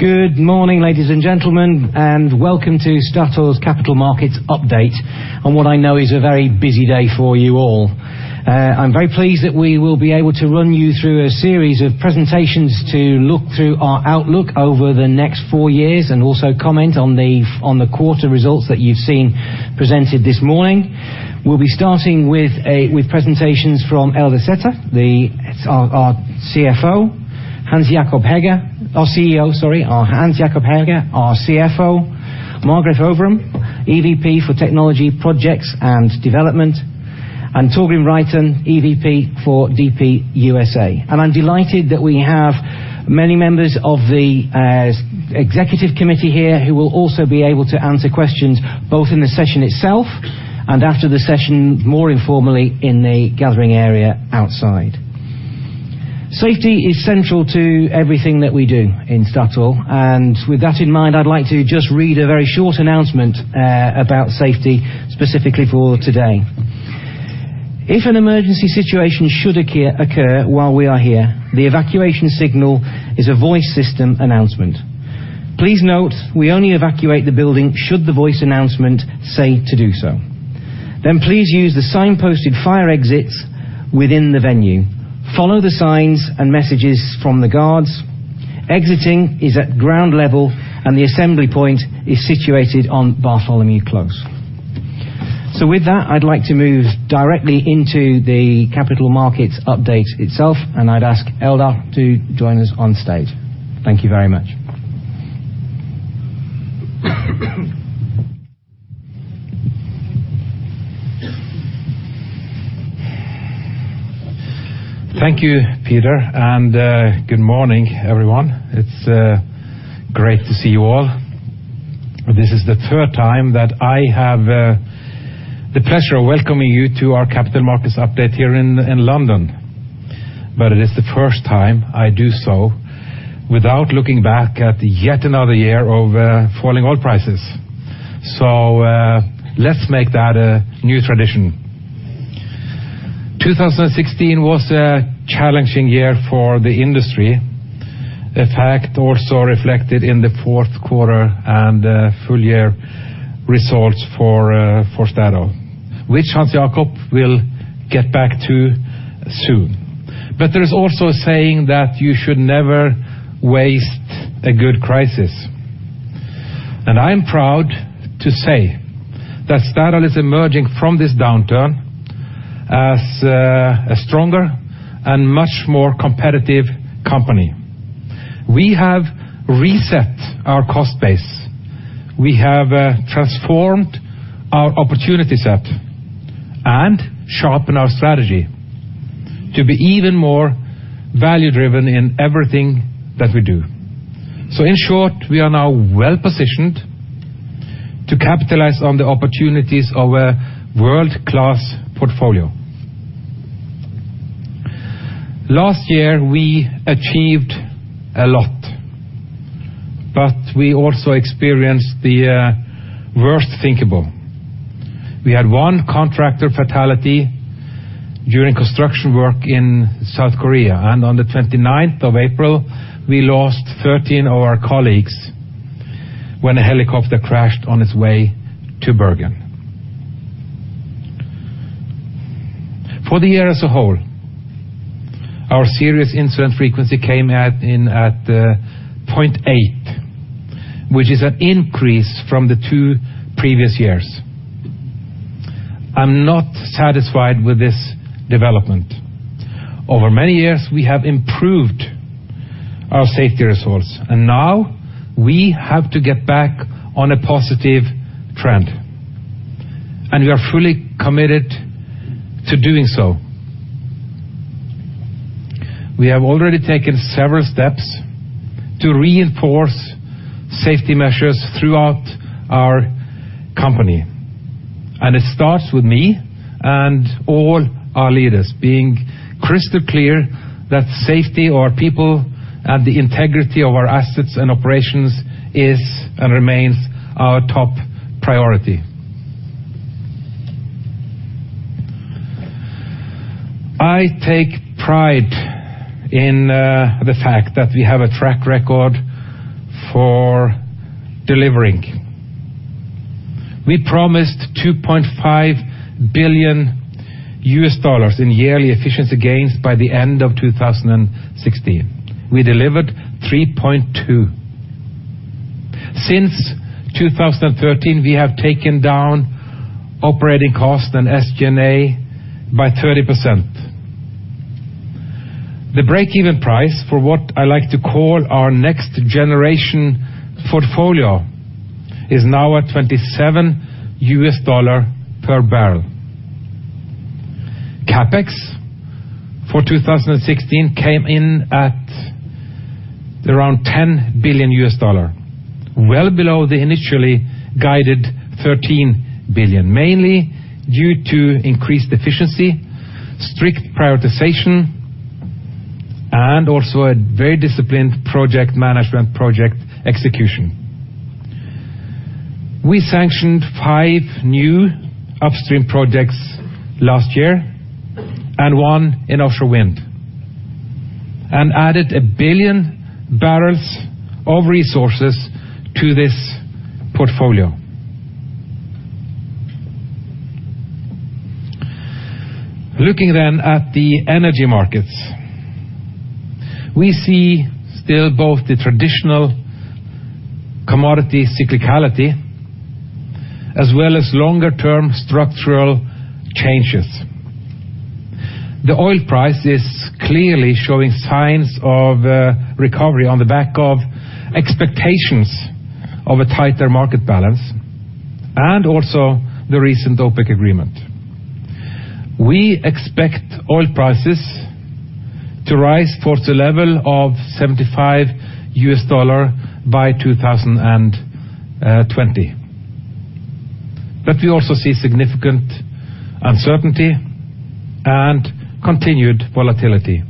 Good morning, ladies and gentlemen, and welcome to Statoil's Capital Markets update on what I know is a very busy day for you all. I'm very pleased that we will be able to run you through a series of presentations to look through our outlook over the next four years and also comment on the quarter results that you've seen presented this morning. We'll be starting with presentations from Eldar Sætre, our CEO, Hans Jakob Hegge, our CFO, Margareth Øvrum, EVP for Technology Projects and Development, and Torgrim Reitan, EVP for DP USA. I'm delighted that we have many members of the executive committee here who will also be able to answer questions both in the session itself and after the session, more informally in the gathering area outside. Safety is central to everything that we do in Statoil. With that in mind, I'd like to just read a very short announcement about safety specifically for today. If an emergency situation should occur while we are here, the evacuation signal is a voice system announcement. Please note, we only evacuate the building should the voice announcement say to do so. Then please use the signposted fire exits within the venue. Follow the signs and messages from the guards. Exiting is at ground level and the assembly point is situated on Bartholomew Close. With that, I'd like to move directly into the capital markets update itself, and I'd ask Eldar to join us on stage. Thank you very much. Thank you, Peter, and good morning, everyone. It's great to see you all. This is the third time that I have the pleasure of welcoming you to our capital markets update here in London. It is the first time I do so without looking back at yet another year of falling oil prices. Let's make that a new tradition. 2016 was a challenging year for the industry. A fact also reflected in the fourth quarter and full year results for Statoil, which Hans Jakob will get back to soon. There is also a saying that you should never waste a good crisis. I'm proud to say that Statoil is emerging from this downturn as a stronger and much more competitive company. We have reset our cost base. We have transformed our opportunity set and sharpened our strategy to be even more value-driven in everything that we do. In short, we are now well-positioned to capitalize on the opportunities of a world-class portfolio. Last year, we achieved a lot, but we also experienced the worst thinkable. We had one contractor fatality during construction work in South Korea, and on the 29th of April, we lost 13 of our colleagues when a helicopter crashed on its way to Bergen. For the year as a whole, our serious incident frequency came at 0.8, which is an increase from the two previous years. I'm not satisfied with this development. Over many years, we have improved our safety results, and now we have to get back on a positive trend, and we are fully committed to doing so. We have already taken several steps to reinforce safety measures throughout our company, and it starts with me and all our leaders being crystal clear that safety of our people and the integrity of our assets and operations is and remains our top priority. I take pride in the fact that we have a track record for delivering. We promised $2.5 billion in yearly efficiency gains by the end of 2016. We delivered $3.2 billion. Since 2013, we have taken down operating costs and SG&A by 30%. The break-even price for what I like to call our next generation portfolio is now at $27 per barrel. CapEx for 2016 came in at around $10 billion, well below the initially guided $13 billion, mainly due to increased efficiency, strict prioritization, and also a very disciplined project management, project execution. We sanctioned five new upstream projects last year and 1 in offshore wind and added 1 billion barrels of resources to this portfolio. Looking at the energy markets, we see still both the traditional commodity cyclicality as well as longer-term structural changes. The oil price is clearly showing signs of recovery on the back of expectations of a tighter market balance and also the recent OPEC agreement. We expect oil prices to rise towards the level of $75 by 2020. But we also see significant uncertainty and continued volatility.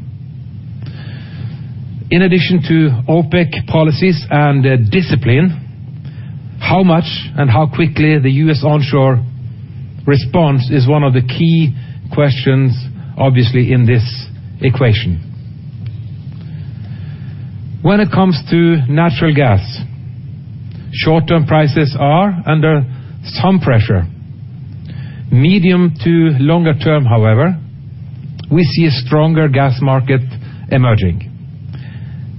In addition to OPEC policies and discipline, how much and how quickly the U.S. onshore response is one of the key questions, obviously, in this equation. When it comes to natural gas, short-term prices are under some pressure. Medium to longer term, however, we see a stronger gas market emerging.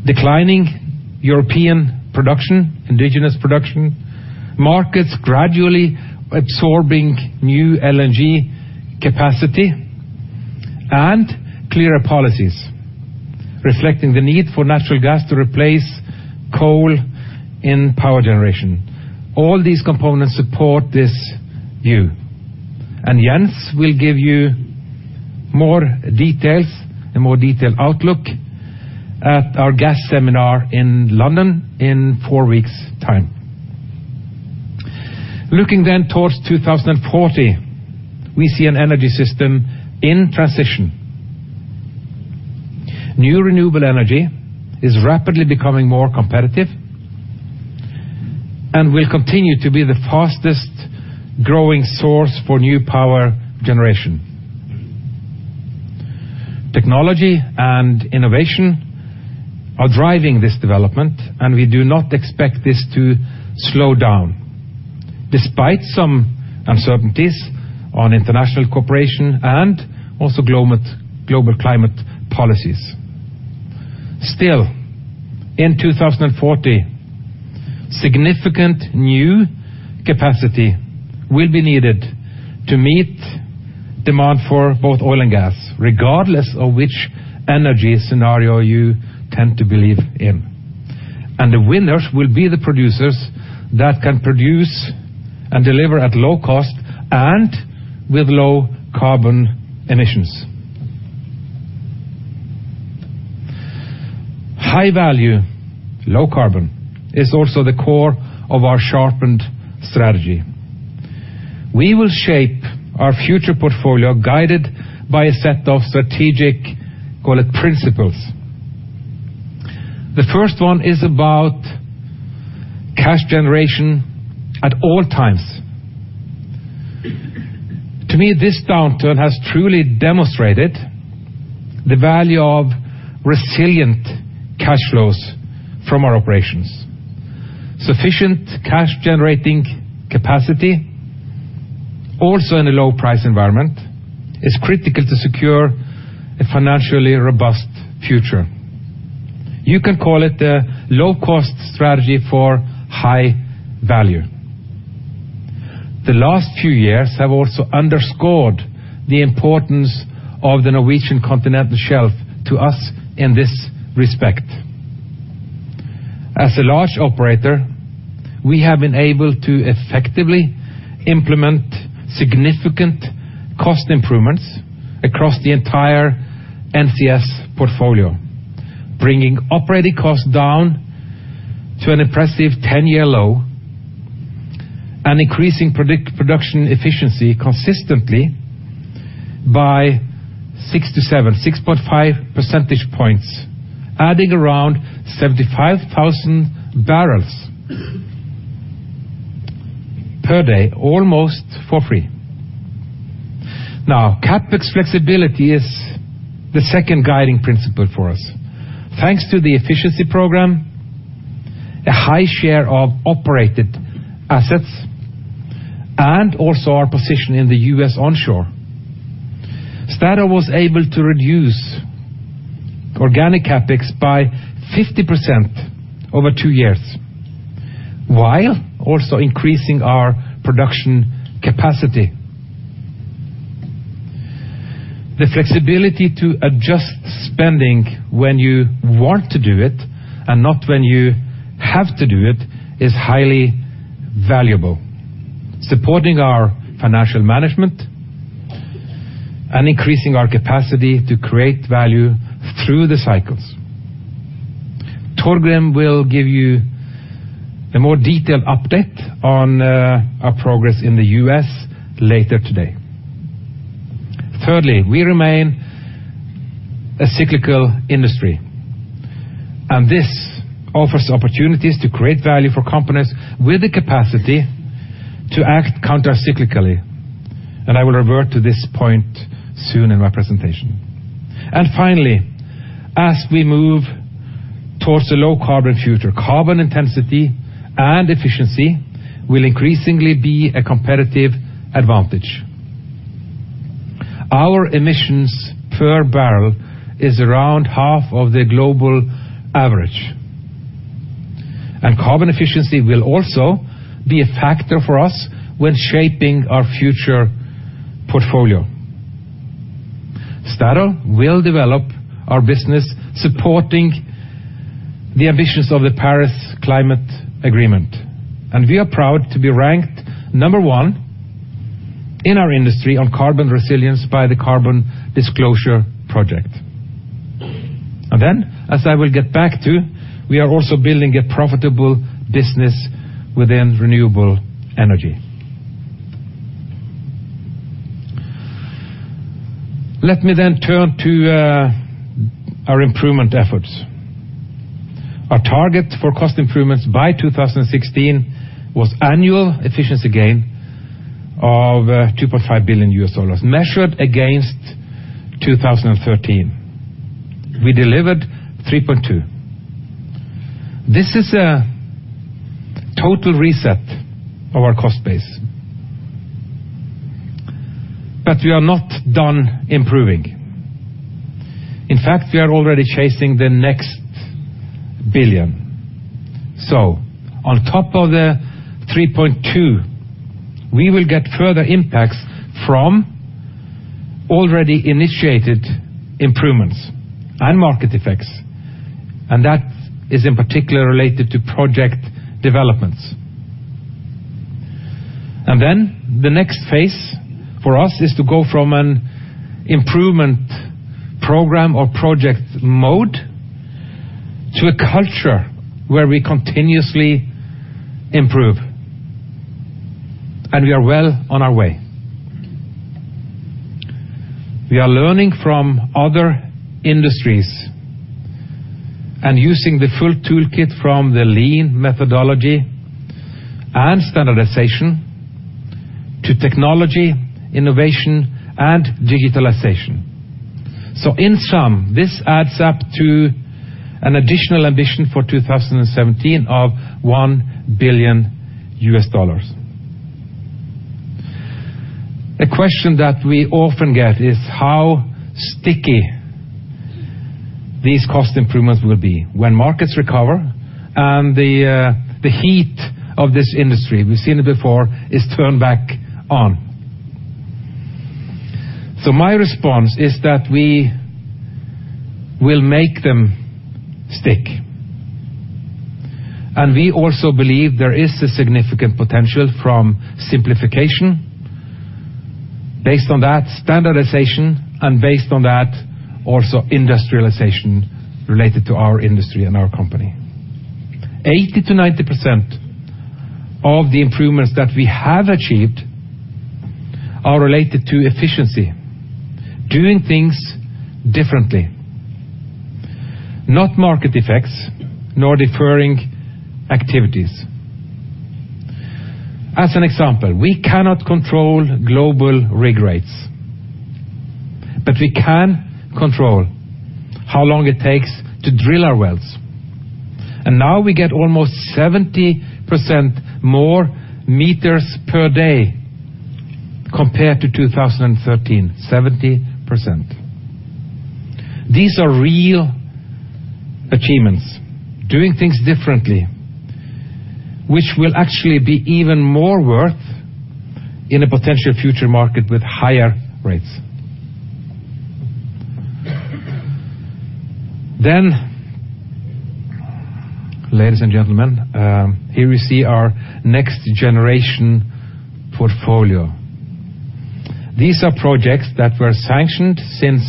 Declining European production, indigenous production, markets gradually absorbing new LNG capacity and clearer policies, reflecting the need for natural gas to replace coal in power generation. All these components support this view. Jens will give you more details, a more detailed outlook at our gas seminar in London in four weeks time. Looking then towards 2040, we see an energy system in transition. New renewable energy is rapidly becoming more competitive and will continue to be the fastest-growing source for new power generation. Technology and innovation are driving this development, and we do not expect this to slow down, despite some uncertainties on international cooperation and also global climate policies. Still, in 2040, significant new capacity will be needed to meet demand for both oil and gas, regardless of which energy scenario you tend to believe in. The winners will be the producers that can produce and deliver at low cost and with low carbon emissions. High value, low carbon is also the core of our sharpened strategy. We will shape our future portfolio guided by a set of strategic, call it principles. The first one is about cash generation at all times. To me, this downturn has truly demonstrated the value of resilient cash flows from our operations. Sufficient cash generating capacity, also in a low price environment, is critical to secure a financially robust future. You can call it the low-cost strategy for high value. The last few years have also underscored the importance of the Norwegian Continental Shelf to us in this respect. As a large operator, we have been able to effectively implement significant cost improvements across the entire NCS portfolio, bringing operating costs down to an impressive ten-year low and increasing production efficiency consistently by 67, 6.5 percentage points, adding around 75,000 barrels per day, almost for free. CapEx flexibility is the second guiding principle for us. Thanks to the efficiency program, a high share of operated assets, and also our position in the U.S. onshore, Statoil was able to reduce organic CapEx by 50% over two years, while also increasing our production capacity. The flexibility to adjust spending when you want to do it and not when you have to do it is highly valuable, supporting our financial management and increasing our capacity to create value through the cycles. Torgrim will give you a more detailed update on our progress in the U.S. later today. Thirdly, we remain a cyclical industry, and this offers opportunities to create value for companies with the capacity to act counter-cyclically, and I will revert to this point soon in my presentation. Finally, as we move towards a low carbon future, carbon intensity and efficiency will increasingly be a competitive advantage. Our emissions per barrel is around half of the global average, and carbon efficiency will also be a factor for us when shaping our future portfolio. Statoil will develop our business supporting the ambitions of the Paris Agreement, and we are proud to be ranked number one in our industry on carbon resilience by the Carbon Disclosure Project. As I will get back to, we are also building a profitable business within renewable energy. Let me then turn to our improvement efforts. Our target for cost improvements by 2016 was annual efficiency gain of $2.5 billion measured against 2013. We delivered $3.2 billion. This is a total reset of our cost base. We are not done improving. In fact, we are already chasing the next $1 billion. On top of the 3.2, we will get further impacts from already initiated improvements and market effects, and that is in particular related to project developments. The next phase for us is to go from an improvement program or project mode to a culture where we continuously improve, and we are well on our way. We are learning from other industries and using the full toolkit from the lean methodology and standardization to technology, innovation, and digitalization. In sum, this adds up to an additional ambition for 2017 of $1 billion. The question that we often get is how sticky these cost improvements will be when markets recover and the heat of this industry, we've seen it before, is turned back on. My response is that we will make them stick. We also believe there is a significant potential from simplification based on that standardization and based on that also industrialization related to our industry and our company. 80%-90% of the improvements that we have achieved are related to efficiency, doing things differently, not market effects nor deferring activities. As an example, we cannot control global rig rates, but we can control how long it takes to drill our wells. Now we get almost 70% more meters per day compared to 2013, 70%. These are real achievements, doing things differently, which will actually be even more worth in a potential future market with higher rates. Ladies and gentlemen, here we see our next generation portfolio. These are projects that were sanctioned since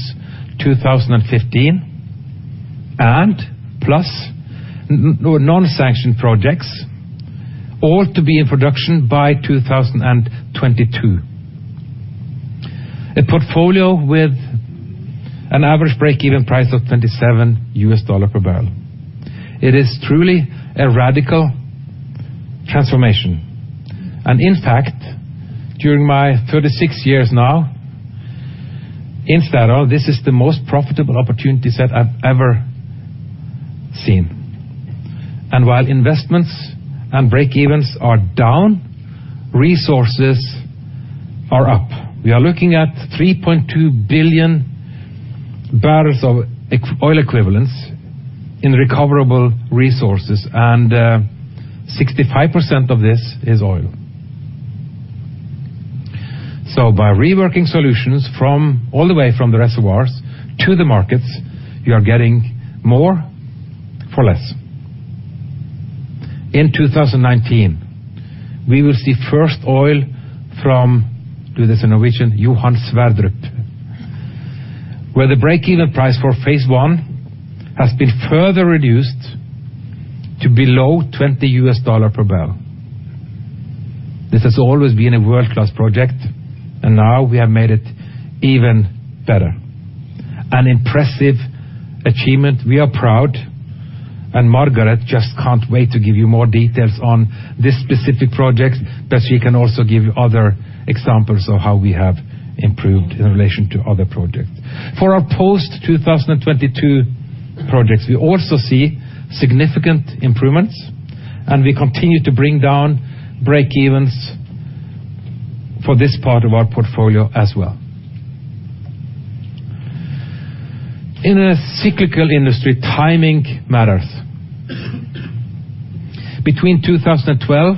2015 and plus non-sanctioned projects all to be in production by 2022. A portfolio with an average break-even price of $27 per barrel. It is truly a radical transformation. In fact, during my 36 years now in Statoil, this is the most profitable opportunity set I've ever seen. While investments and breakevens are down, resources are up. We are looking at 3.2 billion barrels of oil equivalents in recoverable resources, and 65% of this is oil. By reworking solutions from all the way from the reservoirs to the markets, we are getting more for less. In 2019, we will see first oil from Johan Sverdrup, where the break-even price for phase one has been further reduced to below $20 per barrel. This has always been a world-class project, and now we have made it even better. An impressive achievement, we are proud, and Margareth just can't wait to give you more details on this specific project, but she can also give you other examples of how we have improved in relation to other projects. For our post-2022 projects, we also see significant improvements, and we continue to bring down breakevens for this part of our portfolio as well. In a cyclical industry, timing matters. Between 2012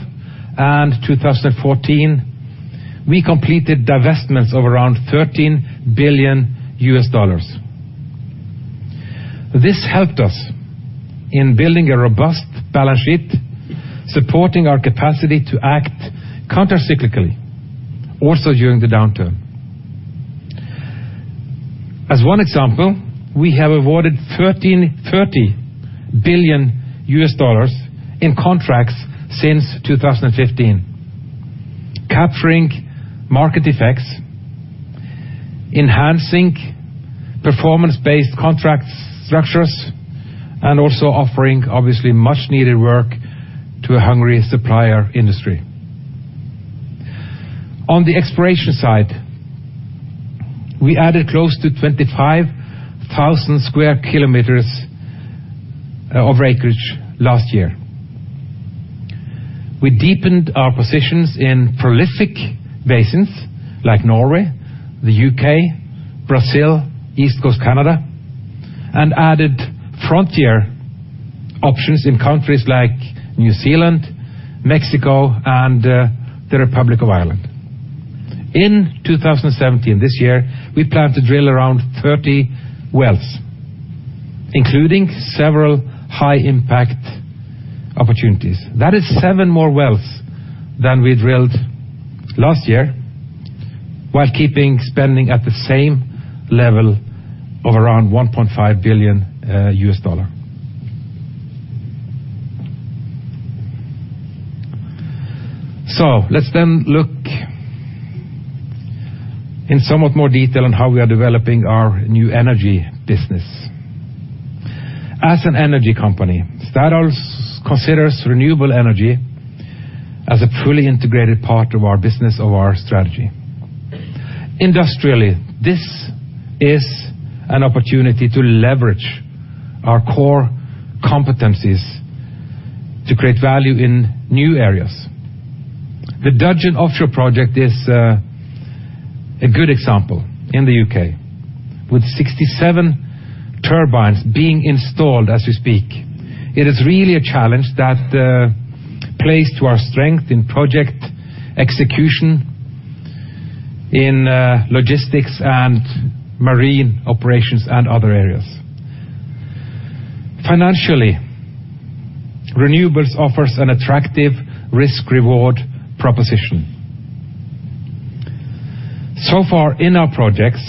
and 2014, we completed divestments of around $13 billion. This helped us in building a robust balance sheet, supporting our capacity to act counter-cyclically, also during the downturn. As one example, we have awarded $133 billion in contracts since 2015, capturing market effects, enhancing performance-based contract structures, and also offering obviously much-needed work to a hungry supplier industry. On the exploration side, we added close to 25,000 square kilometers of acreage last year. We deepened our positions in prolific basins like Norway, the UK, Brazil, East Coast Canada, and added frontier options in countries like New Zealand, Mexico, and the Republic of Ireland. In 2017, this year, we plan to drill around 30 wells, including several high impact opportunities. That is seven more wells than we drilled last year while keeping spending at the same level of around $1.5 billion. Let's then look in somewhat more detail on how we are developing our new energy business. As an energy company, Statoil considers renewable energy as a fully integrated part of our business, of our strategy. Industrially, this is an opportunity to leverage our core competencies to create value in new areas. The Dudgeon offshore project is a good example in the U.K. With 67 turbines being installed as we speak, it is really a challenge that plays to our strength in project execution, in logistics and marine operations and other areas. Financially, renewables offers an attractive risk-reward proposition. So far in our projects,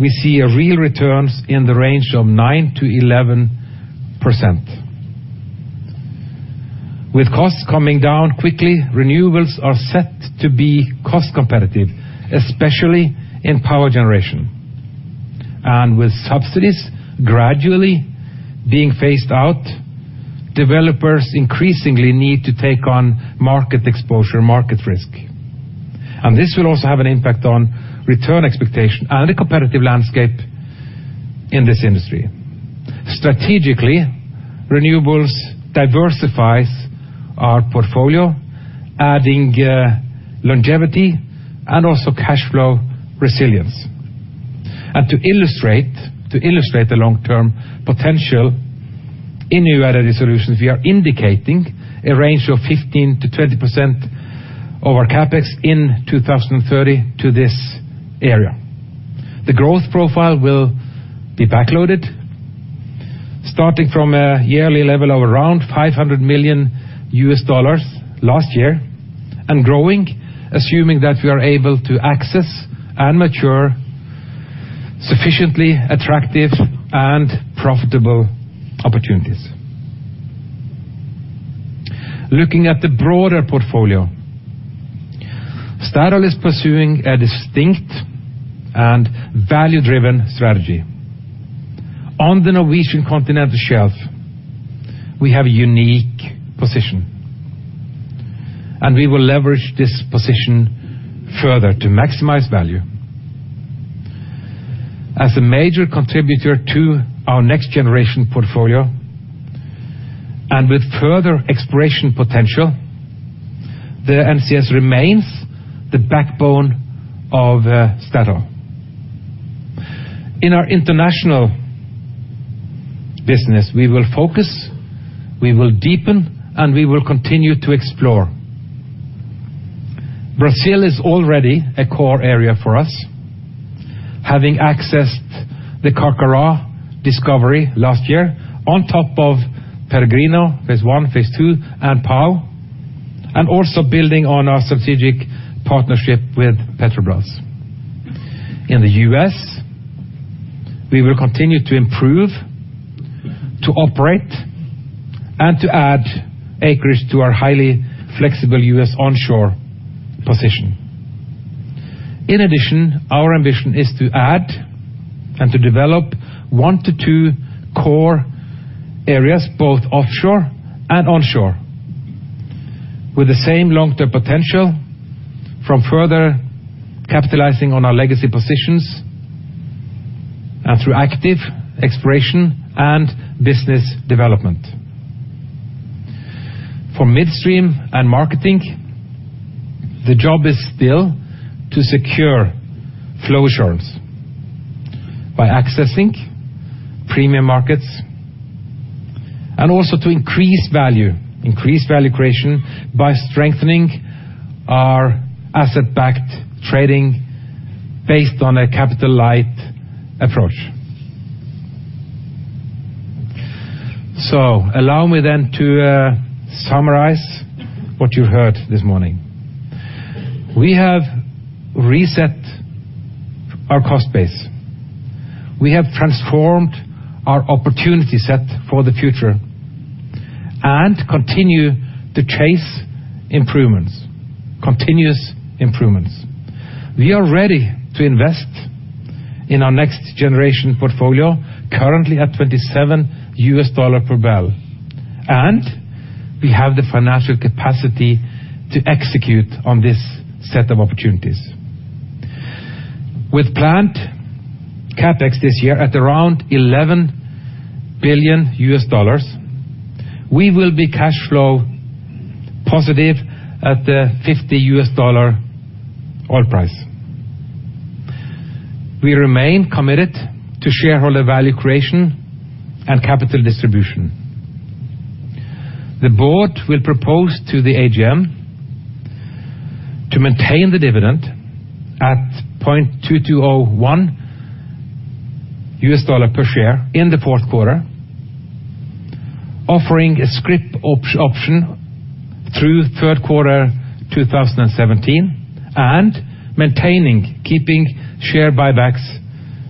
we see a real returns in the range of 9%-11%. With costs coming down quickly, renewables are set to be cost competitive, especially in power generation. With subsidies gradually being phased out, developers increasingly need to take on market exposure, market risk. This will also have an impact on return expectation and the competitive landscape in this industry. Strategically, renewables diversifies our portfolio, adding longevity and also cash flow resilience. To illustrate the long-term potential in new energy solutions, we are indicating a range of 15%-20% of our CapEx in 2030 to this area. The growth profile will be backloaded, starting from a yearly level of around $500 million last year and growing, assuming that we are able to access and mature sufficiently attractive and profitable opportunities. Looking at the broader portfolio, Statoil is pursuing a distinct and value-driven strategy. On the Norwegian continental shelf, we have a unique position, and we will leverage this position further to maximize value. As a major contributor to our next generation portfolio and with further exploration potential, the NCS remains the backbone of Statoil. In our international business, we will focus, we will deepen, and we will continue to explore. Brazil is already a core area for us, having accessed the Carcará discovery last year on top of Peregrino, phase one, phase two, and Pão, and also building on our strategic partnership with Petrobras. In the U.S. We will continue to improve, to operate, and to add acreage to our highly flexible U.S. onshore position. In addition, our ambition is to add and to develop one to two core areas, both offshore and onshore, with the same long-term potential from further capitalizing on our legacy positions and through active exploration and business development. For midstream and marketing, the job is still to secure flow assurance by accessing premium markets, and also to increase value creation by strengthening our asset-backed trading based on a capital-light approach. Allow me then to summarize what you heard this morning. We have reset our cost base. We have transformed our opportunity set for the future and continue to chase improvements, continuous improvements. We are ready to invest in our next-generation portfolio, currently at $27 per barrel, and we have the financial capacity to execute on this set of opportunities. With planned CapEx this year at around $11 billion, we will be cash flow positive at the $50 oil price. We remain committed to shareholder value creation and capital distribution. The board will propose to the AGM to maintain the dividend at $0.2201 per share in the fourth quarter, offering a scrip option through third quarter 2017, and maintaining share buybacks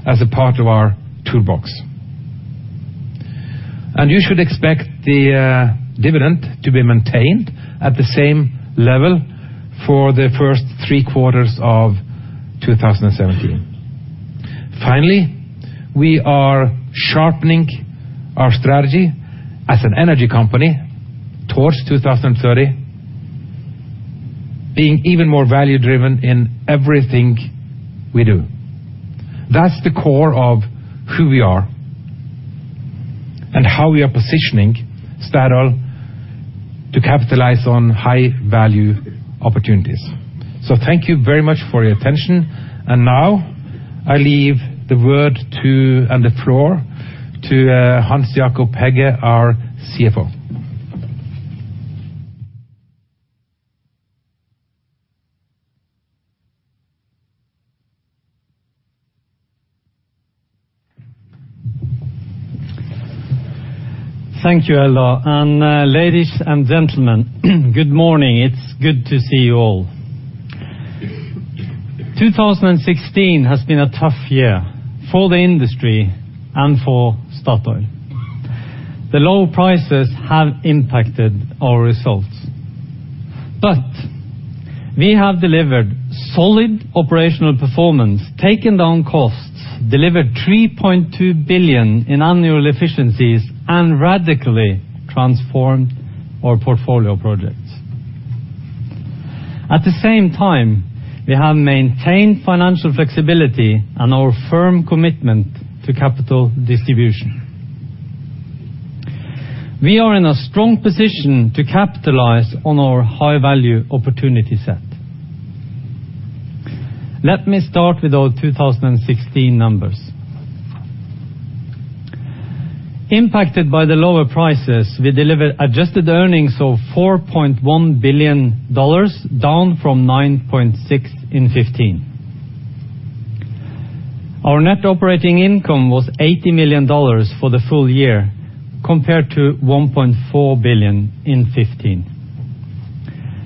as a part of our toolbox. You should expect the dividend to be maintained at the same level for the first three quarters of 2017. Finally, we are sharpening our strategy as an energy company towards 2030, being even more value-driven in everything we do. That's the core of who we are and how we are positioning Statoil to capitalize on high-value opportunities. Thank you very much for your attention. Now I leave the floor to Hans Jakob Hegge, our CFO. Thank you, Eldar. Ladies and gentlemen, good morning. It's good to see you all. 2016 has been a tough year for the industry and for Statoil. The low prices have impacted our results. We have delivered solid operational performance, taken down costs, delivered $3.2 billion in annual efficiencies, and radically transformed our portfolio projects. At the same time, we have maintained financial flexibility and our firm commitment to capital distribution. We are in a strong position to capitalize on our high-value opportunity set. Let me start with our 2016 numbers. Impacted by the lower prices, we delivered adjusted earnings of $4.1 billion, down from $9.6 billion in 2015. Our net operating income was $80 million for the full year compared to $1.4 billion in 2015.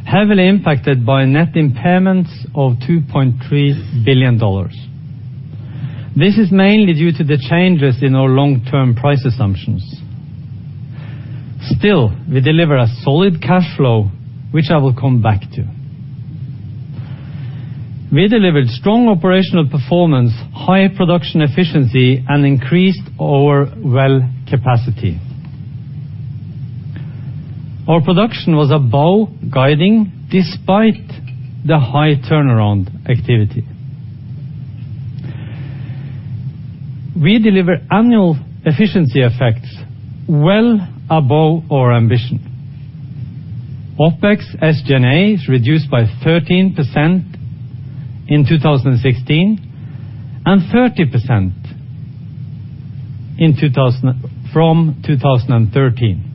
Heavily impacted by net impairments of $2.3 billion. This is mainly due to the changes in our long-term price assumptions. Still, we deliver a solid cash flow, which I will come back to. We delivered strong operational performance, high production efficiency, and increased our well capacity. Our production was above guiding despite the high turnaround activity. We deliver annual efficiency effects well above our ambition. OpEx, SG&A is reduced by 13% in 2016, and 30% from 2013.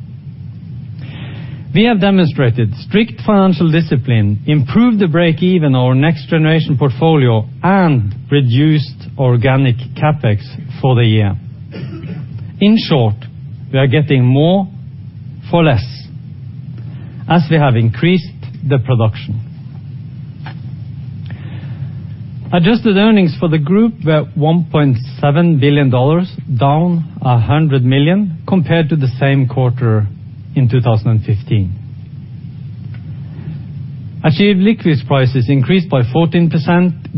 We have demonstrated strict financial discipline, improved the break-even our next-generation portfolio, and reduced organic CapEx for the year. In short, we are getting more for less as we have increased the production. Adjusted earnings for the group were $1.7 billion, down $100 million compared to the same quarter in 2015. Achieved liquids prices increased by 14%.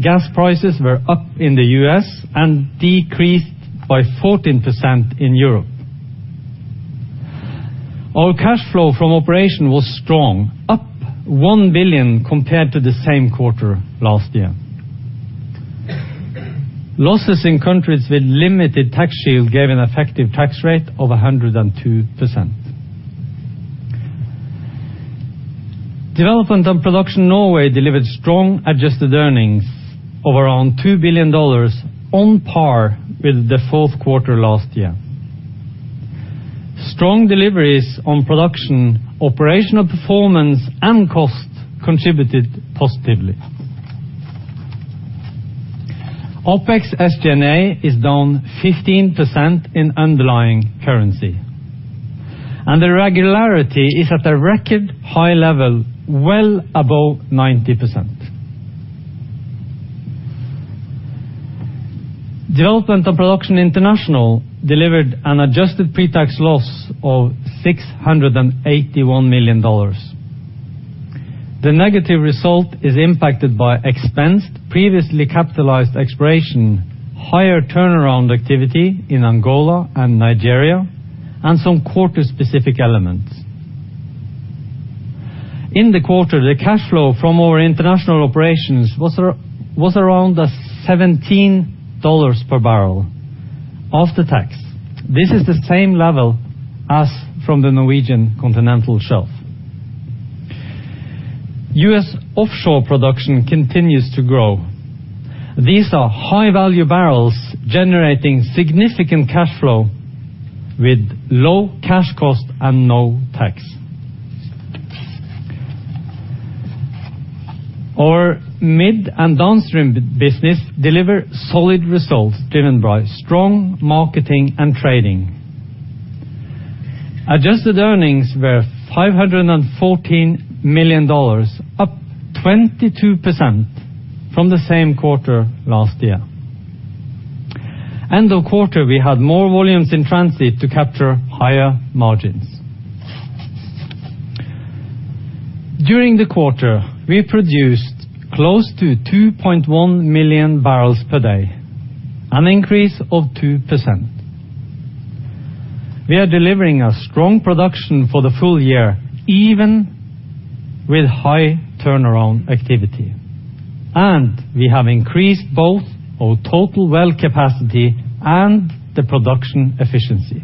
Gas prices were up in the U.S. and decreased by 14% in Europe. Our cash flow from operation was strong, up $1 billion compared to the same quarter last year. Losses in countries with limited tax shield gave an effective tax rate of 102%. Development and Production Norway delivered strong adjusted earnings of around $2 billion on par with the fourth quarter last year. Strong deliveries on production, operational performance, and cost contributed positively. OpEx SG&A is down 15% in underlying currency, and the regularity is at a record high level, well above 90%. Development and Production International delivered an adjusted pre-tax loss of $681 million. The negative result is impacted by expensed previously capitalized exploration, higher turnaround activity in Angola and Nigeria, and some quarter specific elements. In the quarter, the cash flow from our international operations was around $17 per barrel after tax. This is the same level as from the Norwegian Continental Shelf. U.S. offshore production continues to grow. These are high-value barrels generating significant cash flow with low cash cost and no tax. Our midstream and downstream business deliver solid results driven by strong marketing and trading. Adjusted earnings were $514 million, up 22% from the same quarter last year. End of quarter, we had more volumes in transit to capture higher margins. During the quarter, we produced close to 2.1 million barrels per day, an increase of 2%. We are delivering a strong production for the full year, even with high turnaround activity, and we have increased both our total well capacity and the production efficiency.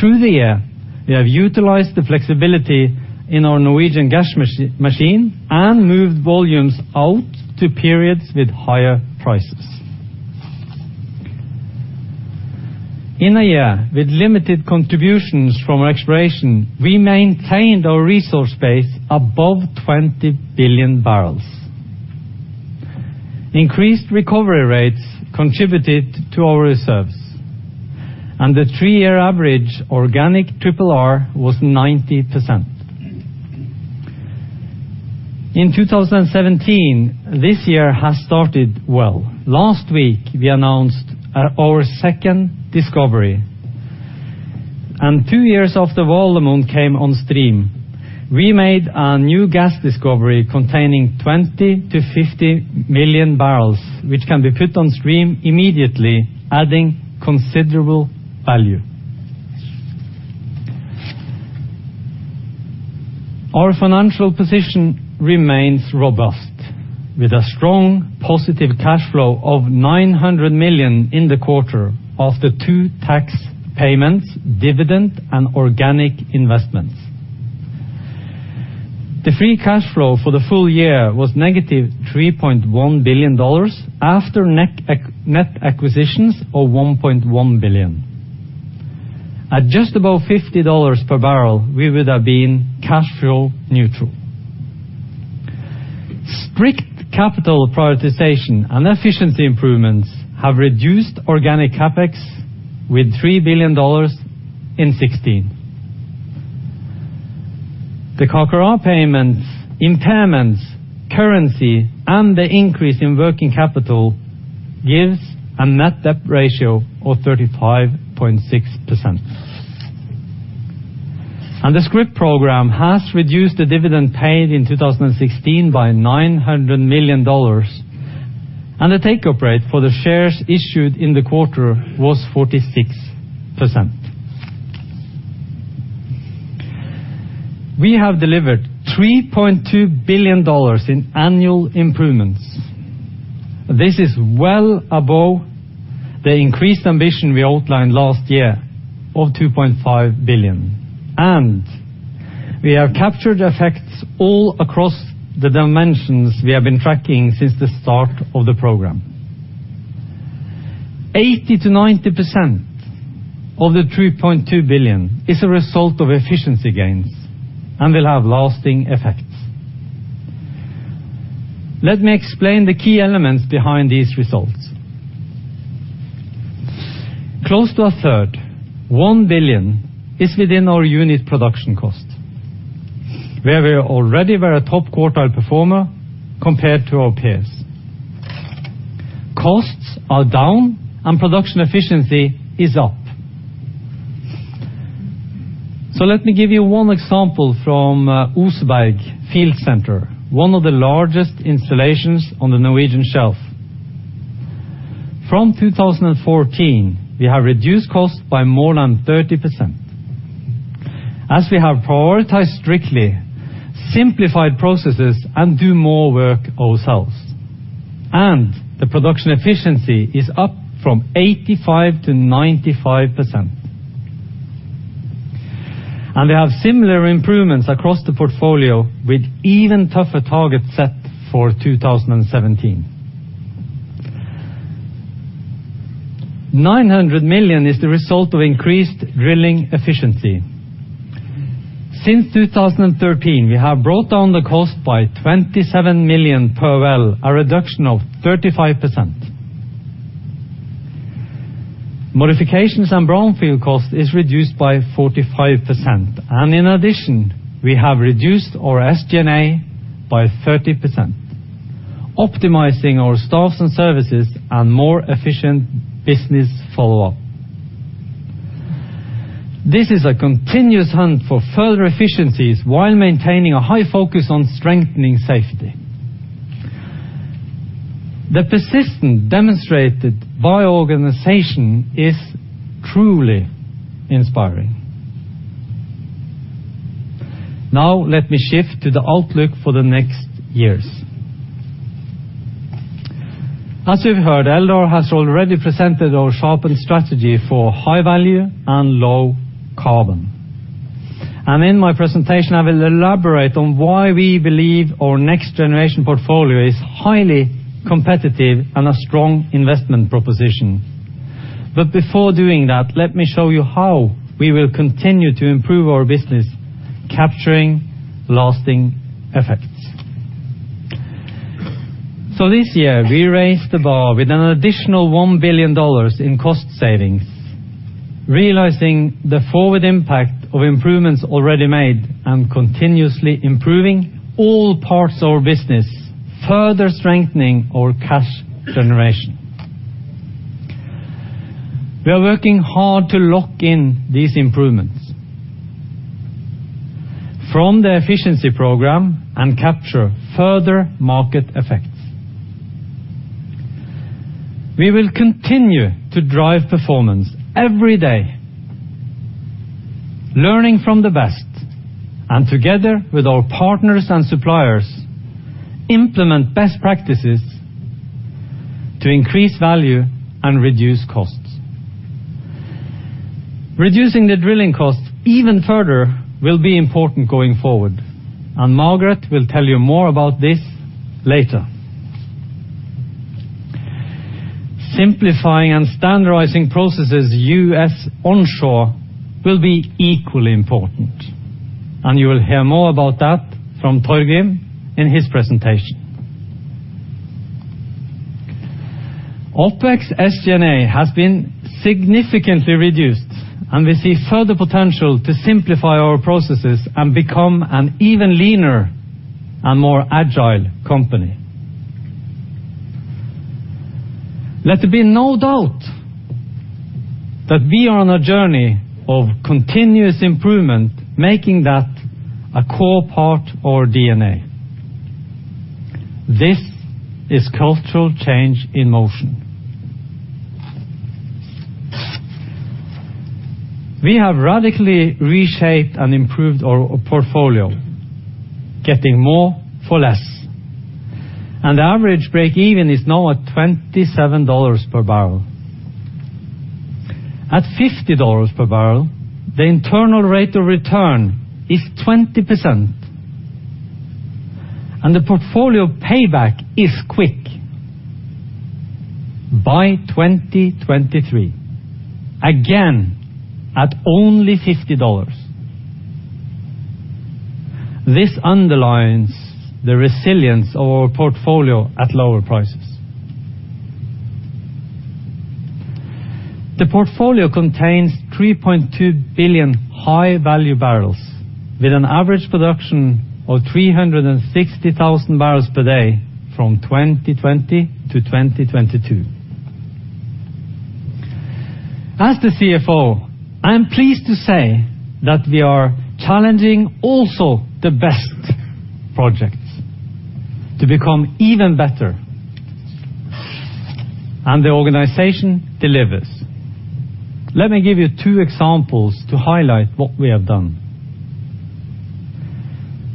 Through the year, we have utilized the flexibility in our Norwegian gas machine and moved volumes out to periods with higher prices. In a year with limited contributions from exploration, we maintained our resource base above 20 billion barrels. Increased recovery rates contributed to our reserves, and the three-year average organic RRR was 90%. In 2017, this year has started well. Last week, we announced our second discovery. Two years after Valemon came on stream, we made a new gas discovery containing 20-50 million barrels, which can be put on stream immediately, adding considerable value. Our financial position remains robust with a strong positive cash flow of 900 million in the quarter after tax payments, dividend, and organic investments. The free cash flow for the full year was -$3.1 billion after net acquisitions of $1.1 billion. At just above $50 per barrel, we would have been cash flow neutral. Strict capital prioritization and efficiency improvements have reduced organic CapEx with $3 billion in 2016. The Coco payment, impairments, currency, and the increase in working capital gives a net debt ratio of 35.6%. The Scrip program has reduced the dividend paid in 2016 by $900 million, and the take-up rate for the shares issued in the quarter was 46%. We have delivered $3.2 billion in annual improvements. This is well above the increased ambition we outlined last year of $2.5 billion. We have captured effects all across the dimensions we have been tracking since the start of the program. 80%-90% of the $3.2 billion is a result of efficiency gains and will have lasting effects. Let me explain the key elements behind these results. Close to a third, $1 billion, is within our unit production cost, where we already were a top-quartile performer compared to our peers. Costs are down, and production efficiency is up. Let me give you one example from Oseberg field center, one of the largest installations on the Norwegian shelf. From 2014, we have reduced costs by more than 30%. As we have prioritized strictly simplified processes and do more work ourselves, and the production efficiency is up from 85%-95%. We have similar improvements across the portfolio with even tougher targets set for 2017. $900 million is the result of increased drilling efficiency. Since 2013, we have brought down the cost by $27 million per well, a reduction of 35%. Modifications and brownfield cost is reduced by 45% and in addition, we have reduced our SG&A by 30%, optimizing our staffs and services and more efficient business follow-up. This is a continuous hunt for further efficiencies while maintaining a high focus on strengthening safety. The persistence demonstrated by organization is truly inspiring. Now let me shift to the outlook for the next years. As you've heard, Eldar has already presented our sharpened strategy for high value and low carbon. In my presentation, I will elaborate on why we believe our next-generation portfolio is highly competitive and a strong investment proposition. Before doing that, let me show you how we will continue to improve our business, capturing lasting effects. This year, we raised the bar with an additional $1 billion in cost savings, realizing the forward impact of improvements already made and continuously improving all parts of our business, further strengthening our cash generation. We are working hard to lock in these improvements from the efficiency program and capture further market effects. We will continue to drive performance every day, learning from the best and together with our partners and suppliers, implement best practices to increase value and reduce costs. Reducing the drilling cost even further will be important going forward, and Margareth Øvrum will tell you more about this later. Simplifying and standardizing processes U.S. onshore will be equally important, and you will hear more about that from Torgrim Reitan in his presentation. OpEx SG&A has been significantly reduced, and we see further potential to simplify our processes and become an even leaner and more agile company. Let there be no doubt that we are on a journey of continuous improvement, making that a core part of our DNA. This is cultural change in motion. We have radically reshaped and improved our portfolio, getting more for less. The average break-even is now at $27 per barrel. At $50 per barrel, the internal rate of return is 20%. The portfolio payback is quick. By 2023, again, at only $50. This underlines the resilience of our portfolio at lower prices. The portfolio contains 3.2 billion high-value barrels with an average production of 360,000 barrels per day from 2020 to 2022. As the CFO, I am pleased to say that we are challenging also the best projects to become even better. The organization delivers. Let me give you two examples to highlight what we have done.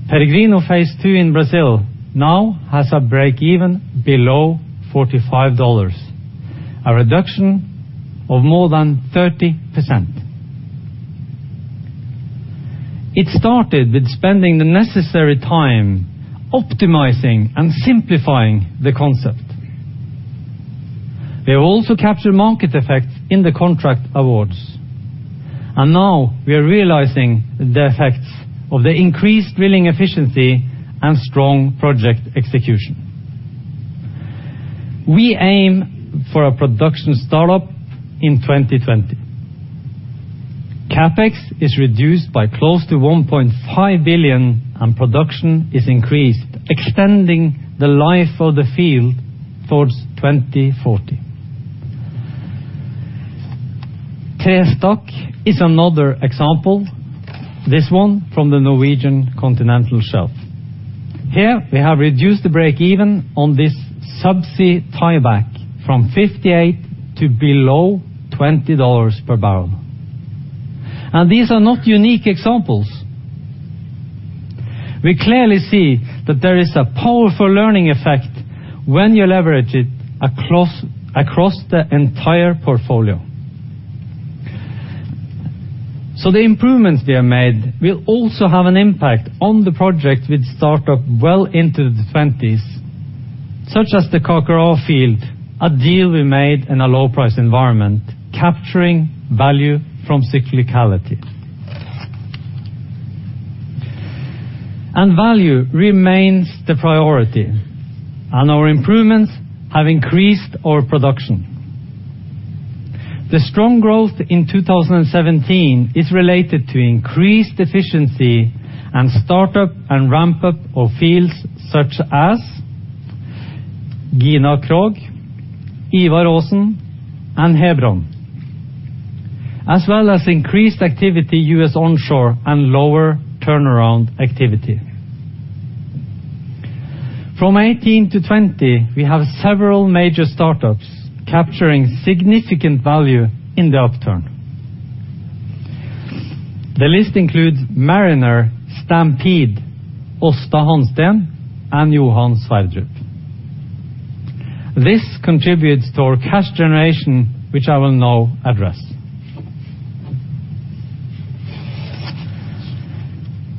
Peregrino Phase Two in Brazil now has a break-even below $45, a reduction of more than 30%. It started with spending the necessary time optimizing and simplifying the concept. We have also captured market effects in the contract awards. Now we are realizing the effects of the increased drilling efficiency and strong project execution. We aim for a production startup in 2020. CapEx is reduced by close to $1.5 billion, and production is increased, extending the life of the field towards 2040. Trestakk is another example, this one from the Norwegian continental shelf. Here, we have reduced the breakeven on this subsea tieback from 58 to below $20 per barrel. These are not unique examples. We clearly see that there is a powerful learning effect when you leverage it across the entire portfolio. The improvements we have made will also have an impact on the projects with startup well into the 2020s, such as the Carcará field, a deal we made in a low-price environment, capturing value from cyclicality. Value remains the priority, and our improvements have increased our production. The strong growth in 2017 is related to increased efficiency and startup and ramp-up of fields such as Gina Krog, Ivar Aasen, and Hebron, as well as increased activity US onshore and lower turnaround activity. From 2018 to 2020, we have several major startups capturing significant value in the upturn. The list includes Mariner, Stampede, Aasta Hansteen, and Johan Sverdrup. This contributes to our cash generation, which I will now address.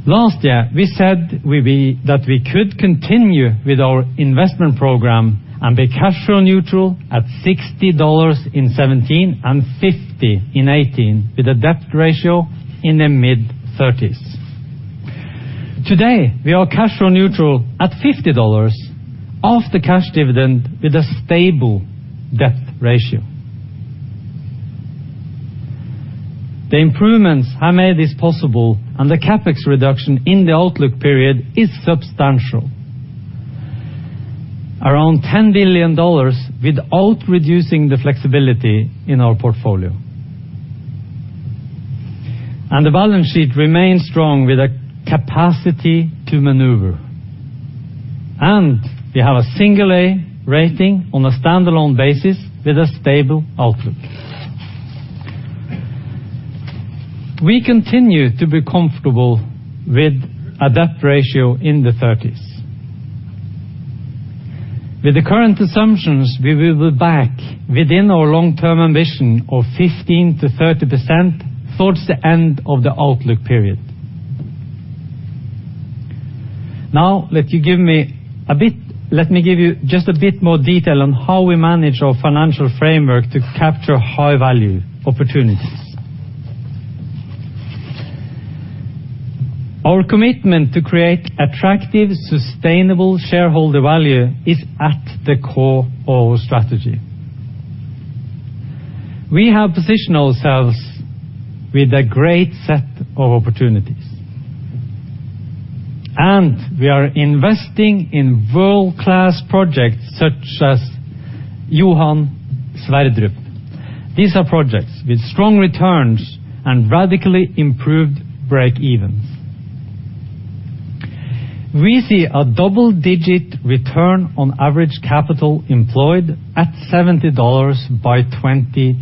Last year, we said that we could continue with our investment program and be cash flow neutral at $60 in 2017 and $50 in 2018, with a debt ratio in the mid-30s. Today, we are cash flow neutral at $50 of the cash dividend with a stable debt ratio. The improvements have made this possible, and the CapEx reduction in the outlook period is substantial. Around $10 billion without reducing the flexibility in our portfolio. The balance sheet remains strong with a capacity to maneuver. We have a single A rating on a standalone basis with a stable outlook. We continue to be comfortable with a debt ratio in the 30s. With the current assumptions, we will be back within our long-term ambition of 15%-30% towards the end of the outlook period. Now, let me give you just a bit more detail on how we manage our financial framework to capture high-value opportunities. Our commitment to create attractive, sustainable shareholder value is at the core of our strategy. We have positioned ourselves with a great set of opportunities, and we are investing in world-class projects such as Johan Sverdrup. These are projects with strong returns and radically improved breakevens. We see a double-digit return on average capital employed at $70 by 2020.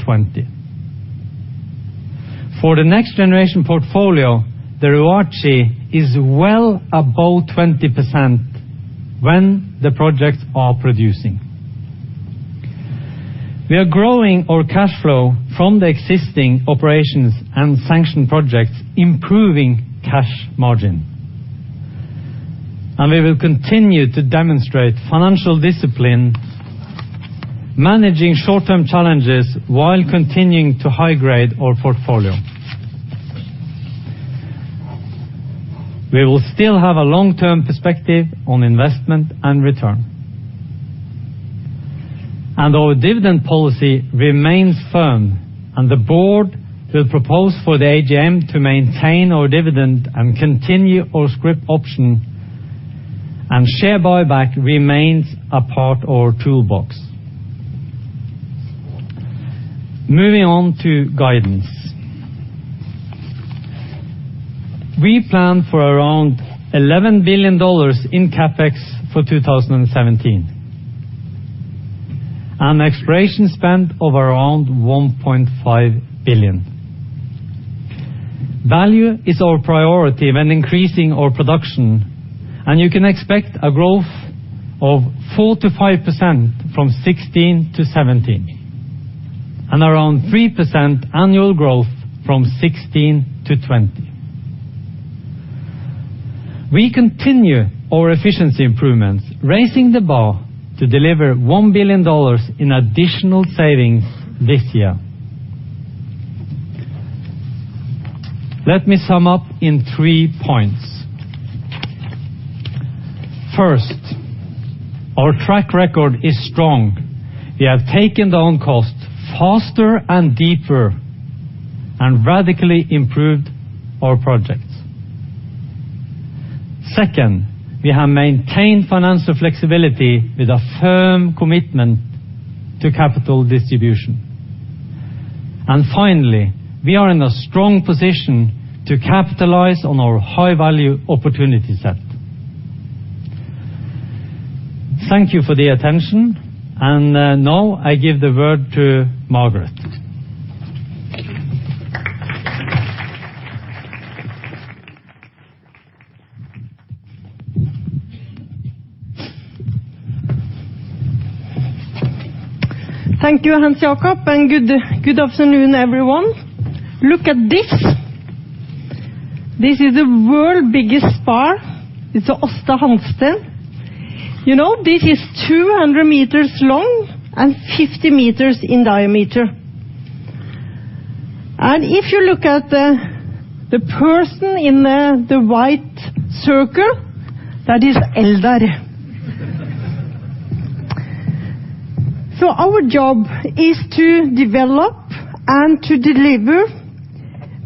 For the next generation portfolio, the ROACE is well above 20% when the projects are producing. We are growing our cash flow from the existing operations and sanctioned projects, improving cash margin. We will continue to demonstrate financial discipline, managing short-term challenges while continuing to high-grade our portfolio. We will still have a long-term perspective on investment and return. Our dividend policy remains firm, and the board will propose for the AGM to maintain our dividend and continue our scrip option, and share buyback remains a part of our toolbox. Moving on to guidance. We plan for around $11 billion in CapEx for 2017, and exploration spend of around $1.5 billion. Value is our priority when increasing our production, and you can expect a growth of 4%-5% from 2016 to 2017, and around 3% annual growth from 2016 to 2020. We continue our efficiency improvements, raising the bar to deliver $1 billion in additional savings this year. Let me sum up in three points. First, our track record is strong. We have taken down cost faster and deeper and radically improved our projects. Second, we have maintained financial flexibility with a firm commitment to capital distribution. Finally, we are in a strong position to capitalize on our high-value opportunity set. Thank you for the attention. Now I give the word to Margareth Øvrum. Thank you, Hans Jakob Hegge, and good afternoon, everyone. Look at this. This is the world's biggest spar. It's the Aasta Hansteen. You know, this is 20 m long and 50 m in diameter. If you look at the person in the white circle, that is Eldar Sætre. Our job is to develop and to deliver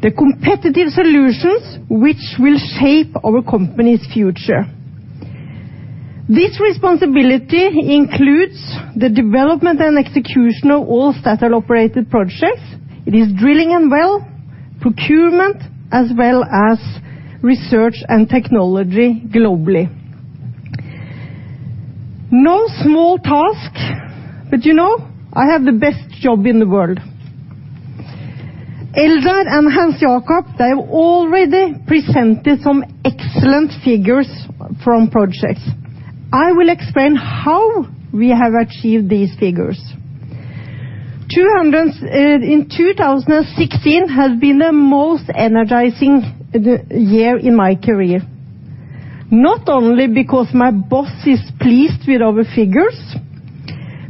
the competitive solutions which will shape our company's future. This responsibility includes the development and execution of all Statoil operated projects. It is drilling and well, procurement, as well as research and technology globally. No small task, but you know, I have the best job in the world. Eldar Sætre and Hans Jakob Hegge, they have already presented some excellent figures from projects. I will explain how we have achieved these figures. In 2016 has been the most energizing year in my career. Not only because my boss is pleased with our figures,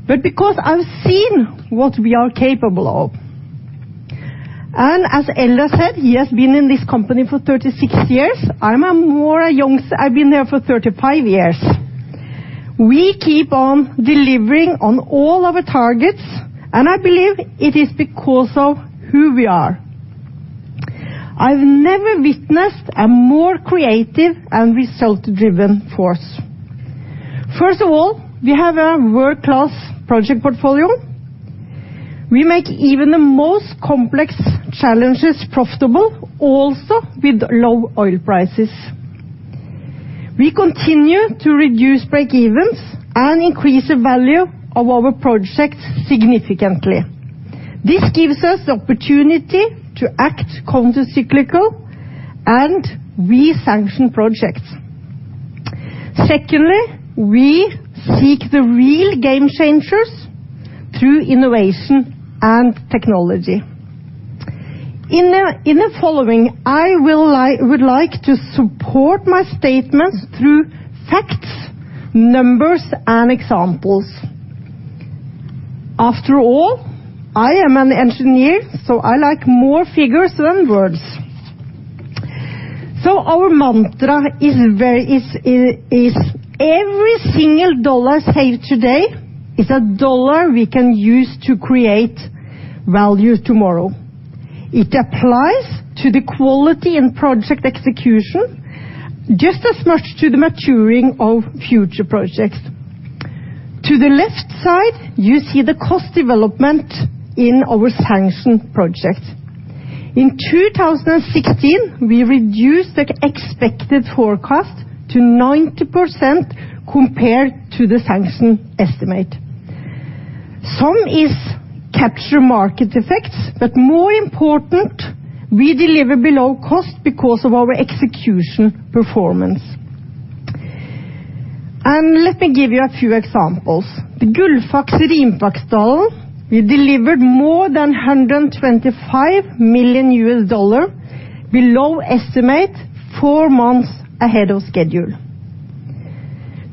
but because I've seen what we are capable of. As Eldar said, he has been in this company for 36 years. I'm much younger. I've been here for 35 years. We keep on delivering on all our targets, and I believe it is because of who we are. I've never witnessed a more creative and result-driven force. First of all, we have a world-class project portfolio. We make even the most complex challenges profitable, also with low oil prices. We continue to reduce breakevens and increase the value of our projects significantly. This gives us the opportunity to act counter-cyclical, and we sanction projects. Secondly, we seek the real game changers through innovation and technology. In the following, I would like to support my statements through facts, numbers, and examples. After all, I am an engineer, so I like more figures than words. Our mantra is every single dollar saved today is a dollar we can use to create value tomorrow. It applies to the quality and project execution just as much to the maturing of future projects. To the left side, you see the cost development in our sanctioned projects. In 2016, we reduced the expected forecast to 90% compared to the sanctioned estimate. Some is captured market effects, but more important, we deliver below cost because of our execution performance. Let me give you a few examples. The Gullfaks Rimfaks field, we delivered more than $125 million below estimate, four months ahead of schedule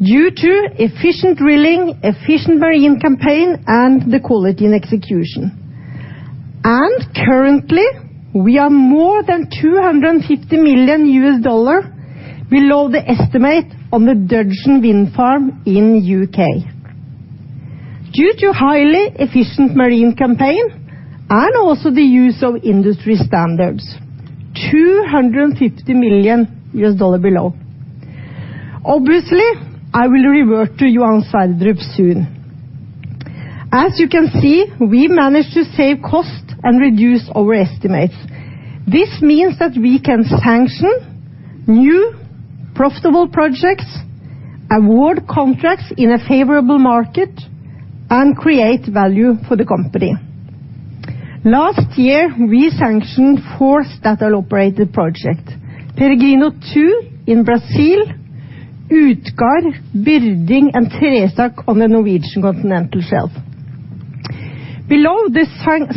due to efficient drilling, efficient marine campaign, and the quality and execution. Currently, we are more than $250 million below the estimate on the Dogger Wind Farm in UK. Due to highly efficient marine campaign and also the use of industry standards, $250 million below. Obviously, I will revert to Johan Sverdrup soon. As you can see, we managed to save cost and reduce our estimates. This means that we can sanction new profitable projects, award contracts in a favorable market, and create value for the company. Last year, we sanctioned four Statoil-operated projects, Peregrino-II in Brazil, Utgard, Byrding, and Trestakk on the Norwegian continental shelf. Below the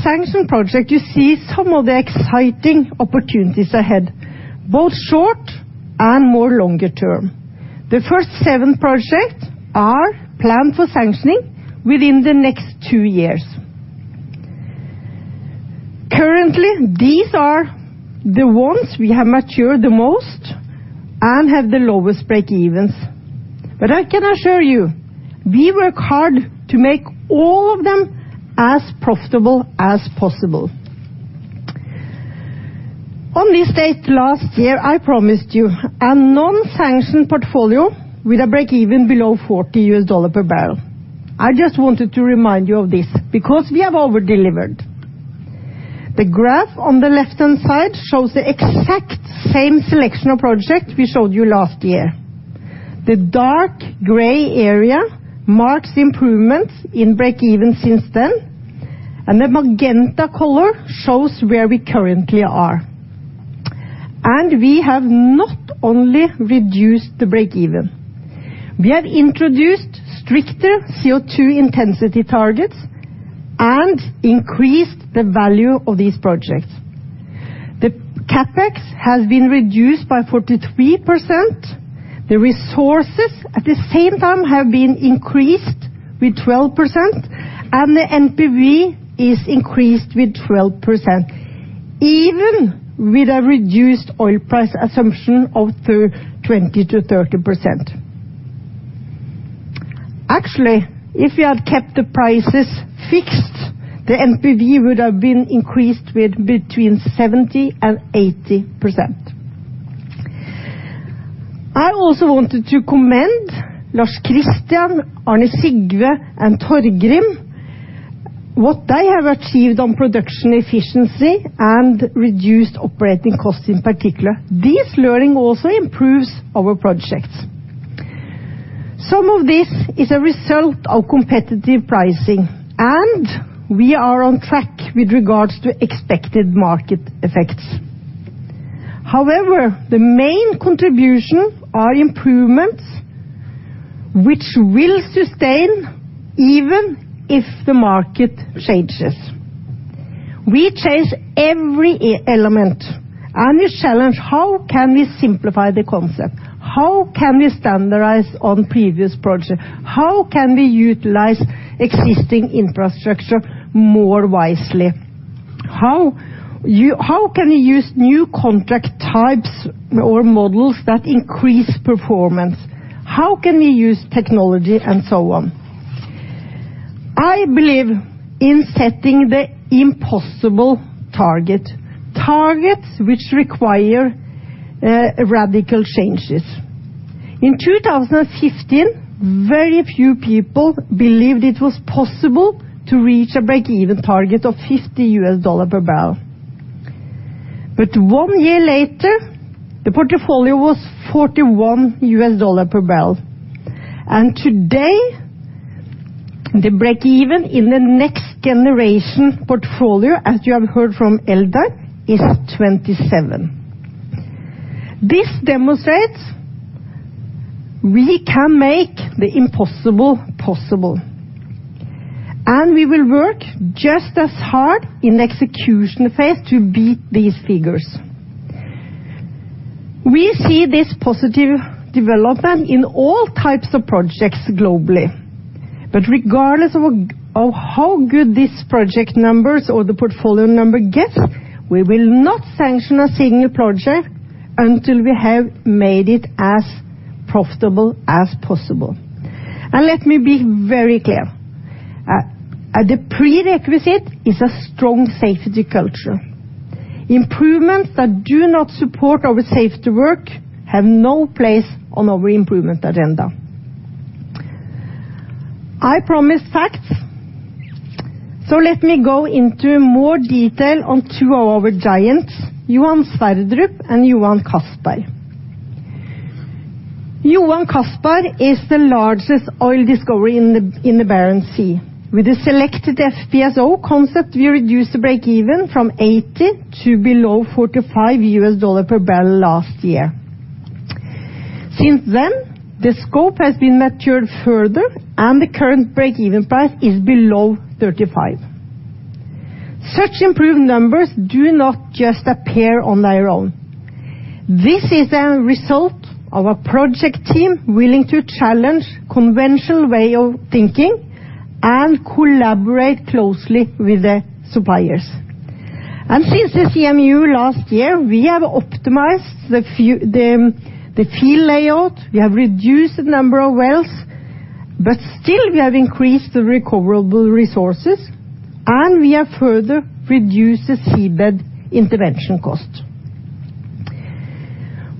sanction projects, you see some of the exciting opportunities ahead, both short- and longer-term. The first seven projects are planned for sanctioning within the next two years. Currently, these are the ones we have matured the most and have the lowest breakevens. I can assure you, we work hard to make all of them as profitable as possible. On this date last year, I promised you a non-sanctioned portfolio with a breakeven below $40 per barrel. I just wanted to remind you of this because we have over-delivered. The graph on the left-hand side shows the exact same selection of project we showed you last year. The dark gray area marks improvements in breakeven since then, and the magenta color shows where we currently are. We have not only reduced the breakeven, we have introduced stricter CO2 intensity targets and increased the value of these projects. The CapEx has been reduced by 43%. The resources, at the same time, have been increased with 12%, and the NPV is increased with 12%, even with a reduced oil price assumption of 20%-30%. Actually, if we had kept the prices fixed, the NPV would have been increased with between 70% and 80%. I also wanted to commend Lars Christian, Arne Sigve, and Torgrim, what they have achieved on production efficiency and reduced operating costs in particular. This learning also improves our projects. Some of this is a result of competitive pricing, and we are on track with regards to expected market effects. However, the main contribution are improvements which will sustain even if the market changes. We change every element and we challenge how can we simplify the concept? How can we standardize on previous projects? How can we utilize existing infrastructure more wisely? How can we use new contract types or models that increase performance? How can we use technology and so on? I believe in setting the impossible target, targets which require radical changes. In 2015, very few people believed it was possible to reach a breakeven target of $50 per barrel. One year later, the portfolio was $41 per barrel. Today, the breakeven in the next generation portfolio, as you have heard from Eldar, is 27. This demonstrates we can make the impossible possible, and we will work just as hard in the execution phase to beat these figures. We see this positive development in all types of projects globally. Regardless of how good these project numbers or the portfolio number gets, we will not sanction a single project until we have made it as profitable as possible. Let me be very clear, the prerequisite is a strong safety culture. Improvements that do not support our safety work have no place on our improvement agenda. I promised facts, so let me go into more detail on two of our giants, Johan Sverdrup and Johan Castberg. Johan Castberg is the largest oil discovery in the Barents Sea. With the selected FPSO concept, we reduced the breakeven from $80 to below $45 per barrel last year. Since then, the scope has been matured further, and the current breakeven price is below $35. Such improved numbers do not just appear on their own. This is a result of a project team willing to challenge conventional way of thinking and collaborate closely with the suppliers. Since the CMU last year, we have optimized the field layout, we have reduced the number of wells, but still we have increased the recoverable resources, and we have further reduced the seabed intervention cost.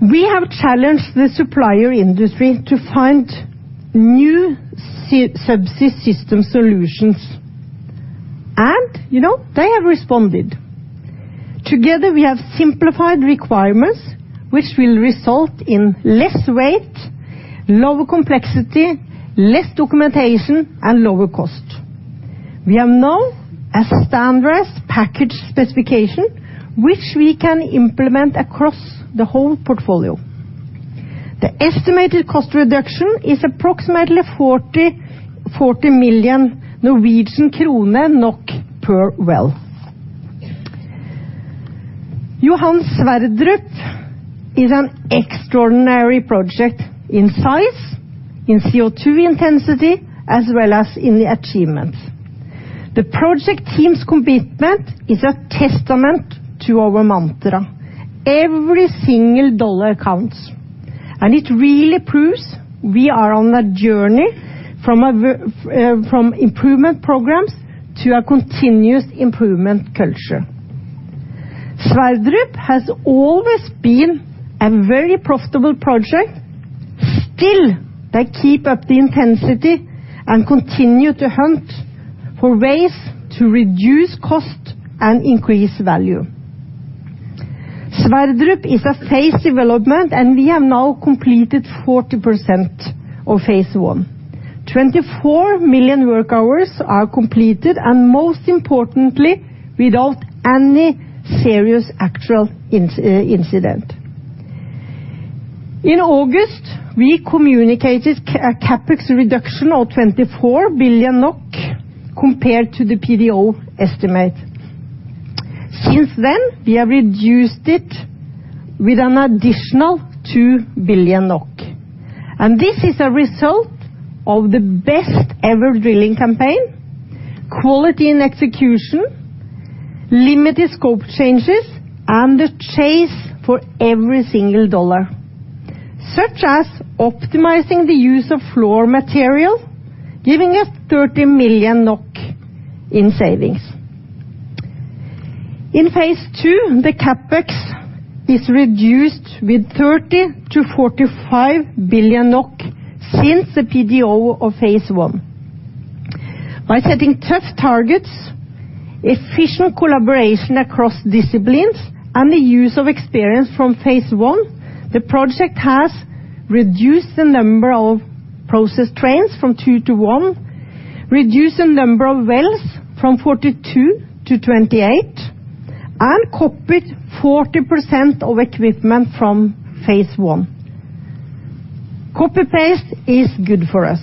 We have challenged the supplier industry to find new subsea system solutions, and, you know, they have responded. Together, we have simplified requirements which will result in less weight, lower complexity, less documentation, and lower cost. We have now a standardized package specification which we can implement across the whole portfolio. The estimated cost reduction is approximately 40 million Norwegian kroner per well. Johan Sverdrup is an extraordinary project in size, in CO2 intensity, as well as in the achievement. The project team's commitment is a testament to our mantra, every single dollar counts, and it really proves we are on a journey from improvement programs to a continuous improvement culture. Sverdrup has always been a very profitable project. Still they keep up the intensity and continue to hunt for ways to reduce cost and increase value. Sverdrup is a phase development, and we have now completed 40% of phase I. 24 million work hours are completed, and most importantly, without any serious actual incident. In August, we communicated CapEx reduction of 24 billion NOK compared to the PDO estimate. Since then, we have reduced it with an additional 2 billion NOK, and this is a result of the best ever drilling campaign, quality and execution, limited scope changes, and the chase for every single dollar, such as optimizing the use of floor material, giving us 30 million NOK in savings. In phase II, the CapEx is reduced with 30 billion-45 billion NOK since the PDO of phase one. By setting tough targets, efficient collaboration across disciplines, and the use of experience from phase one, the project has reduced the number of process trains from two to one, reduced the number of wells from 42 to 28, and copied 40% of equipment from phase one. Copy-paste is good for us.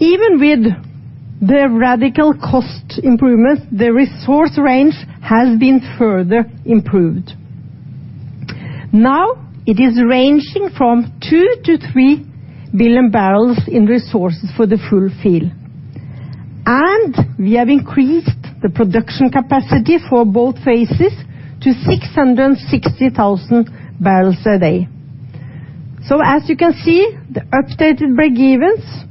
Even with the radical cost improvements, the resource range has been further improved. Now it is ranging from 2 to 3 billion barrels in resources for the full field. We have increased the production capacity for both phases to 660,000 barrels a day. As you can see, the updated breakevens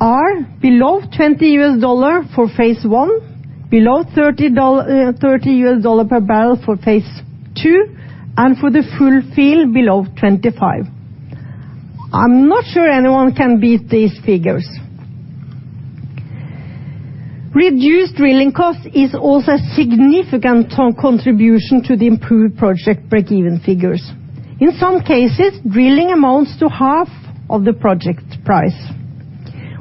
are below $20 for phase I, below $30 per barrel for phase II, and for the full field below $25. I'm not sure anyone can beat these figures. Reduced drilling costs is also a significant contribution to the improved project break even figures. In some cases, drilling amounts to half of the project price.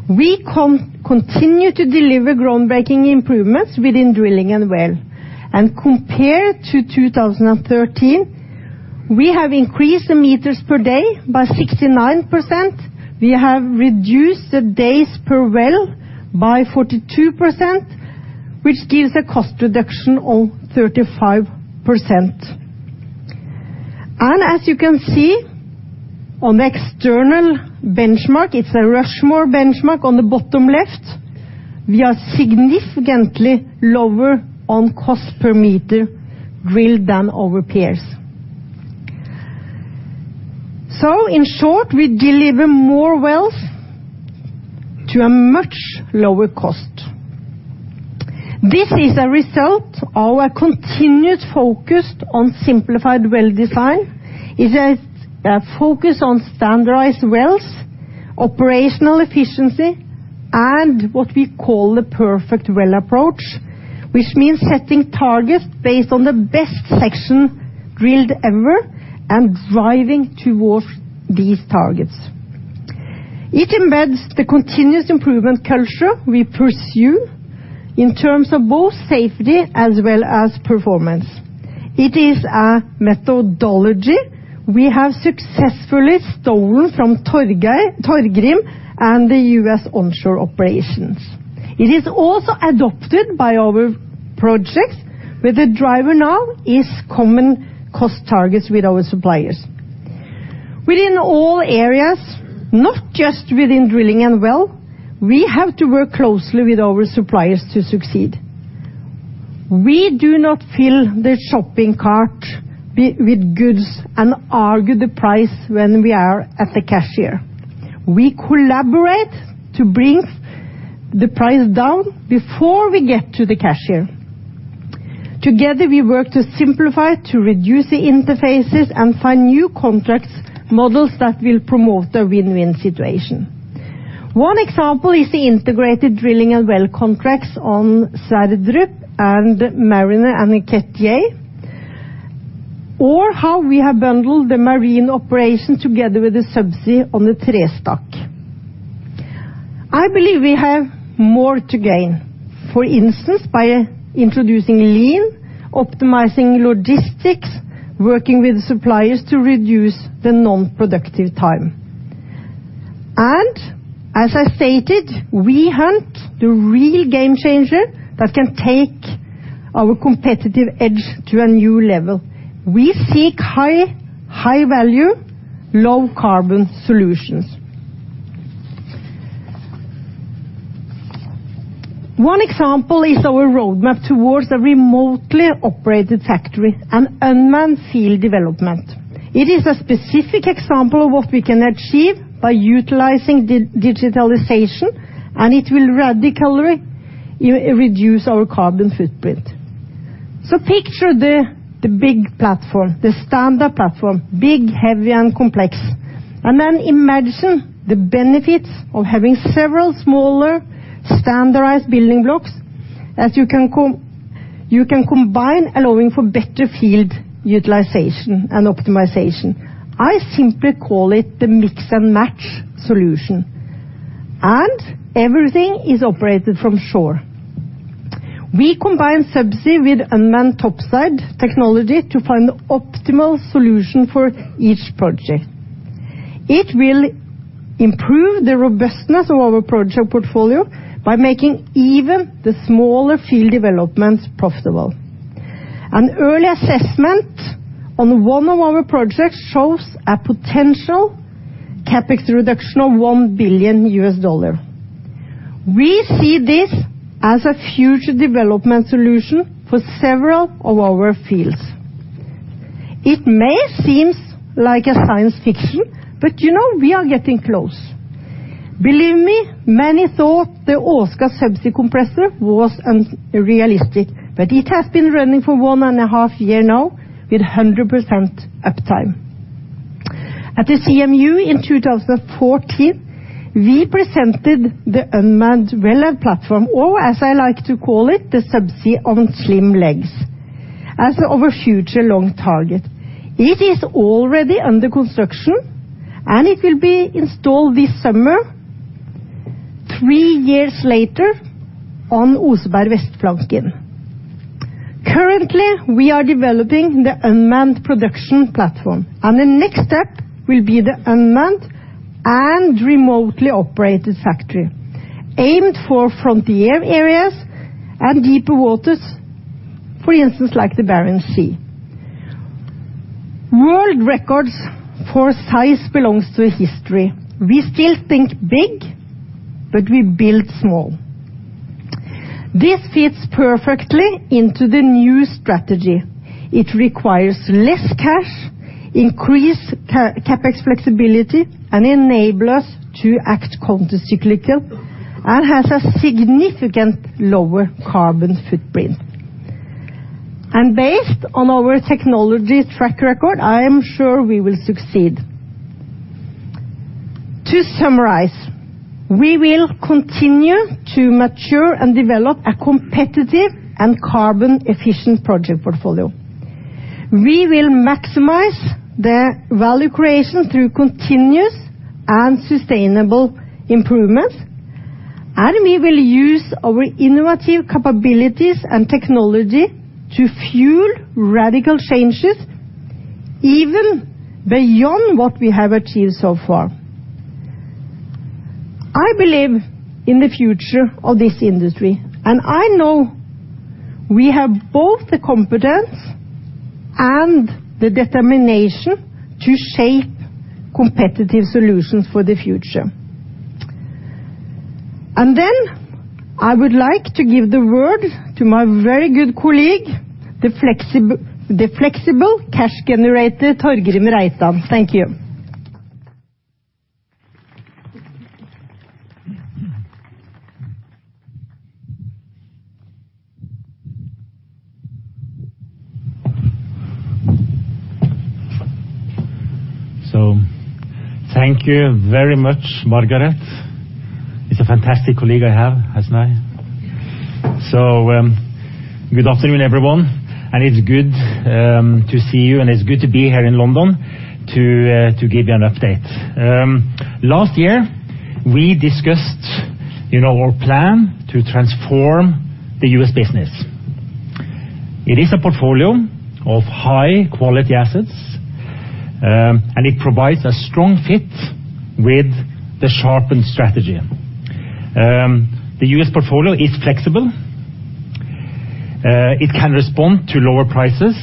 We continue to deliver groundbreaking improvements within drilling and well. Compared to 2013, we have increased the meters per day by 69%. We have reduced the days per well by 42%, which gives a cost reduction of 35%. As you can see on the external benchmark, it's a Rushmore benchmark on the bottom left, we are significantly lower on cost per meter drilled than our peers. In short, we deliver more wells to a much lower cost. This is a result of a continuous focus on simplified well design. It is a focus on standardized wells, operational efficiency, and what we call the Perfect Well approach, which means setting targets based on the best section drilled ever and driving towards these targets. It embeds the continuous improvement culture we pursue in terms of both safety as well as performance. It is a methodology we have successfully stolen from Torgrim and the U.S. onshore operations. It is also adopted by our projects where the driver now is common cost targets with our suppliers. Within all areas, not just within drilling and well, we have to work closely with our suppliers to succeed. We do not fill the shopping cart with goods and argue the price when we are at the cashier. We collaborate to bring the price down before we get to the cashier. Together, we work to simplify, to reduce the interfaces, and find new contracts, models that will promote a win-win situation. One example is the integrated drilling and well contracts on Sverdrup and Mariner and Kattegat, or how we have bundled the marine operations together with the subsea on the Trestakk. I believe we have more to gain, for instance, by introducing lean, optimizing logistics, working with suppliers to reduce the non-productive time. As I stated, we hunt the real game changer that can take our competitive edge to a new level. We seek high, high value, low carbon solutions. One example is our roadmap towards a remotely operated factory, an unmanned field development. It is a specific example of what we can achieve by utilizing digitalization, and it will radically reduce our carbon footprint. Picture the big platform, the standard platform, big, heavy, and complex. Imagine the benefits of having several smaller standardized building blocks as you can combine, allowing for better field utilization and optimization. I simply call it the mix-and-match solution, and everything is operated from shore. We combine subsea with unmanned topside technology to find the optimal solution for each project. It will improve the robustness of our project portfolio by making even the smaller field developments profitable. An early assessment on one of our projects shows a potential CapEx reduction of $1 billion. We see this as a future development solution for several of our fields. It may seem like science fiction, but you know, we are getting close. Believe me, many thought the Åsgard subsea compressor was unrealistic. It has been running for one and a half years now with 100% uptime. At the CMU in 2014, we presented the unmanned wellhead platform, or as I like to call it, the subsea on slim legs, as our future long target. It is already under construction, and it will be installed this summer, three years later, on Oseberg Vestflanken. Currently, we are developing the unmanned production platform, and the next step will be the unmanned and remotely operated factory aimed for frontier areas and deeper waters, for instance, like the Barents Sea. World records for size belongs to history. We still think big, but we build small. This fits perfectly into the new strategy. It requires less cash, increase CapEx flexibility, and enable us to act counter cyclical and has a significant lower carbon footprint. Based on our technology track record, I am sure we will succeed. To summarize, we will continue to mature and develop a competitive and carbon-efficient project portfolio. We will maximize the value creation through continuous and sustainable improvements, and we will use our innovative capabilities and technology to fuel radical changes even beyond what we have achieved so far. I believe in the future of this industry, and I know we have both the competence and the determination to shape competitive solutions for the future. I would like to give the word to my very good colleague, the flexible cash generator, Torgrim Reitan. Thank you. Thank you very much, Margareth Øvrum. It's a fantastic colleague I have, hasn't I? Good afternoon, everyone, and it's good to see you, and it's good to be here in London to give you an update. Last year we discussed, you know, our plan to transform the U.S. business. It is a portfolio of high-quality assets, and it provides a strong fit with the sharpened strategy. The U.S. portfolio is flexible. It can respond to lower prices,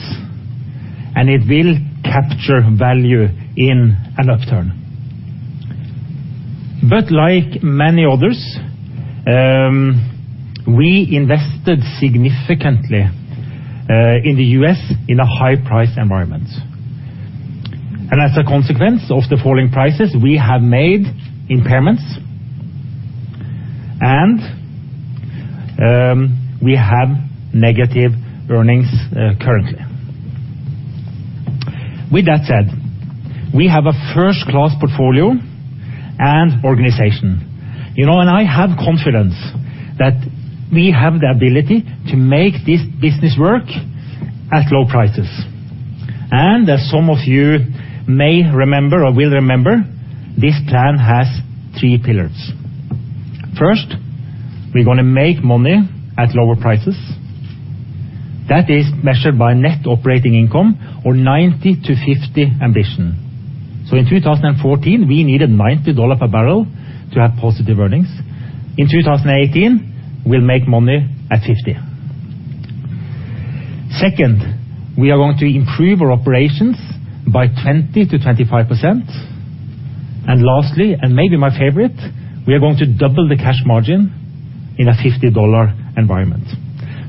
and it will capture value in an upturn. But like many others, we invested significantly in the U.S. in a high price environment. As a consequence of the falling prices, we have made impairments and we have negative earnings currently. With that said, we have a first-class portfolio and organization. You know, I have confidence that we have the ability to make this business work at low prices. As some of you may remember or will remember, this plan has three pillars. First, we're gonna make money at lower prices. That is measured by net operating income or 90-50 ambition. In 2014, we needed $90 per barrel to have positive earnings. In 2018, we'll make money at $50. Second, we are going to improve our operations by 20%-25%. Lastly, and maybe my favorite, we are going to double the cash margin in a $50 environment.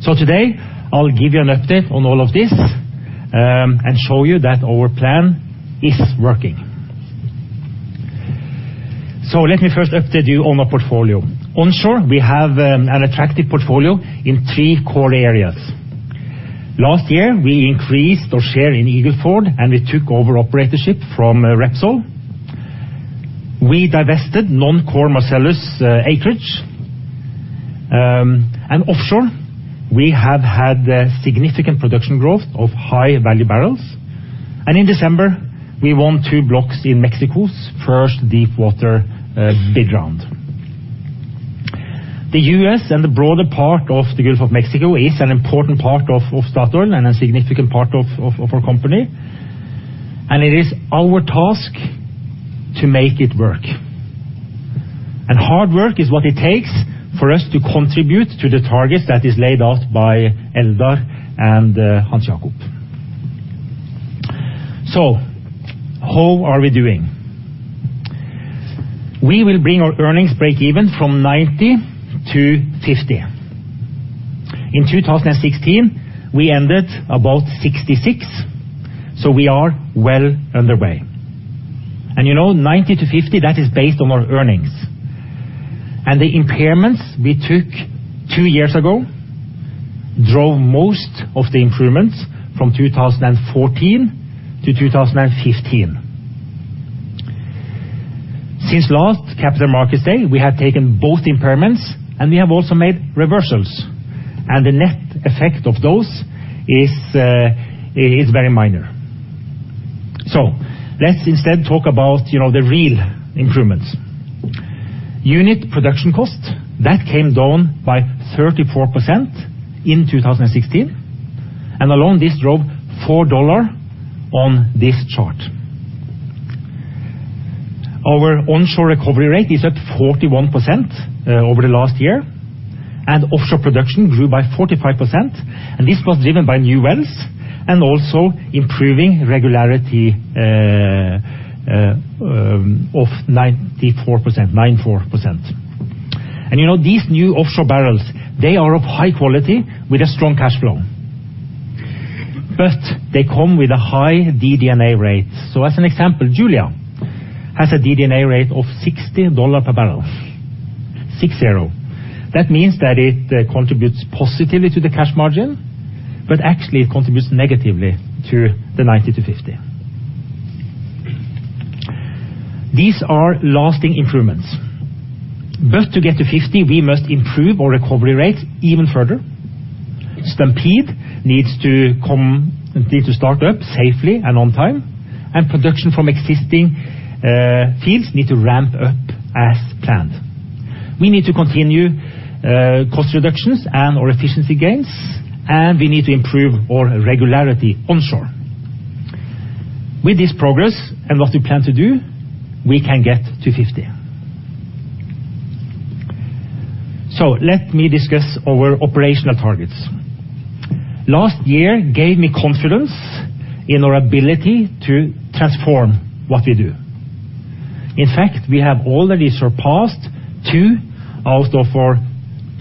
Today I'll give you an update on all of this and show you that our plan is working. Let me first update you on our portfolio. Onshore, we have an attractive portfolio in three core areas. Last year, we increased our share in Eagle Ford, and we took over operatorship from Repsol. We divested non-core Marcellus acreage. Offshore, we have had significant production growth of high-value barrels. In December, we won two blocks in Mexico's first deepwater bid round. The U.S. and the broader part of the Gulf of Mexico is an important part of Statoil and a significant part of our company, and it is our task to make it work. Hard work is what it takes for us to contribute to the targets that is laid out by Eldar and Hans Jakob. How are we doing? We will bring our earnings breakeven from $90-$50. In 2016, we ended about $66, so we are well underway. You know, $90-$50, that is based on our earnings. The impairments we took two years ago drove most of the improvements from 2014 to 2015. Since last Capital Markets Day, we have taken both impairments, and we have also made reversals, and the net effect of those is very minor. So let's instead talk about, you know, the real improvements. Unit production cost, that came down by 34% in 2016, and alone this drove $4 on this chart. Our onshore recovery rate is at 41%, over the last year, and offshore production grew by 45%. This was driven by new wells and also improving regularity of 94%. You know, these new offshore barrels, they are of high quality with a strong cash flow. But they come with a high DD&A rate. As an example, Julia has a DD&A rate of $60 per barrel. That means that it contributes positively to the cash margin, but actually it contributes negatively to the $90-$50. These are lasting improvements. To get to $50, we must improve our recovery rate even further. Stampede needs to come, needs to start up safely and on time, and production from existing fields need to ramp up as planned. We need to continue cost reductions and our efficiency gains, and we need to improve our regularity onshore. With this progress and what we plan to do, we can get to $50. Let me discuss our operational targets. Last year gave me confidence in our ability to transform what we do. In fact, we have already surpassed two out of our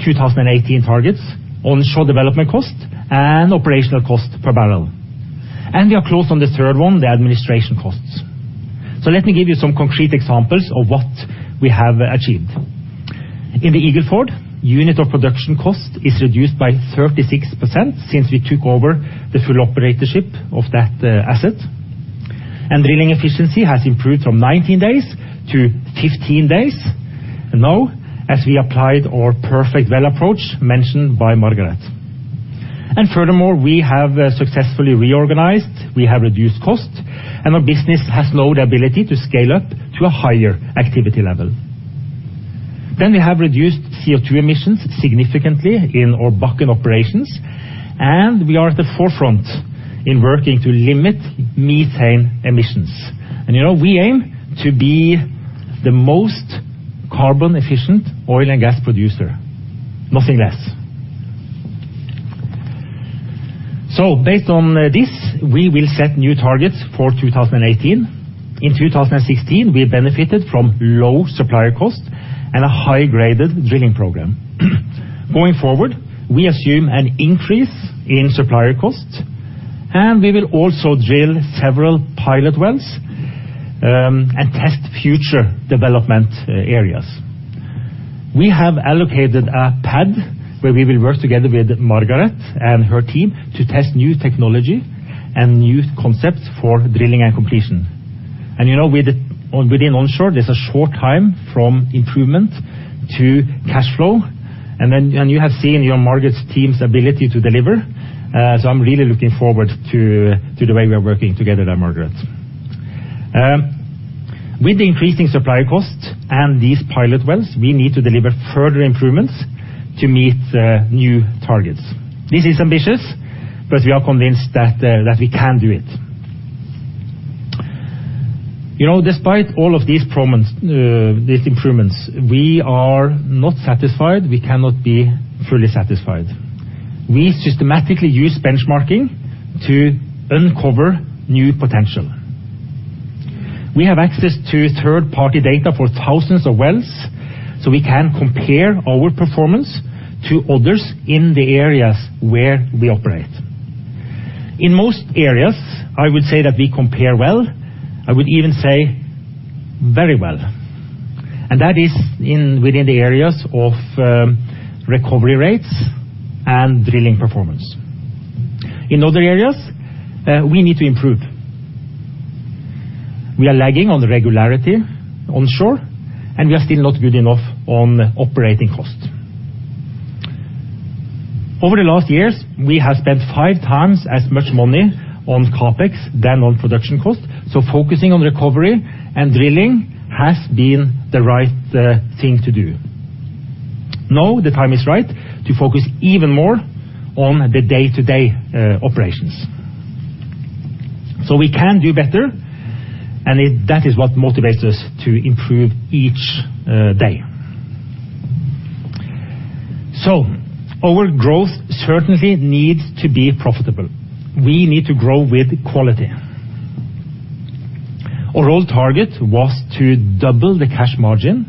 2018 targets, onshore development cost and operational cost per barrel. We are close on the third one, the administration costs. Let me give you some concrete examples of what we have achieved. In the Eagle Ford, unit of production cost is reduced by 36% since we took over the full operatorship of that asset. Drilling efficiency has improved from 19 days to 15 days now as we applied our Perfect Well approach mentioned by Margareth. Furthermore, we have successfully reorganized, we have reduced costs, and our business has now the ability to scale up to a higher activity level. We have reduced CO2 emissions significantly in our Bakken operations, and we are at the forefront in working to limit methane emissions. You know, we aim to be the most carbon-efficient oil and gas producer. Nothing less. Based on this, we will set new targets for 2018. In 2016, we benefited from low supplier costs and a high-graded drilling program. Going forward, we assume an increase in supplier costs, and we will also drill several pilot wells and test future development areas. We have allocated a pad where we will work together with Margareth Øvrum and her team to test new technology and new concepts for drilling and completion. You know, within onshore, there's a short time from improvement to cash flow. You have seen our Margareth Øvrum's team's ability to deliver. I'm really looking forward to the way we are working together there, Margaret. With increasing supply costs and these pilot wells, we need to deliver further improvements to meet new targets. This is ambitious, but we are convinced that we can do it. You know, despite all of these improvements, we are not satisfied. We cannot be fully satisfied. We systematically use benchmarking to uncover new potential. We have access to third-party data for thousands of wells, so we can compare our performance to others in the areas where we operate. In most areas, I would say that we compare well, I would even say very well, and that is within the areas of recovery rates and drilling performance. In other areas, we need to improve. We are lagging on regularity onshore, and we are still not good enough on operating costs. Over the last years, we have spent five times as much money on CapEx than on production costs, so focusing on recovery and drilling has been the right thing to do. Now, the time is right to focus even more on the day-to-day operations. We can do better, and that is what motivates us to improve each day. Our growth certainly needs to be profitable. We need to grow with quality. Our old target was to double the cash margin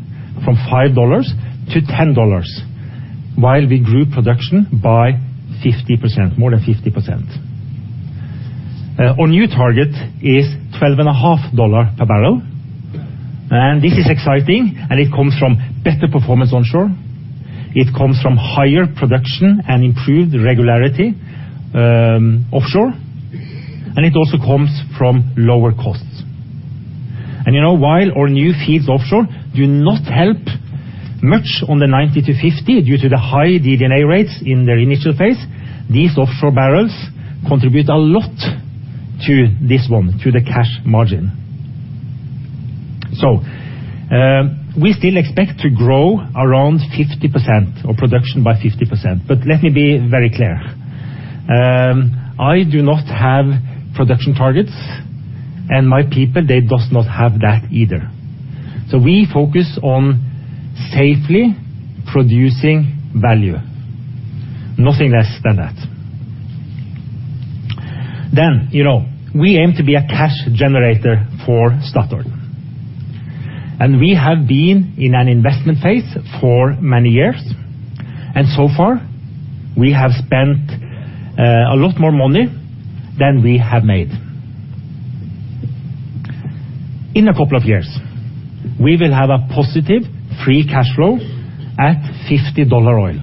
from $5 to $10 while we grew production by 50%, more than 50%. Our new target is $12.5 per barrel, and this is exciting, and it comes from better performance onshore. It comes from higher production and improved regularity offshore, and it also comes from lower costs. You know, while our new fields offshore do not help much on the 90-50 due to the high DD&A rates in their initial phase, these offshore barrels contribute a lot to this one, to the cash margin. We still expect to grow around 50%, or production by 50%. But let me be very clear, I do not have production targets, and my people, they does not have that either. We focus on safely producing value. Nothing less than that. You know, we aim to be a cash generator for Statoil. We have been in an investment phase for many years, and so far we have spent a lot more money than we have made. In a couple of years, we will have a positive free cash flow at $50 oil.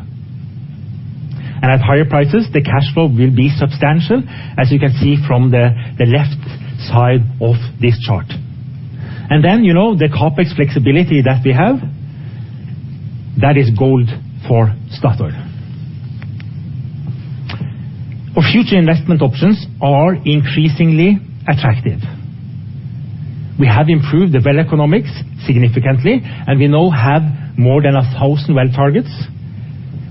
At higher prices, the cash flow will be substantial, as you can see from the left side of this chart. Then, you know, the CapEx flexibility that we have, that is gold for Statoil. Our future investment options are increasingly attractive. We have improved the well economics significantly, and we now have more than 1,000 well targets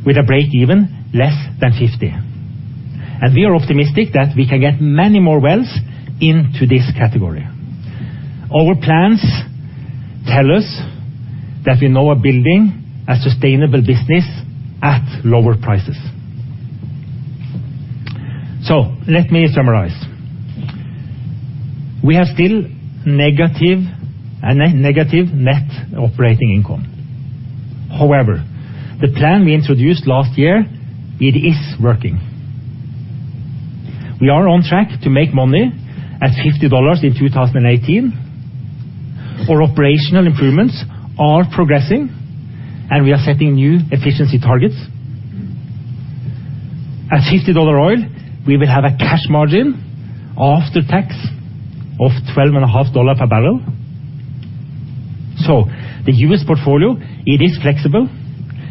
with a breakeven less than $50. We are optimistic that we can get many more wells into this category. Our plans tell us that we know we're building a sustainable business at lower prices. Let me summarize. We are still negative net operating income. However, the plan we introduced last year, it is working. We are on track to make money at $50 in 2018. Our operational improvements are progressing, and we are setting new efficiency targets. At $50 oil, we will have a cash margin after tax of $12.5 per barrel. The U.S. portfolio, it is flexible,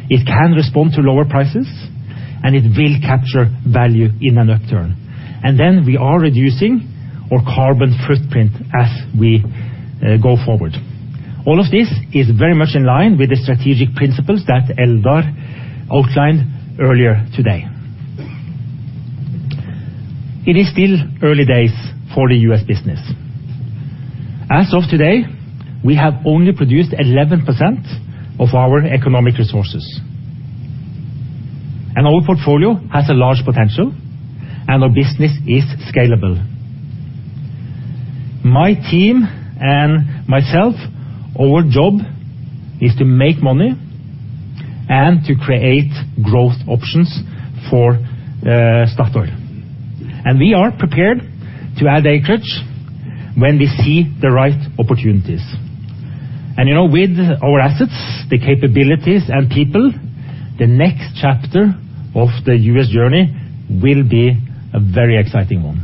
it can respond to lower prices, and it will capture value in an upturn. We are reducing our carbon footprint as we go forward. All of this is very much in line with the strategic principles that Eldar outlined earlier today. It is still early days for the U.S. business. As of today, we have only produced 11% of our economic resources. Our portfolio has a large potential, and our business is scalable. My team and myself, our job is to make money and to create growth options for Statoil. We are prepared to add acreage when we see the right opportunities. You know, with our assets, the capabilities and people, the next chapter of the U.S. Journey will be a very exciting one.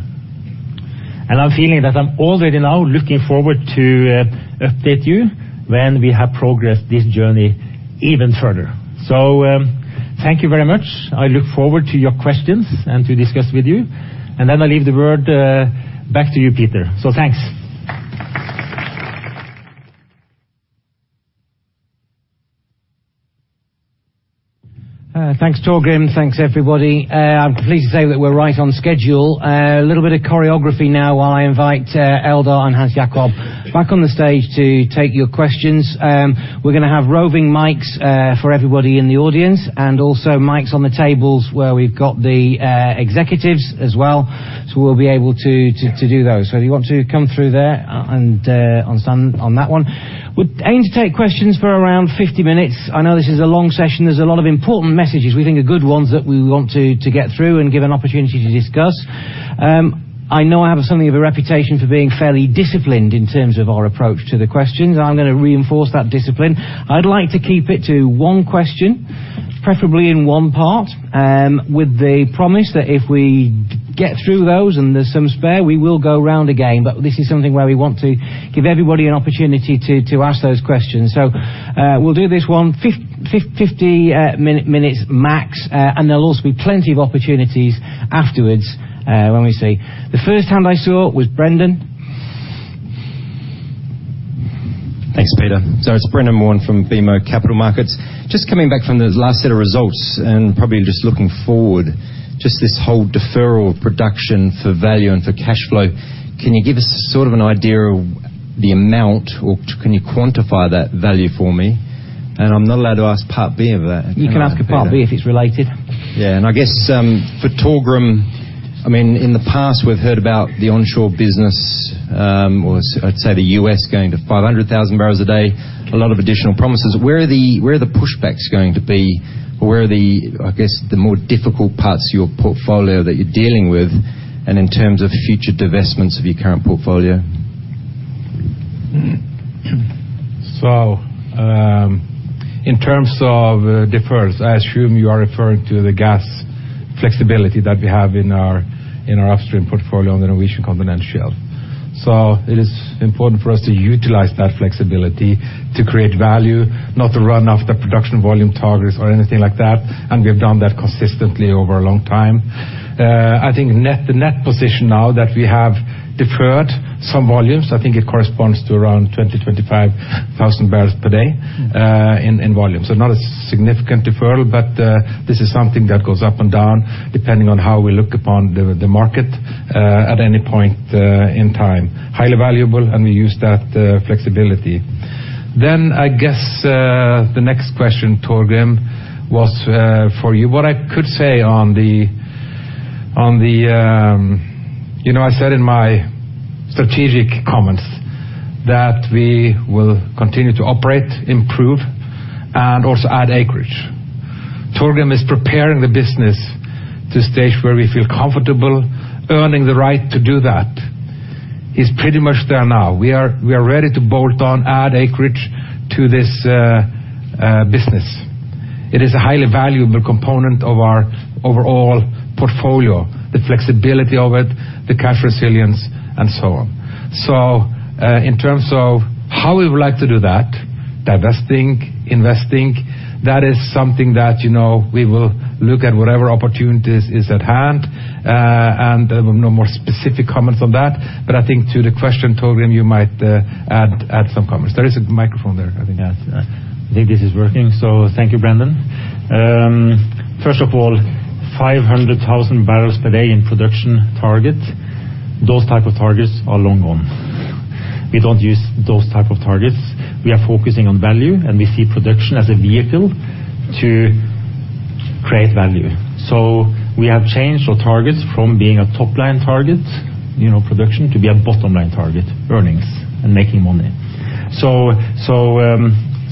I'm feeling that I'm already now looking forward to update you when we have progressed this journey even further. Thank you very much. I look forward to your questions and to discuss with you. Then I leave the word back to you, Peter. Thanks. Thanks, Torgrim. Thanks, everybody. I'm pleased to say that we're right on schedule. A little bit of choreography now while I invite Eldar and Hans Jakob back on the stage to take your questions. We're gonna have roving mics for everybody in the audience and also mics on the tables where we've got the executives as well, so we'll be able to to do those. If you want to come through there and on that one. We aim to take questions for around 50 minutes. I know this is a long session. There's a lot of important messages we think are good ones that we want to get through and give an opportunity to discuss. I know I have something of a reputation for being fairly disciplined in terms of our approach to the questions. I'm gonna reinforce that discipline. I'd like to keep it to one question, preferably in one part, with the promise that if we get through those and there's some spare, we will go round again. This is something where we want to give everybody an opportunity to ask those questions. We'll do this one 50 minutes max. There'll also be plenty of opportunities afterwards, when we see. The first hand I saw was Brendan. Thanks, Peter. It's Brendan Warn from BMO Capital Markets. Just coming back from the last set of results and probably just looking forward, just this whole deferral of production for value and for cash flow, can you give us sort of an idea of the amount or can you quantify that value for me? I'm not allowed to ask part B of that. You can ask a part B if it's related. Yeah. I guess for Torgrim, I mean, in the past, we've heard about the onshore business, or I'd say the U.S. going to 500,000 barrels a day, a lot of additional promises. Where are the pushbacks going to be or where are the more difficult parts of your portfolio that you're dealing with and in terms of future divestments of your current portfolio? In terms of deferrals, I assume you are referring to the gas flexibility that we have in our upstream portfolio on the Norwegian Continental Shelf. It is important for us to utilize that flexibility to create value, not to run after production volume targets or anything like that, and we've done that consistently over a long time. I think net, the net position now that we have deferred some volumes, I think it corresponds to around 20-25,000 barrels per day in volume. Not a significant deferral, but this is something that goes up and down depending on how we look upon the market at any point in time. Highly valuable, and we use that flexibility. I guess the next question, Torgrim, was for you. What I could say on the, you know, I said in my strategic comments that we will continue to operate, improve, and also add acreage. Torgrim is preparing the business to a stage where we feel comfortable earning the right to do that. He's pretty much there now. We are ready to bolt on, add acreage to this, business. It is a highly valuable component of our overall portfolio, the flexibility of it, the cash resilience, and so on. In terms of how we would like to do that, divesting, investing, that is something that, you know, we will look at whatever opportunities is at hand. There were no more specific comments on that. I think to the question, Torgrim, you might add some comments. There is a microphone there, I think. I think this is working. Thank you, Brendan. First of all, 500,000 barrels per day in production target, those type of targets are long gone. We don't use those type of targets. We are focusing on value, and we see production as a vehicle to create value. We have changed our targets from being a top-line target, you know, production, to be a bottom-line target, earnings and making money.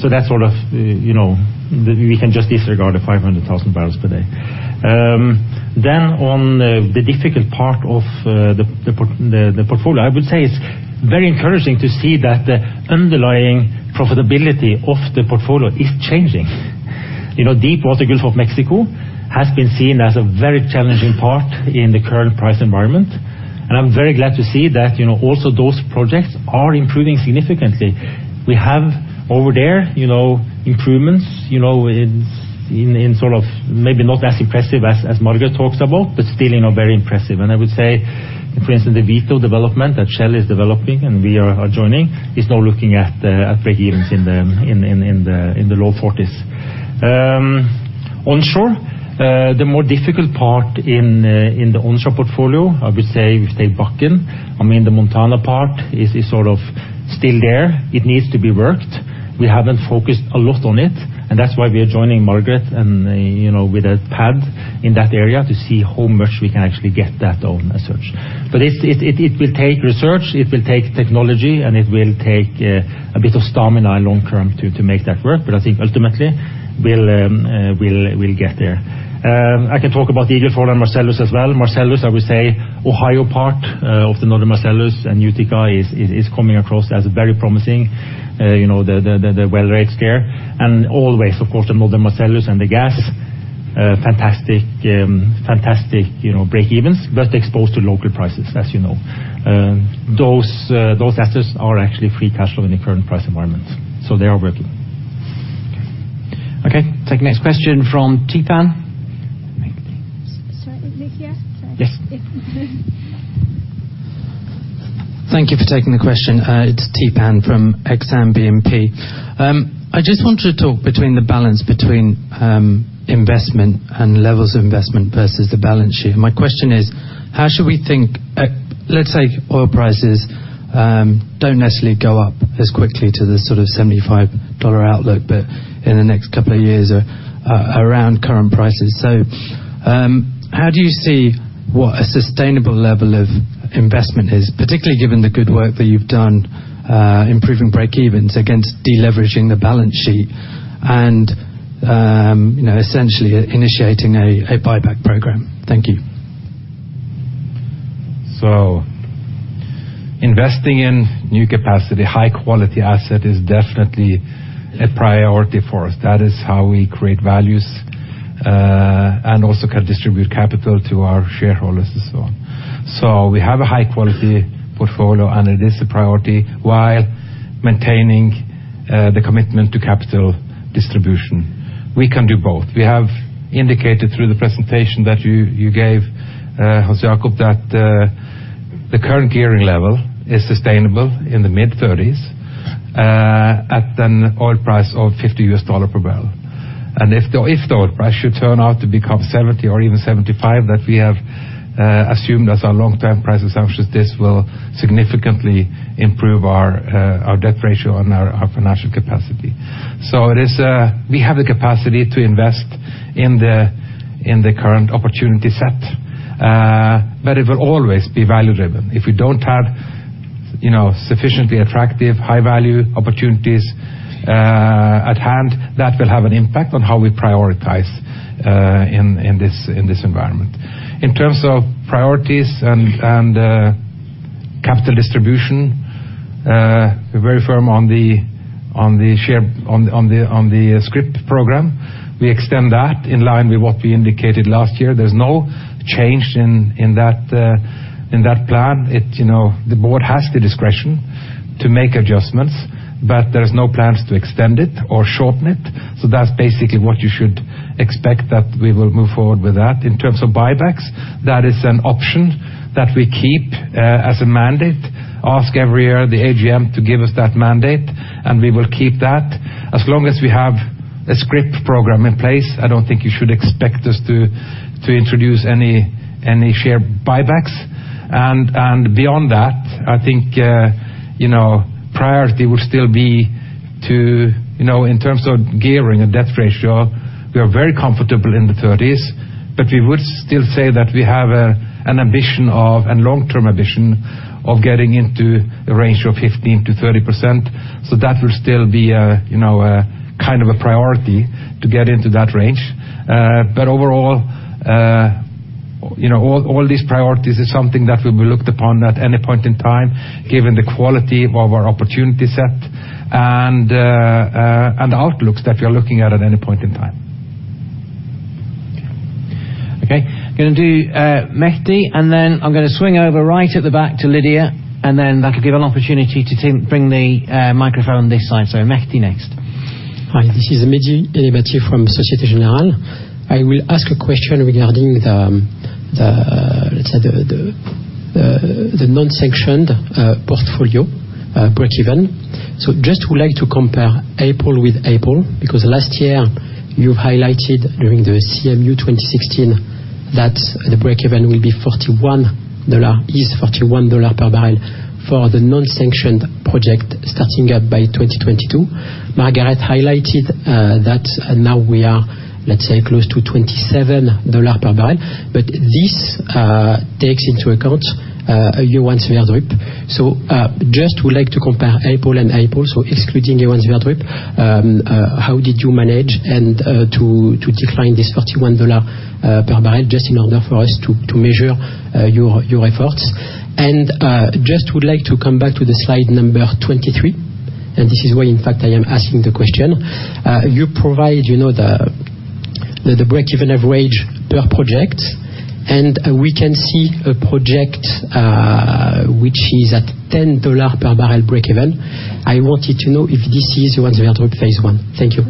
That's sort of, you know, we can just disregard the 500,000 barrels per day. Then on the difficult part of the portfolio, I would say it's very encouraging to see that the underlying profitability of the portfolio is changing. You know, deepwater Gulf of Mexico has been seen as a very challenging part in the current price environment, and I'm very glad to see that, you know, also those projects are improving significantly. We have over there, you know, improvements, you know, in sort of maybe not as impressive as Margareth talks about, but still, you know, very impressive. I would say, for instance, the Vito development that Shell is developing and we are joining is now looking at break-evens in the low 40s. Onshore, the more difficult part in the onshore portfolio, I would say if you take Bakken, I mean, the Montana part is sort of still there. It needs to be worked. We haven't focused a lot on it, and that's why we are joining Margareth and, you know, with a pad in that area to see how much we can actually get that on as such. But it will take research, it will take technology, and it will take a bit of stamina long-term to make that work. But I think ultimately we'll get there. I can talk about Eagle Ford and Marcellus as well. Marcellus, I would say Ohio part of the Northern Marcellus and Utica is coming across as very promising, you know, the well rates there. Always, of course, the Northern Marcellus and the gas fantastic, you know, break-evens, but exposed to local prices, as you know. Those assets are actually free cash flow in the current price environment, so they are working. Okay. Take the next question from Theepan Jothilingam. Sorry, Nick here? Yes. Thank you for taking the question. It's Theepan Jothilingam from Exane BNP. I just want to talk about the balance between investment levels and the balance sheet. My question is how should we think. Let's say oil prices don't necessarily go up as quickly to the sort of $75 outlook, but in the next couple of years around current prices. How do you see what a sustainable level of investment is, particularly given the good work that you've done improving breakevens against deleveraging the balance sheet and, you know, essentially initiating a buyback program? Thank you. Investing in new capacity, high quality asset is definitely a priority for us. That is how we create values and also can distribute capital to our shareholders and so on. We have a high quality portfolio, and it is a priority while maintaining the commitment to capital distribution. We can do both. We have indicated through the presentation that you gave, Hans Jakob Hegge, that the current gearing level is sustainable in the mid-30s at an oil price of $50 per barrel. If the oil price should turn out to become $70 or even $75, that we have assumed as our long-term price assumptions, this will significantly improve our debt ratio and our financial capacity. It is we have the capacity to invest in the current opportunity set, but it will always be value-driven. If we don't have, you know, sufficiently attractive high value opportunities at hand, that will have an impact on how we prioritize in this environment. In terms of priorities and capital distribution, we're very firm on the scrip program. We extend that in line with what we indicated last year. There's no change in that plan. You know, the board has the discretion to make adjustments, but there's no plans to extend it or shorten it. That's basically what you should expect that we will move forward with that. In terms of buybacks, that is an option that we keep as a mandate. We ask every year the AGM to give us that mandate, and we will keep that. As long as we have a scrip program in place, I don't think you should expect us to introduce any share buybacks. Beyond that, I think you know priority will still be to you know in terms of gearing a debt ratio, we are very comfortable in the thirties, but we would still say that we have an ambition of, and long-term ambition of getting into a range of 15%-30%. That will still be a kind of a priority to get into that range. Overall, you know, all these priorities is something that will be looked upon at any point in time, given the quality of our opportunity set and the outlooks that we are looking at at any point in time. Okay. Gonna do Mehdi, and then I'm gonna swing over right at the back to Lydia, and then that will give an opportunity to Tim bring the microphone on this side. Mehdi next. Hi, this is Mehdi Ennebati from Société Générale. I will ask a question regarding, let's say, the non-sanctioned portfolio breakeven. I would like to compare April with April, because last year you highlighted during the CMU 2016 that the breakeven is $41 per barrel for the non-sanctioned project starting up by 2022. Margareth Øvrum highlighted that now we are, let's say, close to $27 per barrel. But this takes into account Johan Sverdrup. I would like to compare April and April, so excluding Johan Sverdrup. How did you manage to decline this $41 per barrel, just in order for us to measure your efforts? Just would like to come back to the slide number 23, and this is why in fact I am asking the question. You provide, you know, the breakeven average per project, and we can see a project, which is at $10 per barrel breakeven. I wanted to know if this is Johan Sverdrup phase one. Thank you.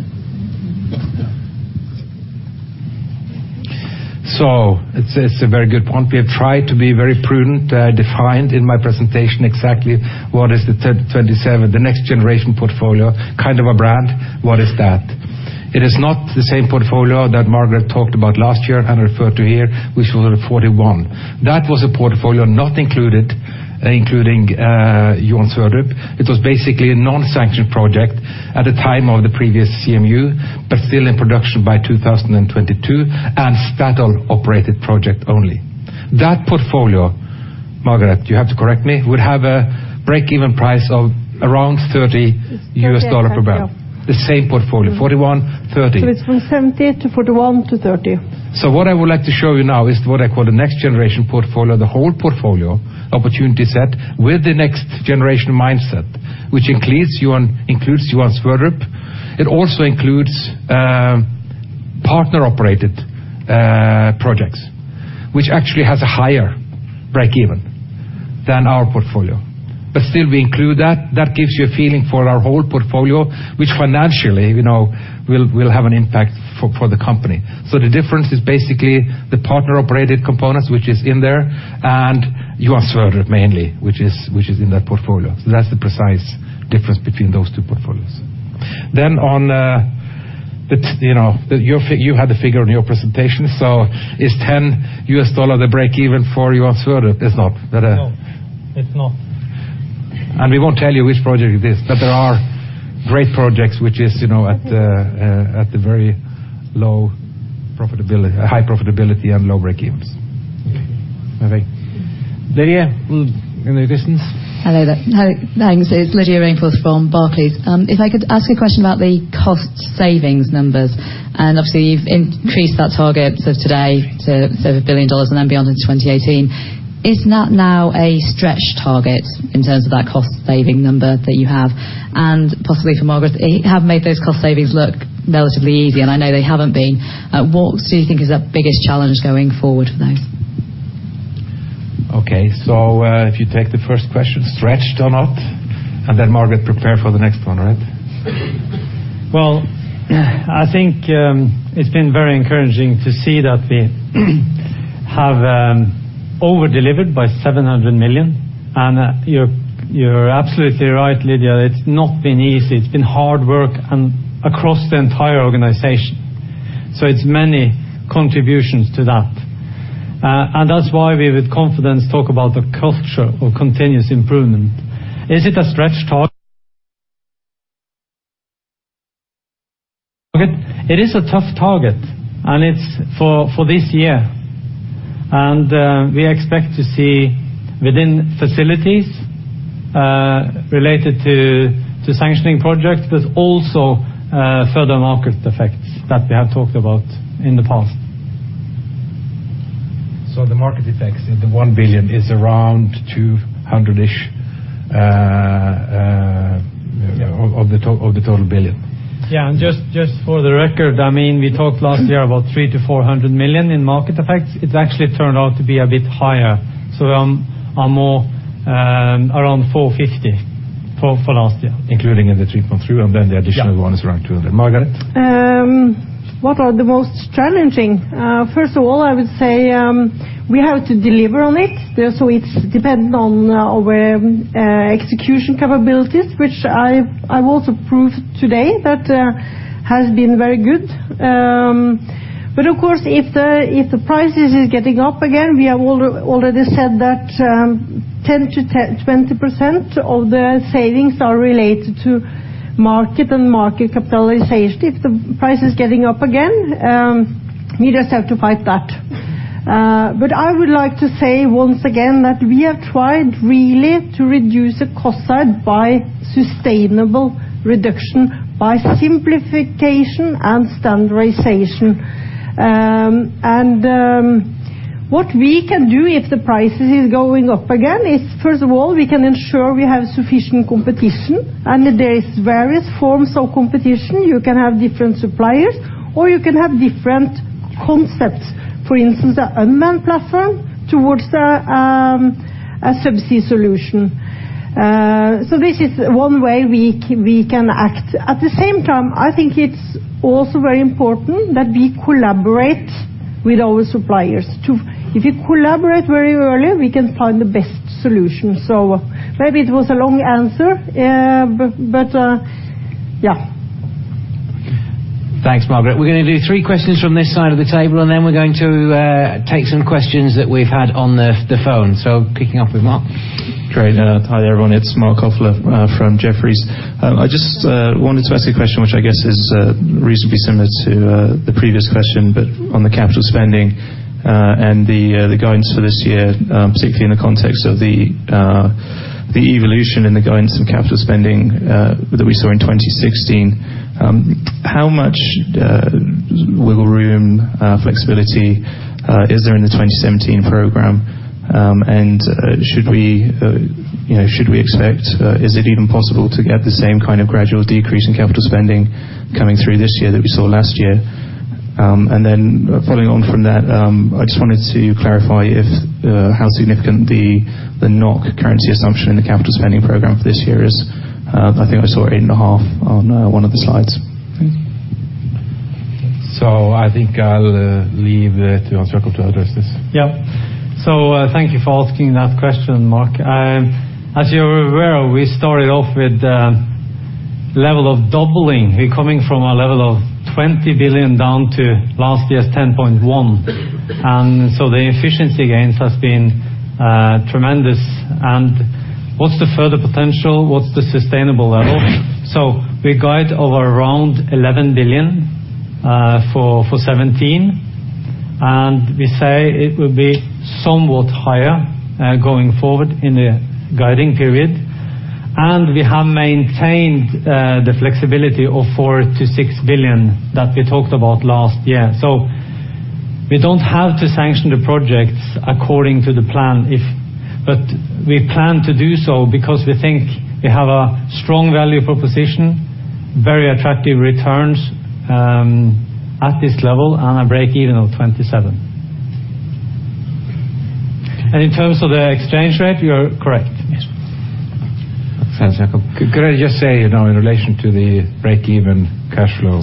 It's a very good point. We have tried to be very prudent. Defined in my presentation exactly what is the 10-27, the next generation portfolio, kind of a brand. What is that? It is not the same portfolio that Margareth talked about last year and referred to here, which was at $41. That was a portfolio including Johan Sverdrup. It was basically a non-sanctioned project at the time of the previous CMU, but still in production by 2022, and Statoil-operated project only. That portfolio, Margareth, you have to correct me, would have a breakeven price of around $30 per barrel. It's 30. That's right, yeah. The same portfolio. 41, 30. It's from 70 to 41 to 30. What I would like to show you now is what I call the next generation portfolio. The whole portfolio opportunity set with the next generation mindset, which includes Johan Sverdrup. It also includes partner-operated projects, which actually has a higher breakeven than our portfolio. Still we include that. That gives you a feeling for our whole portfolio, which financially, you know, will have an impact for the company. The difference is basically the partner-operated components, which is in there, and Johan Sverdrup mainly, which is in that portfolio. That's the precise difference between those two portfolios. On the figure you had in your presentation. Is $10 the breakeven for you on Sverdrup? It's not. No, it's not. We won't tell you which project it is, but there are great projects which is at the very low profitability. High profitability and low breakevens. Okay. All right. Lydia, in the distance. Hello there. Hi. Thanks. It's Lydia Rainforth from Barclays. If I could ask a question about the cost savings numbers, and obviously you've increased that target as of today to save $1 billion and then beyond into 2018. Is that now a stretch target in terms of that cost saving number that you have? Possibly for Margareth Øvrum, you have made those cost savings look relatively easy, and I know they haven't been. What do you think is the biggest challenge going forward for those? Okay. If you take the first question, stretched or not, and then Margareth, prepare for the next one, all right? Well, I think it's been very encouraging to see that we have over-delivered by 700 million. You're absolutely right, Lydia. It's not been easy. It's been hard work and across the entire organization. It's many contributions to that. That's why we with confidence talk about the culture of continuous improvement. Is it a stretch target? It is a tough target, and it's for this year. We expect to see within facilities related to sanctioning projects, but also further market effects that we have talked about in the past. The market effects in the 1 billion is around 200-ish of the total billion. Just for the record, I mean, we talked last year about $300-$400 million in market effects. It actually turned out to be a bit higher. Or more, around $450 million for last year. Including in the 3.3, and then the additional one is around $200 million. Margareth Øvrum? What are the most challenging? First of all, I would say we have to deliver on it. It's dependent on our execution capabilities, which I've also proved today that has been very good. But of course, if the prices is getting up again, we have already said that 10%-20% of the savings are related to market and market capitalization. If the price is getting up again, we just have to fight that. But I would like to say once again that we have tried really to reduce the cost side by sustainable reduction by simplification and standardization. What we can do if the prices is going up again is, first of all, we can ensure we have sufficient competition. There is various forms of competition. You can have different suppliers, or you can have different concepts. For instance, the unmanned platform toward a subsea solution. This is one way we can act. At the same time, I think it's also very important that we collaborate with our suppliers. If you collaborate very early, we can find the best solution. Maybe it was a long answer, but yeah. Thanks, Margareth Øvrum. We're gonna do three questions from this side of the table, and then we're going to take some questions that we've had on the phone. Kicking off with Marc Kofler. Great. Hi, everyone. It's Marc Kofler from Jefferies. I just wanted to ask a question which I guess is reasonably similar to the previous question, but on the capital spending and the guidance for this year, particularly in the context of the evolution in the guidance and capital spending that we saw in 2016. How much wiggle room flexibility is there in the 2017 program? And should we, you know, should we expect, is it even possible to get the same kind of gradual decrease in capital spending coming through this year that we saw last year? Following on from that, I just wanted to clarify if how significant the NOK currency assumption in the capital spending program for this year is. I think I saw 8.5 on one of the slides. Thank you. I think I'll leave it to Hans Jakob to address this. Yeah. Thank you for asking that question, Marc. As you're aware, we started off with a level of doubling. We're coming from a level of $20 billion down to last year's $10.1 billion. The efficiency gains has been tremendous. What's the further potential? What's the sustainable level? We guide over around $11 billion for 2017, and we say it will be somewhat higher going forward in the guiding period. We have maintained the flexibility of $4-$6 billion that we talked about last year. We don't have to sanction the projects according to the plan if We plan to do so because we think we have a strong value proposition, very attractive returns at this level and a break even of $27. In terms of the exchange rate, you are correct. Yes. Thanks, Hans Jakob Hegge. Could I just say, you know, in relation to the break even cash flow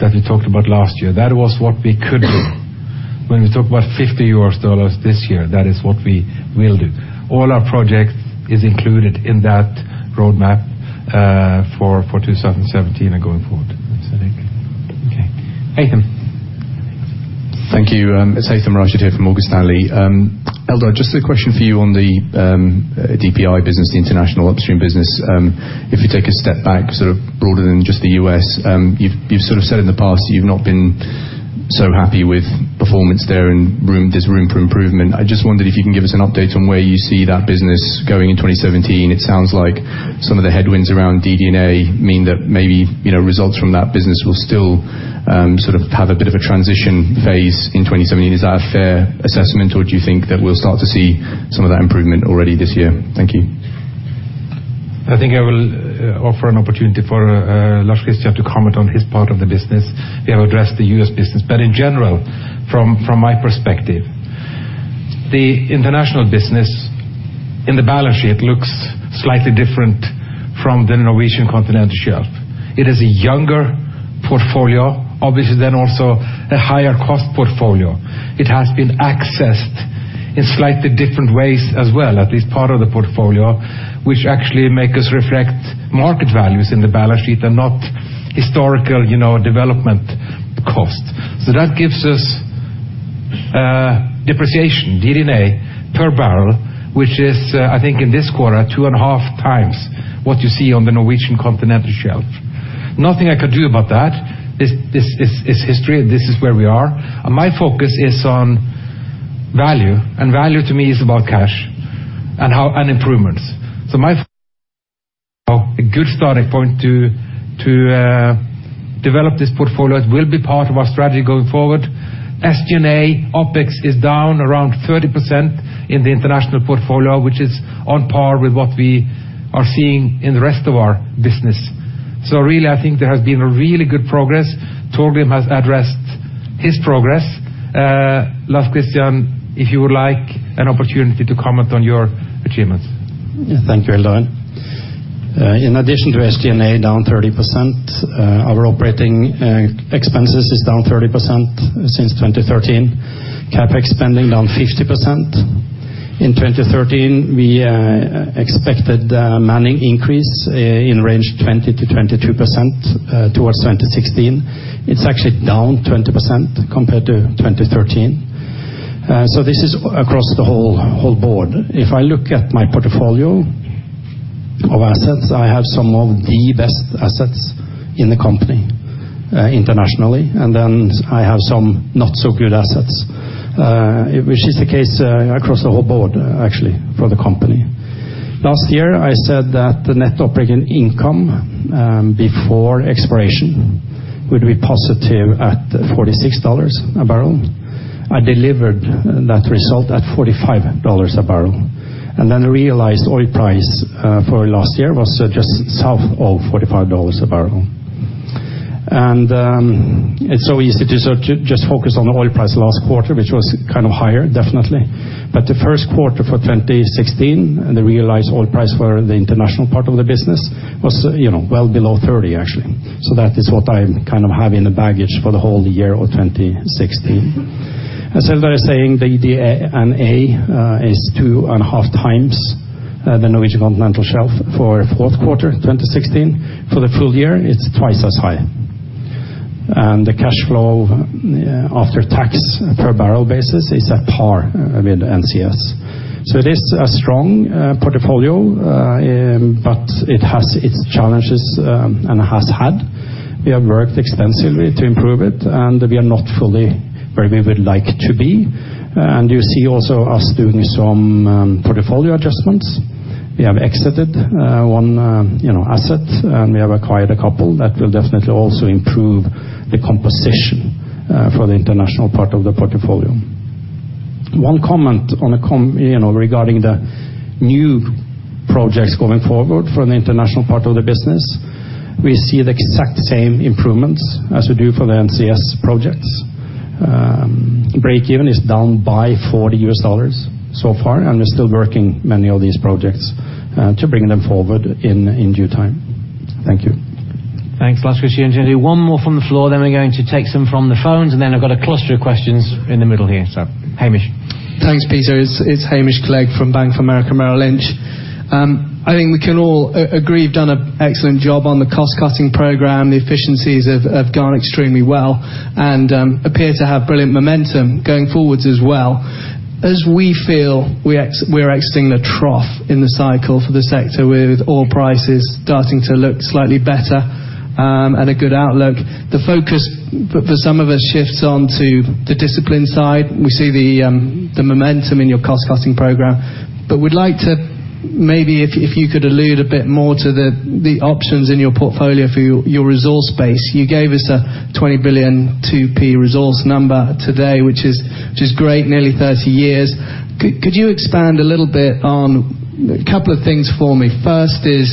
that we talked about last year, that was what we could do. When we talk about $50 this year, that is what we will do. All our projects is included in that roadmap for 2017 and going forward. Okay. Martijn Rats. Thank you. It's Martijn Rats here from Morgan Stanley. Eldar, just a question for you on the DPI business, the international upstream business. If you take a step back, sort of broader than just the US, you've sort of said in the past that you've not been so happy with performance there and there's room for improvement. I just wondered if you can give us an update on where you see that business going in 2017. It sounds like some of the headwinds around DD&A mean that maybe, you know, results from that business will still sort of have a bit of a transition phase in 2017. Is that a fair assessment, or do you think that we'll start to see some of that improvement already this year? Thank you. I think I will offer an opportunity for Lars Christian to comment on his part of the business. We have addressed the US business. In general, from my perspective, the international business in the balance sheet looks slightly different from the Norwegian Continental Shelf. It is a younger portfolio, obviously then also a higher cost portfolio. It has been acquired in slightly different ways as well, at least part of the portfolio, which actually make us reflect market values in the balance sheet and not historical, you know, development cost. That gives us depreciation, DD&A per barrel, which is, I think in this quarter, 2.5x what you see on the Norwegian Continental Shelf. Nothing I could do about that. It's history. This is where we are. My focus is on value, and value to me is about cash and how, and improvements. My, a good starting point to develop this portfolio. It will be part of our strategy going forward. SG&A OpEx is down around 30% in the international portfolio, which is on par with what we are seeing in the rest of our business. Really, I think there has been a really good progress. Torgrim has addressed his progress. Lars Christian, if you would like an opportunity to comment on your achievements. Yeah. Thank you, Eldar. In addition to SG&A down 30%, our operating expenses is down 30% since 2013. CapEx spending down 50%. In 2013, we expected a manning increase in range 20%-22% towards 2016. It's actually down 20% compared to 2013. So this is across the whole board. If I look at my portfolio of assets, I have some of the best assets in the company internationally, and then I have some not so good assets, which is the case across the whole board actually for the company. Last year, I said that the net operating income before exploration would be positive at $46 a barrel. I delivered that result at $45 a barrel. The realized oil price for last year was just south of $45 a barrel. It's so easy to sort of just focus on the oil price last quarter, which was kind of higher, definitely. The first quarter for 2016 and the realized oil price for the international part of the business was, you know, well below $30 actually. That is what I kind of have in the baggage for the whole year of 2016. As Eldar is saying, the DD&A is 2.5 times the Norwegian Continental Shelf for fourth quarter 2016. For the full year, it's twice as high. The cash flow after tax per barrel basis is at par with NCS. It is a strong portfolio, but it has its challenges and has had. We have worked extensively to improve it, and we are not fully where we would like to be. You see also us doing some portfolio adjustments. We have exited one, you know, asset, and we have acquired a couple that will definitely also improve the composition for the international part of the portfolio. One comment on, you know, regarding the new projects going forward for the international part of the business, we see the exact same improvements as we do for the NCS projects. Breakeven is down by $40 so far, and we're still working many of these projects to bring them forward in due time. Thank you. Thanks, Lars Christian. One more from the floor, then we're going to take some from the phones, and then I've got a cluster of questions in the middle here. Hamish. Thanks, Peter. It's Hamish Clegg from Bank of America Merrill Lynch. I think we can all agree you've done an excellent job on the cost-cutting program. The efficiencies have gone extremely well and appear to have brilliant momentum going forwards as well. As we feel we're exiting a trough in the cycle for the sector with oil prices starting to look slightly better and a good outlook, the focus for some of us shifts on to the discipline side. We see the momentum in your cost-cutting program. We'd like to maybe if you could allude a bit more to the options in your portfolio for your resource base. You gave us a 20 billion 2P resource number today, which is great, nearly 30 years. Could you expand a little bit on a couple of things for me? First is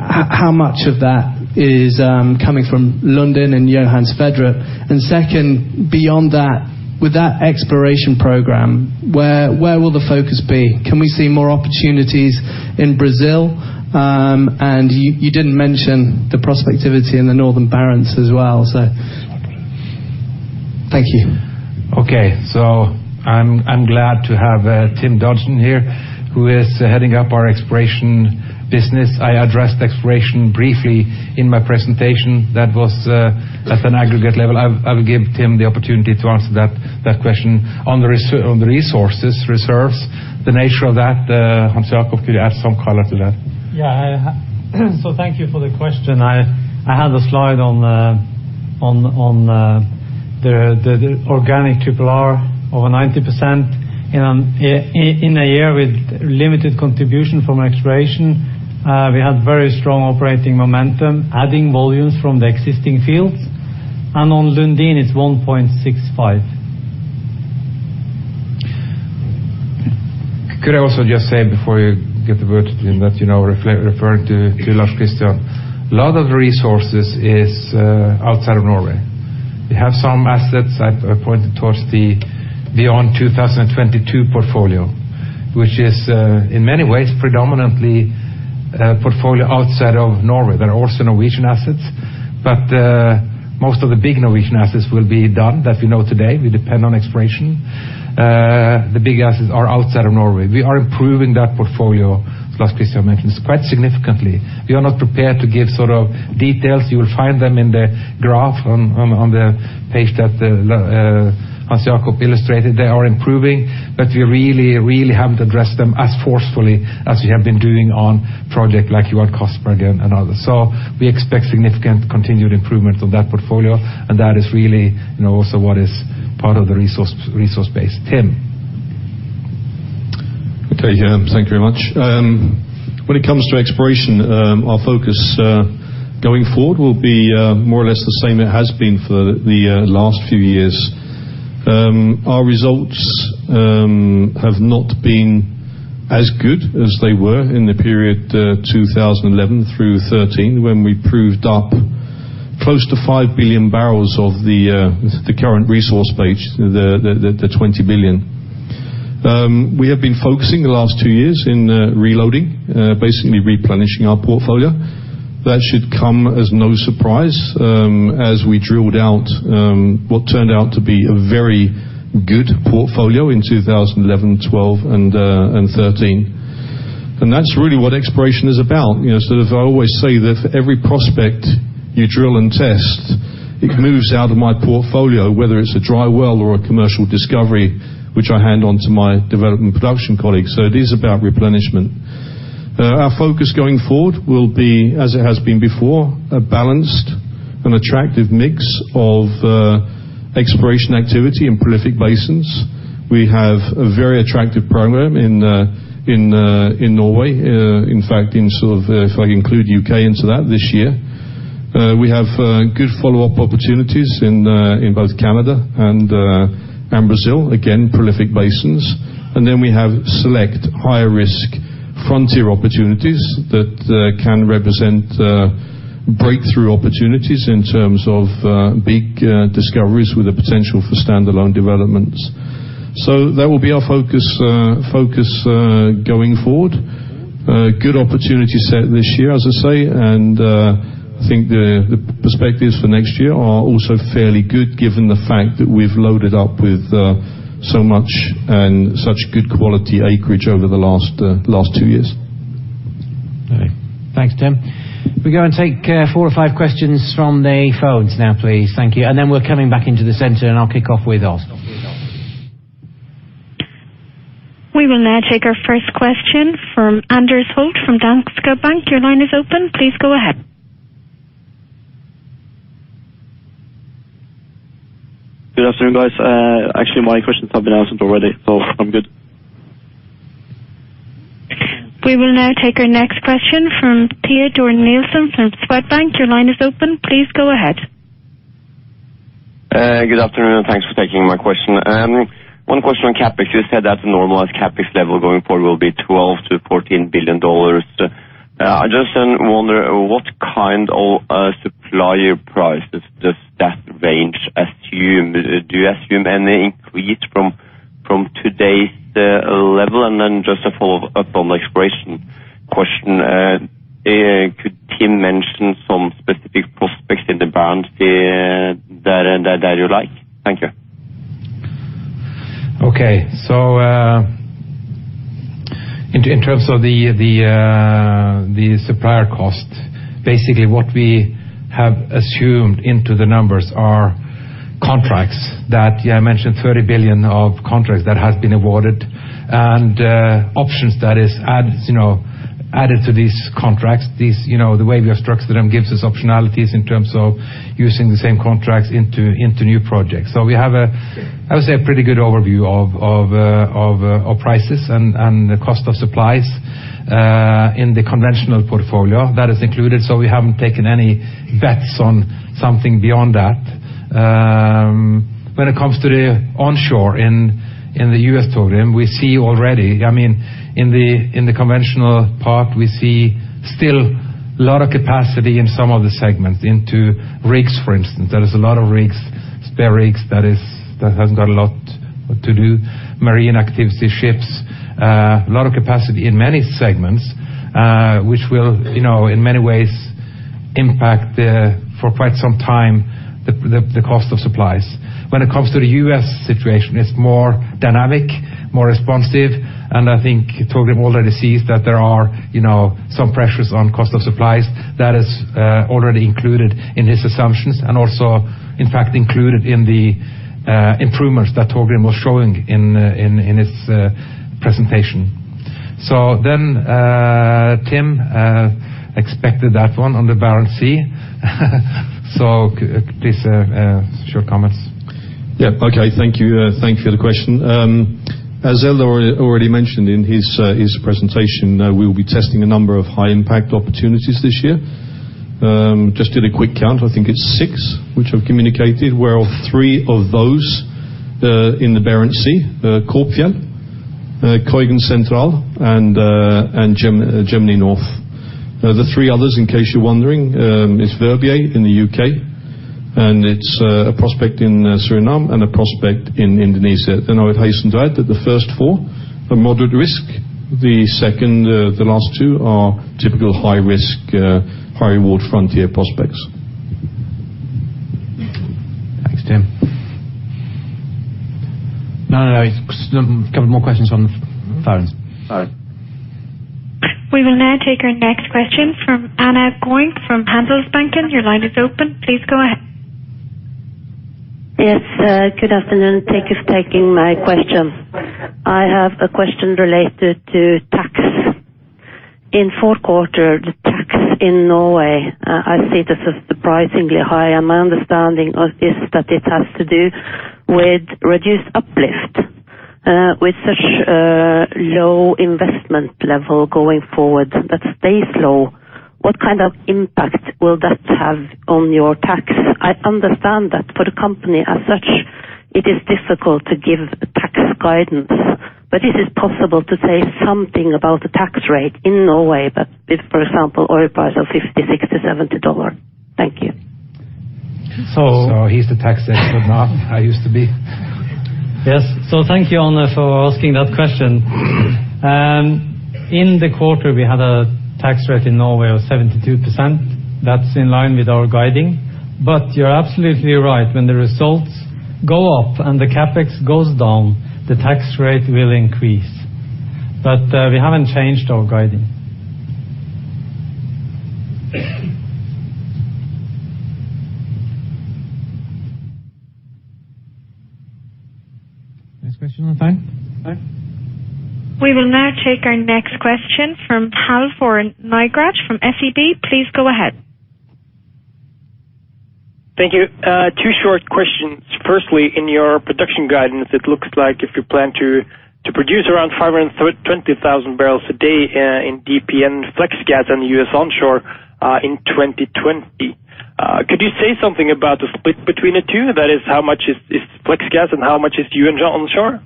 how much of that is coming from Lundin and Johan Sverdrup? Second, beyond that, with that exploration program, where will the focus be? Can we see more opportunities in Brazil? And you didn't mention the prospectivity in the northern Barents as well. Thank you. Okay. I'm glad to have Tim Dodson here, who is heading up our exploration business. I addressed exploration briefly in my presentation. That was at an aggregate level. I will give Tim the opportunity to answer that question. On the resources reserves, the nature of that, Hans Jakob, could you add some color to that? Yeah. I thank you for the question. I had the slide on the organic RRR over 90% in a year with limited contribution from exploration. We had very strong operating momentum, adding volumes from the existing fields. On Lundin is 1.65. Could I also just say before you get the word Tim that, you know, referring to Lars Christian. A lot of the resources is outside of Norway. We have some assets that are pointed towards the beyond 2022 portfolio. Which is in many ways predominantly portfolio outside of Norway. There are also Norwegian assets, but most of the big Norwegian assets will be done that we know today. We depend on exploration. The big assets are outside of Norway. We are improving that portfolio, as Lars Christian mentioned, quite significantly. We are not prepared to give sort of details. You will find them in the graph on the page that Hans Jakob Hegge illustrated. They are improving, but we really, really haven't addressed them as forcefully as we have been doing on projects like Sverdrup and Castberg and others. We expect significant continued improvements on that portfolio, and that is really, you know, also what is part of the resource base. Okay. Yeah. Thank you very much. When it comes to exploration, our focus going forward will be more or less the same it has been for the last few years. Our results have not been as good as they were in the period 2011 through 2013 when we proved up close to 5 billion barrels of the current resource base, the 20 billion. We have been focusing the last two years in reloading, basically replenishing our portfolio. That should come as no surprise, as we drilled out what turned out to be a very good portfolio in 2011, 2012 and 2013. That's really what exploration is about. You know, sort of I always say that for every prospect you drill and test, it moves out of my portfolio, whether it's a dry well or a commercial discovery, which I hand on to my development production colleagues. It is about replenishment. Our focus going forward will be, as it has been before, a balanced and attractive mix of exploration activity in prolific basins. We have a very attractive program in Norway. In fact, in sort of if I include U.K. into that this year. We have good follow-up opportunities in both Canada and Brazil, again, prolific basins. Then we have select higher risk frontier opportunities that can represent breakthrough opportunities in terms of big discoveries with the potential for standalone developments. That will be our focus going forward. Good opportunity set this year, as I say. I think the perspectives for next year are also fairly good given the fact that we've loaded up with so much and such good quality acreage over the last two years. Okay. Thanks, Tim. We're gonna take four or five questions from the phones now, please. Thank you. Then we're coming back into the center, and I'll kick off with Oscar. We will now take our first question from Anders Holt from Danske Bank. Your line is open. Please go ahead. Good afternoon, guys. Actually my questions have been answered already, so I'm good. We will now take our next question from Pia Dorn Nielsen from Swedbank. Your line is open. Please go ahead. Good afternoon, and thanks for taking my question. One question on CapEx. You said that the normalized CapEx level going forward will be $12 billion-$14 billion. I just then wonder what kind of supplier prices does that range assume? Do you assume any increase from today's level? Then just a follow-up on the exploration question. Could Tim mention some specific prospects in the Barents that you like? Thank you. In terms of the supplier cost, basically what we have assumed into the numbers are contracts that, yeah, I mentioned $30 billion of contracts that has been awarded and options that are added, you know, added to these contracts. These, you know, the way we have structured them gives us optionalities in terms of using the same contracts into new projects. We have, I would say, a pretty good overview of prices and the cost of supplies in the conventional portfolio that is included, so we haven't taken any bets on something beyond that. When it comes to the onshore in the U.S. Permian, we see already, I mean, in the conventional part, we see still a lot of capacity in some of the segments in the rigs, for instance. There is a lot of rigs, spare rigs that hasn't got a lot to do in marine activities, ships, a lot of capacity in many segments, which will, you know, in many ways impact the, for quite some time, the cost of supply. When it comes to the U.S. Situation, it's more dynamic, more responsive, and I think Torgrim already sees that there are, you know, some pressures on cost of supply. That is already included in his assumptions and also, in fact, included in the improvements that Torgrim was showing in his presentation. Tim, expected that one on the Barents Sea. Please, share your comments. Yeah. Okay, thank you. Thank you for the question. As Eldar already mentioned in his presentation, we'll be testing a number of high impact opportunities this year. Just did a quick count. I think it's six which I've communicated, where all three of those in the Barents Sea, Korpfjellet, Koigen Sentral, and Gemini North. The three others, in case you're wondering, is Verbier in the U..K, and it's a prospect in Suriname and a prospect in Indonesia. I would hasten to add that the first four are moderate risk. The second, the last two are typical high-risk, high-reward frontier prospects. Thanks, Tim. No, no. Couple more questions on the phone. All right. We will now take our next question from Anna Gjøn from DNB Bank. Your line is open. Please go ahead. Yes, good afternoon. Thank you for taking my question. I have a question related to tax. In fourth quarter, the tax in Norway, I see this is surprisingly high, and my understanding of this is that it has to do with reduced uplift. With such low investment level going forward that stays low, what kind of impact will that have on your tax? I understand that for the company as such, it is difficult to give tax guidance, but is it possible to say something about the tax rate in Norway, but with, for example, oil price of $50, $60, $70? Thank you. So. He's the tax expert now. I used to be. Yes. Thank you, Anna, for asking that question. In the quarter, we had a tax rate in Norway of 72%. That's in line with our guidance. You're absolutely right. When the results go up and the CapEx goes down, the tax rate will increase. We haven't changed our guidance. Next question on the phone. We will now take our next question from Halvor Nygård from SEB. Please go ahead. Thank you. Two short questions. Firstly, in your production guidance, it looks like if you plan to produce around 520,000 barrels a day in DPN flex gas in the U.S. onshore in 2020. Could you say something about the split between the two? That is, how much is flex gas and how much is U.S. onshore?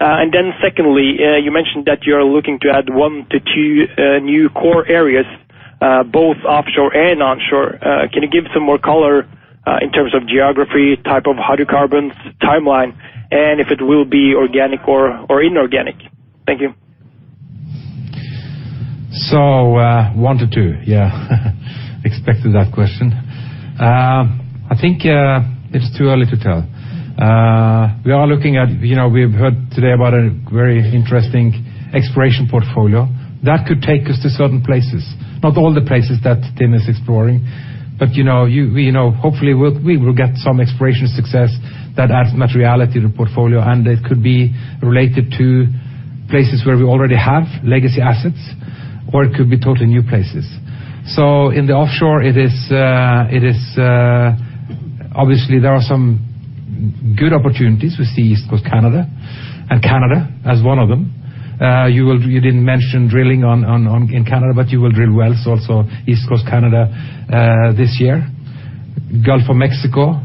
And then secondly, you mentioned that you're looking to add one to two new core areas, both offshore and onshore. Can you give some more color in terms of geography, type of hydrocarbons, timeline, and if it will be organic or inorganic? Thank you. One to two. Yeah. Expected that question. I think it's too early to tell. We are looking at, you know, we've heard today about a very interesting exploration portfolio. That could take us to certain places, not all the places that Tim is exploring. But you know, we know hopefully we will get some exploration success that adds materiality to the portfolio, and it could be related to places where we already have legacy assets, or it could be totally new places. In the offshore, it is obviously there are some good opportunities. We see East Coast Canada and Canada as one of them. We didn't mention drilling on in Canada, but you will drill wells also East Coast Canada, this year. Gulf of Mexico.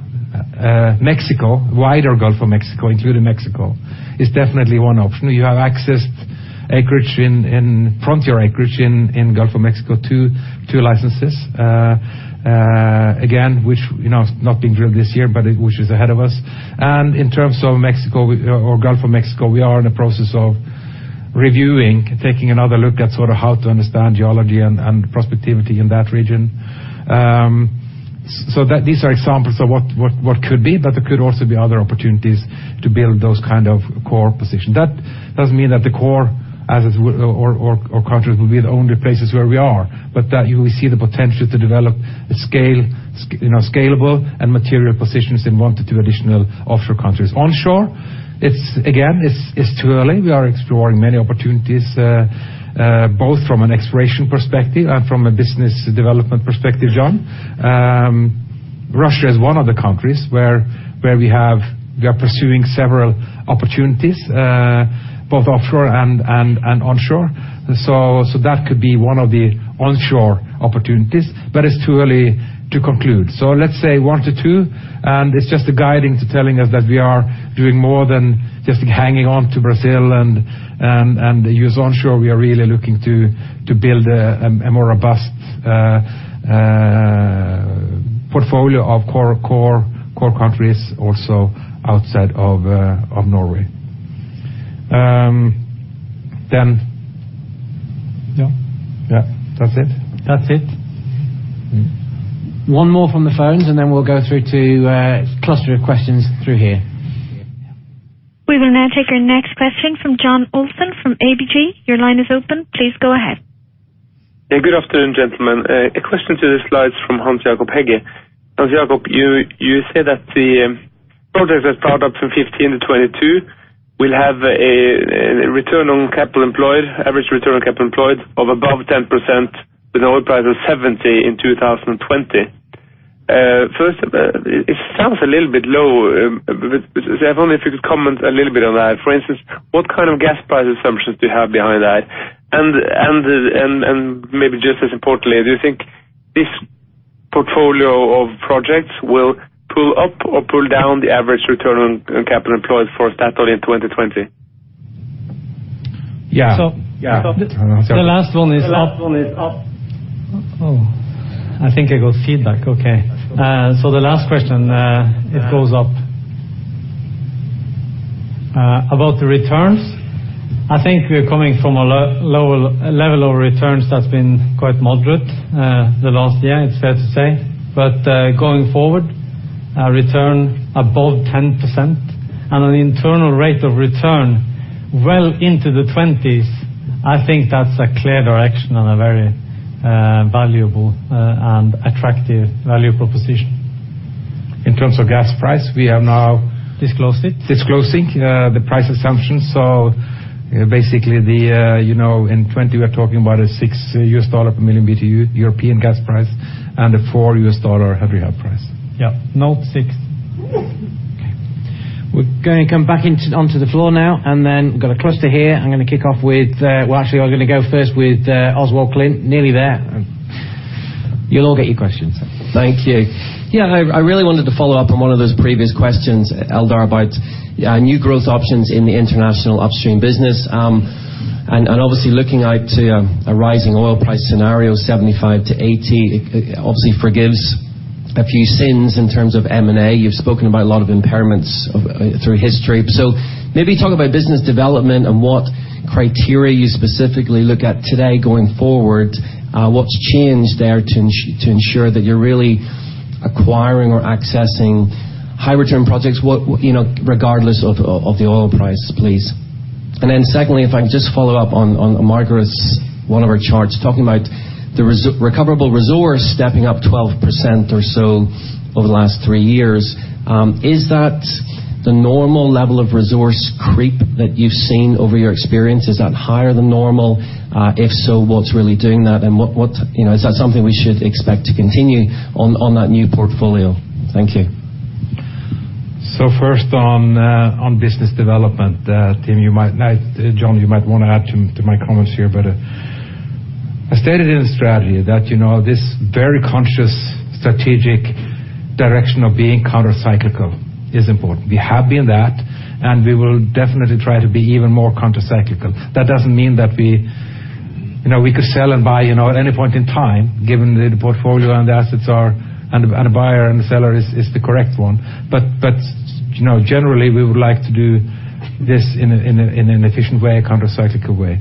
Mexico. Wider Gulf of Mexico, including Mexico, is definitely one option. You have access acreage in frontier acreage in Gulf of Mexico, two licenses. Again, which, you know, not being drilled this year, but which is ahead of us. In terms of Mexico or Gulf of Mexico, we are in the process of reviewing, taking another look at sort of how to understand geology and prospectivity in that region. These are examples of what could be, but there could also be other opportunities to build those kind of core position. That doesn't mean that the core as it or countries will be the only places where we are, but that we see the potential to develop scale, you know, scalable and material positions in one to two additional offshore countries. Onshore, it's again too early. We are exploring many opportunities, both from an exploration perspective and from a business development perspective, John. Russia is one of the countries where we are pursuing several opportunities, both offshore and onshore. That could be one of the onshore opportunities, but it's too early to conclude. Let's say one to two, and it's just a guiding to telling us that we are doing more than just hanging on to Brazil and the U.S. onshore. We are really looking to build a more robust portfolio of core countries also outside of Norway. Yeah. That's it? That's it. Mm-hmm. One more from the phones, and then we'll go through to a cluster of questions through here. We will now take our next question from John Olaisen from ABG. Your line is open. Please go ahead. Hey, good afternoon, gentlemen. A question to the slides from Hans Jakob Hegge. Hans Jakob Hegge, you say that the projects that start up from 2015 to 2022 will have a return on capital employed, average return on capital employed of above 10% with an oil price of $70 in 2020. First, it sounds a little bit low. But I was wondering if you could comment a little bit on that. For instance, what kind of gas price assumptions do you have behind that? And maybe just as importantly, do you think this portfolio of projects will pull up or pull down the average return on capital employed for Statoil in 2020? Yeah. So. Yeah. The last one is up. Oh, I think I got feedback. Okay. The last question, it goes up. About the returns, I think we're coming from a lower level of returns that's been quite moderate, the last year, it's fair to say. Going forward, a return above 10% and an internal rate of return well into the twenties, I think that's a clear direction and a very valuable and attractive value proposition. In terms of gas price, we are now disclosing. Disclosing the price assumptions. Basically, you know, in 2020 we are talking about a $6 per million BTU European gas price and a $4 Henry Hub price. Yeah. No, six. We're gonna come back onto the floor now, and then we've got a cluster here. I'm gonna kick off with. Well, actually, I'm gonna go first with Oswald Clint. Nearly there. You'll all get your questions. Thank you. Yeah, I really wanted to follow up on one of those previous questions, Eldar Sætre, about new growth options in the international upstream business. And obviously looking out to a rising oil price scenario, $75-$80, it obviously forgives a few sins in terms of M&A. You've spoken about a lot of impairments through history. Maybe talk about business development and what criteria you specifically look at today going forward. What's changed there to ensure that you're really acquiring or accessing high return projects, you know, regardless of the oil price, please. Then secondly, if I can just follow up on one of Margareth Øvrum's charts talking about the recoverable resource stepping up 12% or so over the last three years. Is that the normal level of resource creep that you've seen over your experience? Is that higher than normal? If so, what's really doing that? What, you know, is that something we should expect to continue on that new portfolio? Thank you. First on business development, Tim, now John, you might want to add to my comments here, but I stated in the strategy that, you know, this very conscious strategic direction of being counter-cyclical is important. We have been that, and we will definitely try to be even more counter-cyclical. That doesn't mean that we you know, we could sell and buy, you know, at any point in time, given that the portfolio and the assets are, and the buyer and the seller is the correct one. But you know, generally we would like to do this in an efficient way, a counter-cyclical way.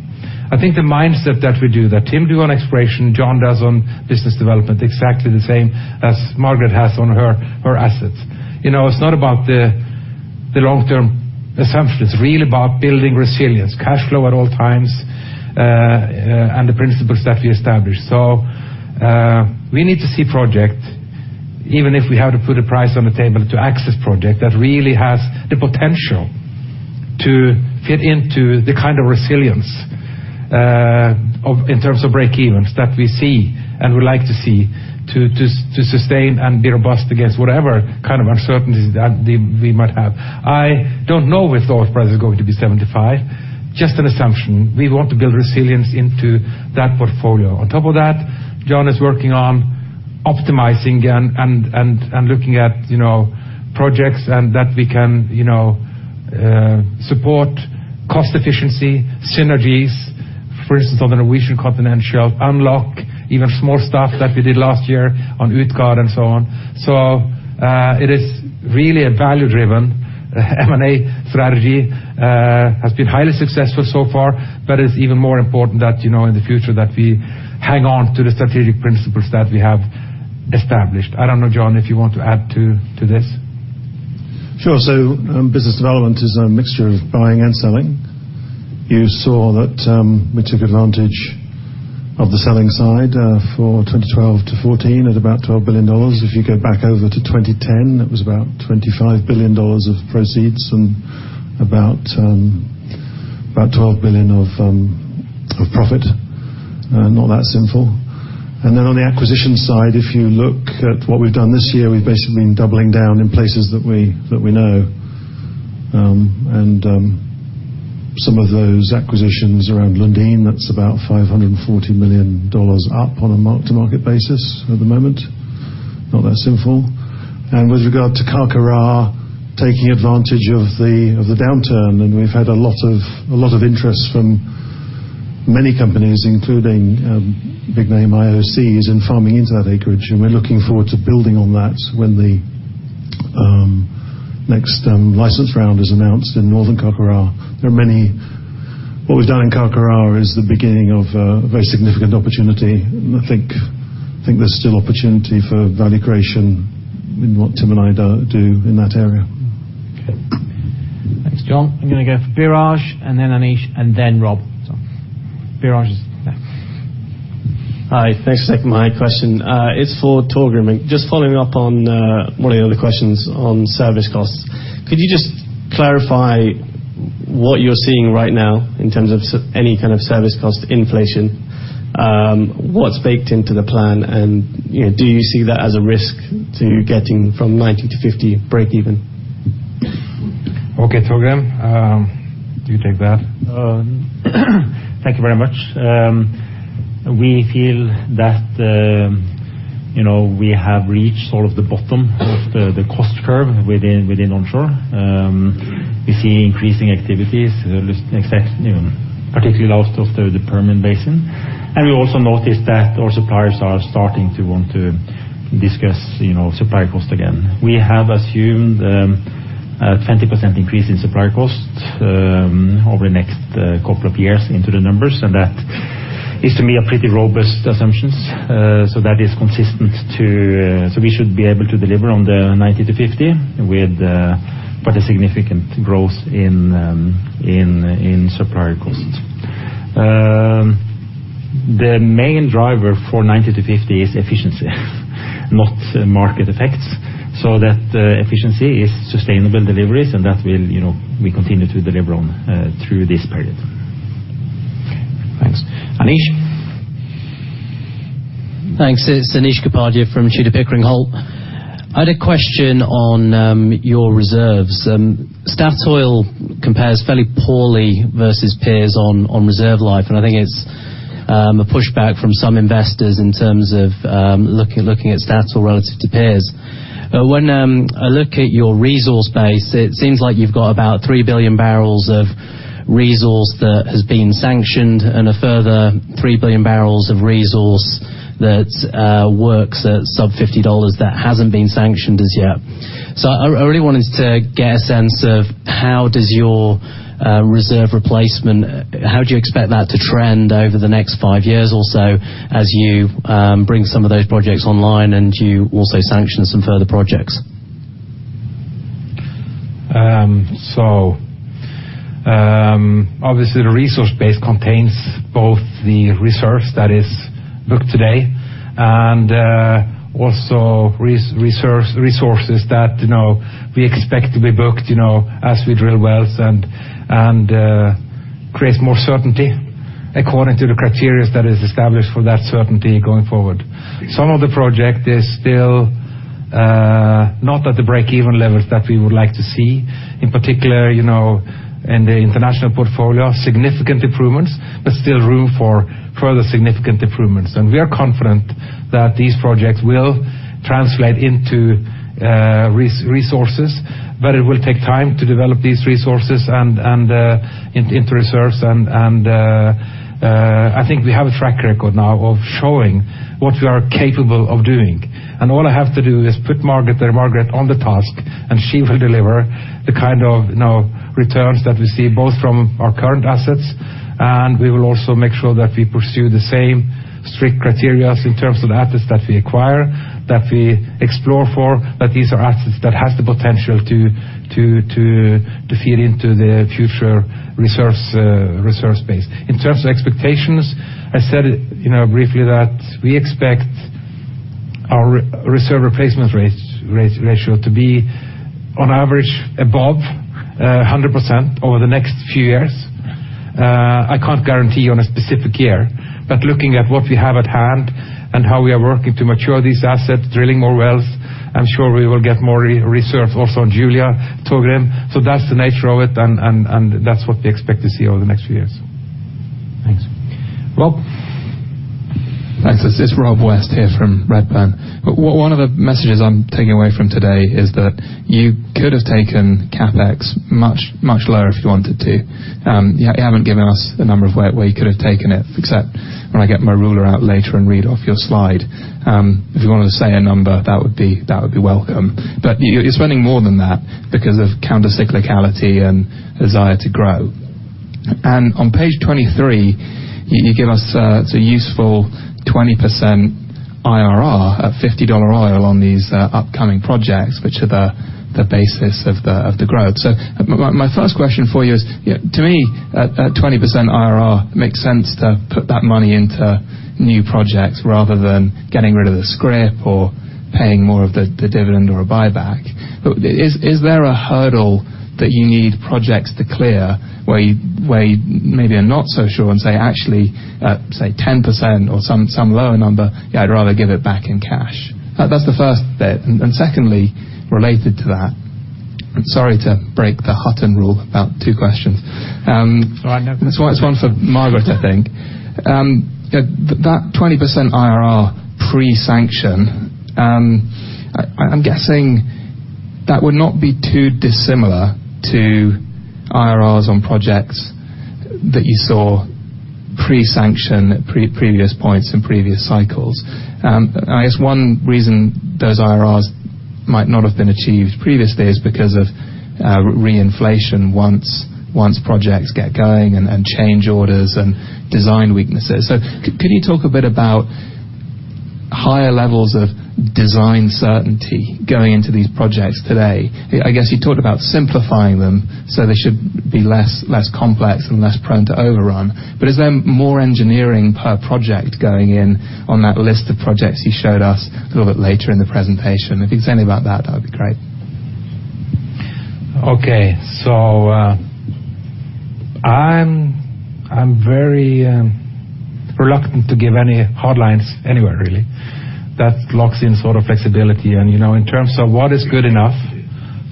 I think the mindset that we do that, Tim do on exploration, John does on business development, exactly the same as Margareth has on her assets. You know, it's not about the long-term assumption. It's really about building resilience, cash flow at all times, and the principles that we established. We need to see project, even if we have to put a price on the table to access project that really has the potential to fit into the kind of resilience, of, in terms of breakevens that we see and we like to see to sustain and be robust against whatever kind of uncertainties that we might have. I don't know if the oil price is going to be $75, just an assumption. We want to build resilience into that portfolio. On top of that, John is working on optimizing and looking at, you know, projects and that we can, you know, support cost efficiency, synergies. For instance, on the Norwegian Continental Shelf, unlock even small stuff that we did last year on Utgard and so on. It is really a value-driven M&A strategy. It has been highly successful so far, but it is even more important that, you know, in the future that we hang on to the strategic principles that we have established. I don't know, John, if you want to add to this. Sure. Business development is a mixture of buying and selling. You saw that we took advantage of the selling side for 2012-2014 at about $12 billion. If you go back over to 2010, it was about $25 billion of proceeds and about $12 billion of profit. Not that simple. On the acquisition side, if you look at what we've done this year, we've basically been doubling down in places that we know. Some of those acquisitions around Lundin, that's about $540 million up on a mark-to-market basis at the moment. Not that simple. With regard to Carcará, taking advantage of the downturn, we've had a lot of interest from many companies, including big name IOCs in farming into that acreage. We're looking forward to building on that when the next, licensing round is announced in Norte de Carcará. What was done in Carcará is the beginning of a very significant opportunity, and there's still opportunity for value creation in what Tim and I do in that area. Okay. Thanks, John. I'm gonna go for Biraj, and then Anish, and then Rob. Biraj is next. Hi. Thanks for taking my question. It's for Torgrim. Just following up on one of the other questions on service costs. Could you just clarify what you're seeing right now in terms of any kind of service cost inflation? What's baked into the plan, and, you know, do you see that as a risk to getting from 90-50 breakeven? Okay, Torgrim, do you take that? Thank you very much. We feel that, you know, we have reached sort of the bottom of the cost curve within onshore. We're seeing increasing activities, at least in the next, you know, particularly out of the Permian Basin. We also noticed that our suppliers are starting to want to discuss, you know, supply cost again. We have assumed a 20% increase in supply costs over the next couple of years into the numbers, and that is to me are pretty robust assumptions. That is consistent to. We should be able to deliver on the $90-$50 with quite a significant growth in supplier costs. The main driver for $90-$50 is efficiency, not market effects. That efficiency is sustainable deliveries and that will, you know, we continue to deliver on through this period. Okay, thanks. Anish. Thanks. It's Anish Kapadia from Tudor, Pickering, Holt. I had a question on your reserves. Statoil compares fairly poorly versus peers on reserve life, and I think it's a pushback from some investors in terms of looking at Statoil relative to peers. When I look at your resource base, it seems like you've got about 3 billion barrels of resource that has been sanctioned and a further 3 billion barrels of resource that works at sub $50 that hasn't been sanctioned as yet. I really wanted to get a sense of how does your reserve replacement, how do you expect that to trend over the next five years or so as you bring some of those projects online and you also sanction some further projects? Obviously the resource base contains both the resource that is booked today and also resources that, you know, we expect to be booked, you know, as we drill wells and creates more certainty according to the criteria that is established for that certainty going forward. Some of the project is still not at the break-even levels that we would like to see, in particular, you know, in the international portfolio, significant improvements, but still room for further significant improvements. We are confident that these projects will translate into resources, but it will take time to develop these resources and into reserves. I think we have a track record now of showing what we are capable of doing. All I have to do is put Margareth there, Margareth on the task, and she will deliver the kind of returns that we see both from our current assets, and we will also make sure that we pursue the same strict criteria in terms of the assets that we acquire, that we explore for, that these are assets that has the potential to feed into the future resource base. In terms of expectations, I said briefly that we expect our reserve replacement ratio to be on average above 100% over the next few years. I can't guarantee on a specific year. Looking at what we have at hand and how we are working to mature these assets, drilling more wells, I'm sure we will get more reserve also on Julia, Torgrim. That's the nature of it and that's what we expect to see over the next few years. Thanks. Rob. Thanks. This is Rob West here from Redburn. One of the messages I'm taking away from today is that you could have taken CapEx much lower if you wanted to. You haven't given us the number of where you could have taken it, except when I get my ruler out later and read off your slide. If you wanted to say a number, that would be welcome. You're spending more than that because of countercyclicality and desire to grow. On page 23, you give us a useful 20% IRR at $50 oil on these upcoming projects, which are the basis of the growth. My first question for you is, you know, to me at 20% IRR, it makes sense to put that money into new projects rather than getting rid of the scrip or paying more of the dividend or a buyback. But is there a hurdle that you need projects to clear where you maybe are not so sure and say, "Actually, 10% or some lower number, yeah, I'd rather give it back in cash"? That's the first bit. Secondly, related to that, I'm sorry to break the Hutton rule about two questions. Oh, no. It's one for Margareth, I think. That 20% IRR pre-sanction, I'm guessing that would not be too dissimilar to IRRs on projects that you saw pre-sanction, previous points in previous cycles. I guess one reason those IRRs might not have been achieved previously is because of reinflation once projects get going and change orders and design weaknesses. Could you talk a bit about higher levels of design certainty going into these projects today? I guess you talked about simplifying them, so they should be less complex and less prone to overrun. Is there more engineering per project going in on that list of projects you showed us a little bit later in the presentation? If you could say anything about that would be great. Okay. I'm very reluctant to give any hard lines anywhere really. That locks in sort of flexibility and, you know, in terms of what is good enough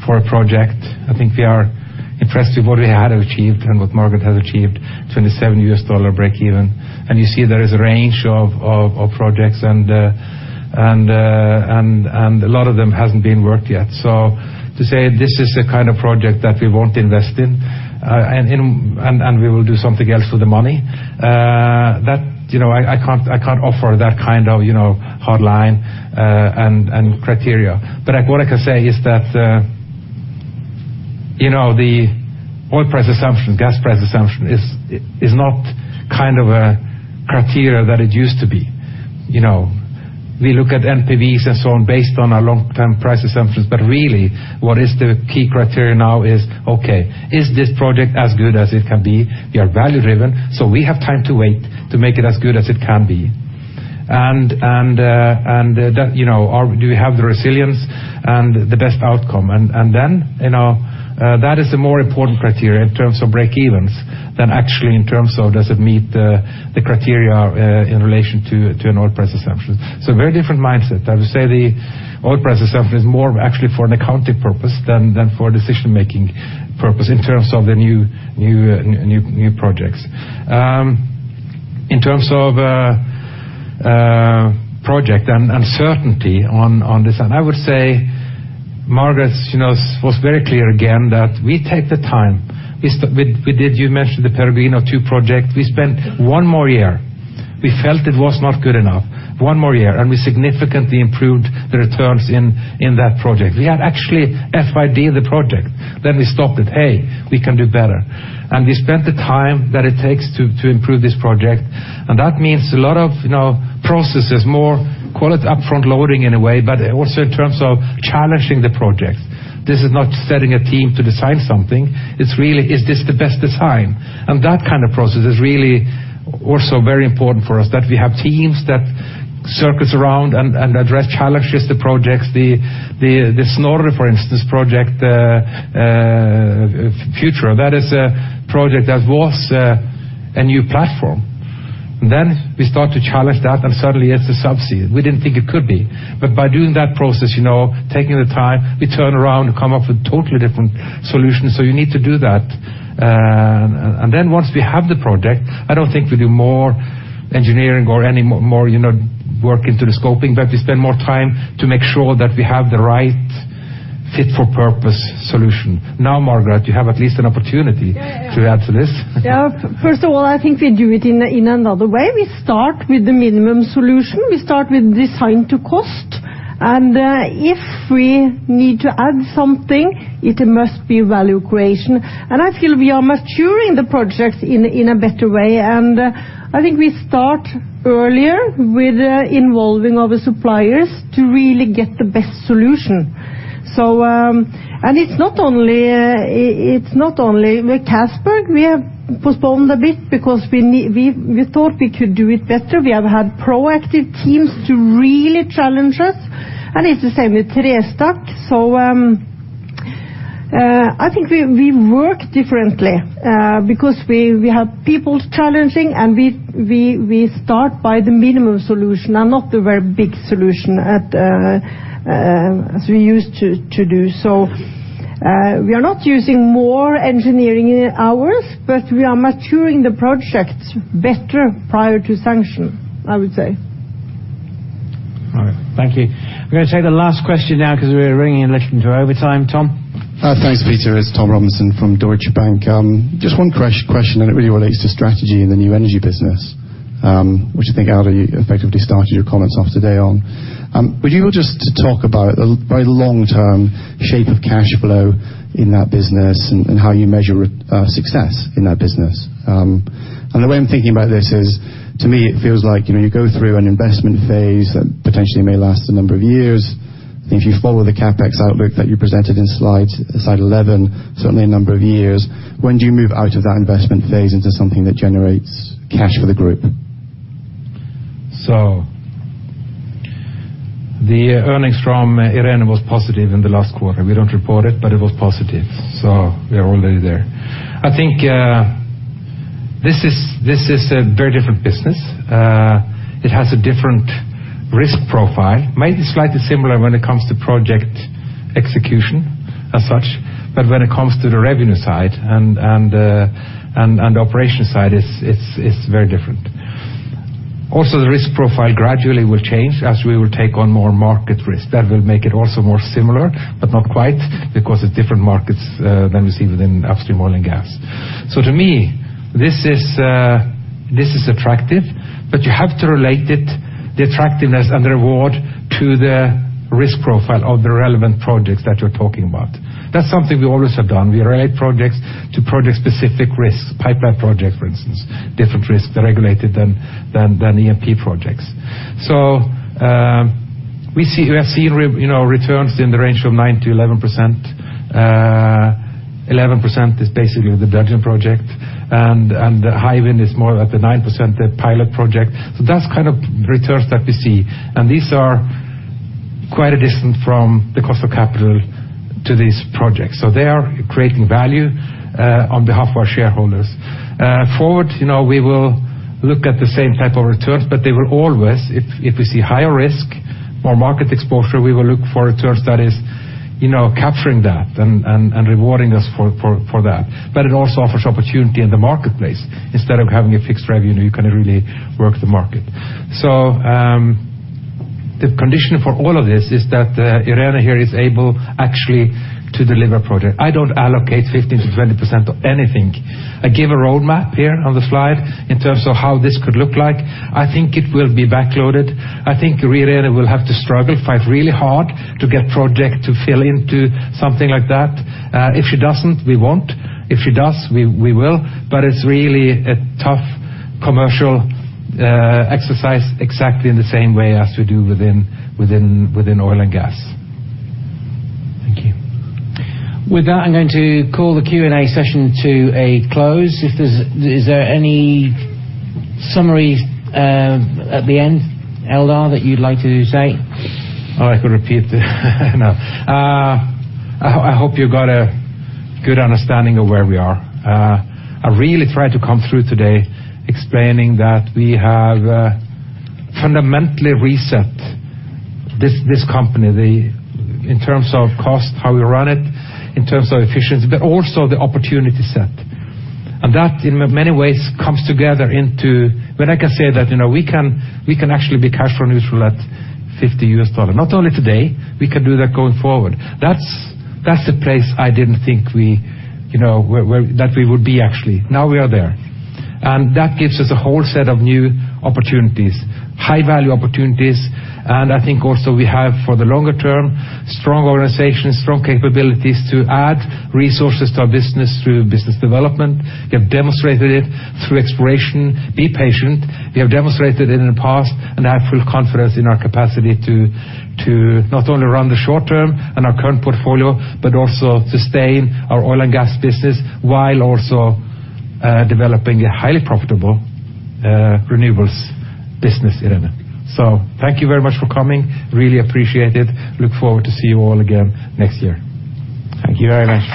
for a project. I think we are impressed with what we had achieved and what Margareth has achieved, $27 breakeven. You see there is a range of projects and a lot of them hasn't been worked yet. To say this is the kind of project that we won't invest in and we will do something else with the money, that, you know, I can't offer that kind of hard line and criteria. Like what I can say is that, you know, the oil price assumption, gas price assumption is not kind of a criteria that it used to be. You know, we look at NPVs and so on based on our long-term price assumptions, but really what is the key criteria now is, okay, is this project as good as it can be? We are value driven, so we have time to wait to make it as good as it can be. You know, or do we have the resilience and the best outcome and then, you know, that is a more important criteria in terms of breakevens than actually in terms of does it meet the criteria in relation to an oil price assumption. A very different mindset. I would say the oil price assumption is more actually for an accounting purpose than for decision-making purpose in terms of the new projects. In terms of project and certainty on this, and I would say Margareth, you know, was very clear again that we take the time. We did, you mentioned the Peregrino II project. We spent one more year. We felt it was not good enough. One more year, and we significantly improved the returns in that project. We had actually FID the project. Then we stopped it. Hey, we can do better. We spent the time that it takes to improve this project, and that means a lot of, you know, processes, more quality up front loading in a way, but also in terms of challenging the projects. This is not setting a team to design something. It's really, is this the best design? That kind of process is really also very important for us, that we have teams that circle around and address challenges to projects. The Snorre future project, for instance, that is a project that was a new platform. We start to challenge that, and suddenly it's a subsea. We didn't think it could be. By doing that process, you know, taking the time, we turn around and come up with totally different solutions. You need to do that. Once we have the project, I don't think we do more engineering or any more, you know, work into the scoping, but we spend more time to make sure that we have the right fit for purpose solution. Now, Margareth, you have at least an opportunity. Yeah. Yeah. Yeah. To add to this. Yeah. First of all, I think we do it in another way. We start with the minimum solution. We start with design to cost. If we need to add something, it must be value creation. I feel we are maturing the projects in a better way. I think we start earlier with involving all the suppliers to really get the best solution. It's not only with Castberg. We have postponed a bit because we thought we could do it better. We have had proactive teams to really challenge us, and it's the same with Trestakk. I think we work differently because we have people challenging and we start by the minimum solution and not the very big solution as we used to do. We are not using more engineering hours, but we are maturing the projects better prior to sanction, I would say. All right. Thank you. I'm gonna take the last question now because we're running a little over time. Tom? Thanks, Peter. It's Tom Robinson from Deutsche Bank. Just one question, and it really relates to strategy in the new energy business, which I think, Eldar Sætre, you effectively started your comments off today on. Would you just talk about the very long-term shape of cash flow in that business and how you measure success in that business? And the way I'm thinking about this is, to me, it feels like, you know, you go through an investment phase that potentially may last a number of years. If you follow the CapEx outlook that you presented in slide 11, certainly a number of years. When do you move out of that investment phase into something that generates cash for the group? The earnings from Irene was positive in the last quarter. We don't report it, but it was positive, so we are already there. I think, this is a very different business. It has a different risk profile. Maybe slightly similar when it comes to project execution as such, but when it comes to the revenue side and the operation side, it's very different. Also, the risk profile gradually will change as we will take on more market risk. That will make it also more similar, but not quite, because it's different markets than we see within upstream oil and gas. To me, this is attractive, but you have to relate it, the attractiveness and the reward to the risk profile of the relevant projects that you're talking about. That's something we always have done. We relate projects to project-specific risks. Pipeline project, for instance, different risks. They're more regulated than EMP projects. We have seen, you know, returns in the range of 9%-11%. 11% is basically the Belgian project. The Hywind is more at the 9%, the pilot project. That's kind of returns that we see, and these are quite a distance from the cost of capital to these projects. They are creating value on behalf of our shareholders. Forward, you know, we will look at the same type of returns, but they will always, if we see higher risk, more market exposure, we will look for returns that is, you know, capturing that and rewarding us for that. It also offers opportunity in the marketplace. Instead of having a fixed revenue, you can really work the market. The condition for all of this is that, Irene here is able actually to deliver project. I don't allocate 15%-20% of anything. I give a roadmap here on the slide in terms of how this could look like. I think it will be backloaded. I think Irene will have to struggle, fight really hard to get project to fill into something like that. If she doesn't, we won't. If she does, we will. It's really a tough commercial exercise exactly in the same way as we do within oil and gas. Thank you. With that, I'm going to call the Q&A session to a close. Is there any summaries at the end, Eldar, that you'd like to say? I hope you got a good understanding of where we are. I really tried to come through today explaining that we have fundamentally reset this company. In terms of cost, how we run it, in terms of efficiency, but also the opportunity set. That, in many ways, comes together into when I can say that, you know, we can actually be cash flow neutral at $50. Not only today, we can do that going forward. That's the place I didn't think we, you know, where that we would be actually. Now we are there. That gives us a whole set of new opportunities, high-value opportunities. I think also we have, for the longer term, strong organizations, strong capabilities to add resources to our business through business development. We have demonstrated it through exploration. Be patient. We have demonstrated it in the past, and I have full confidence in our capacity to not only run the short term and our current portfolio, but also sustain our oil and gas business while also developing a highly profitable renewables business in Irene. Thank you very much for coming. Really appreciate it. Look forward to see you all again next year. Thank you very much.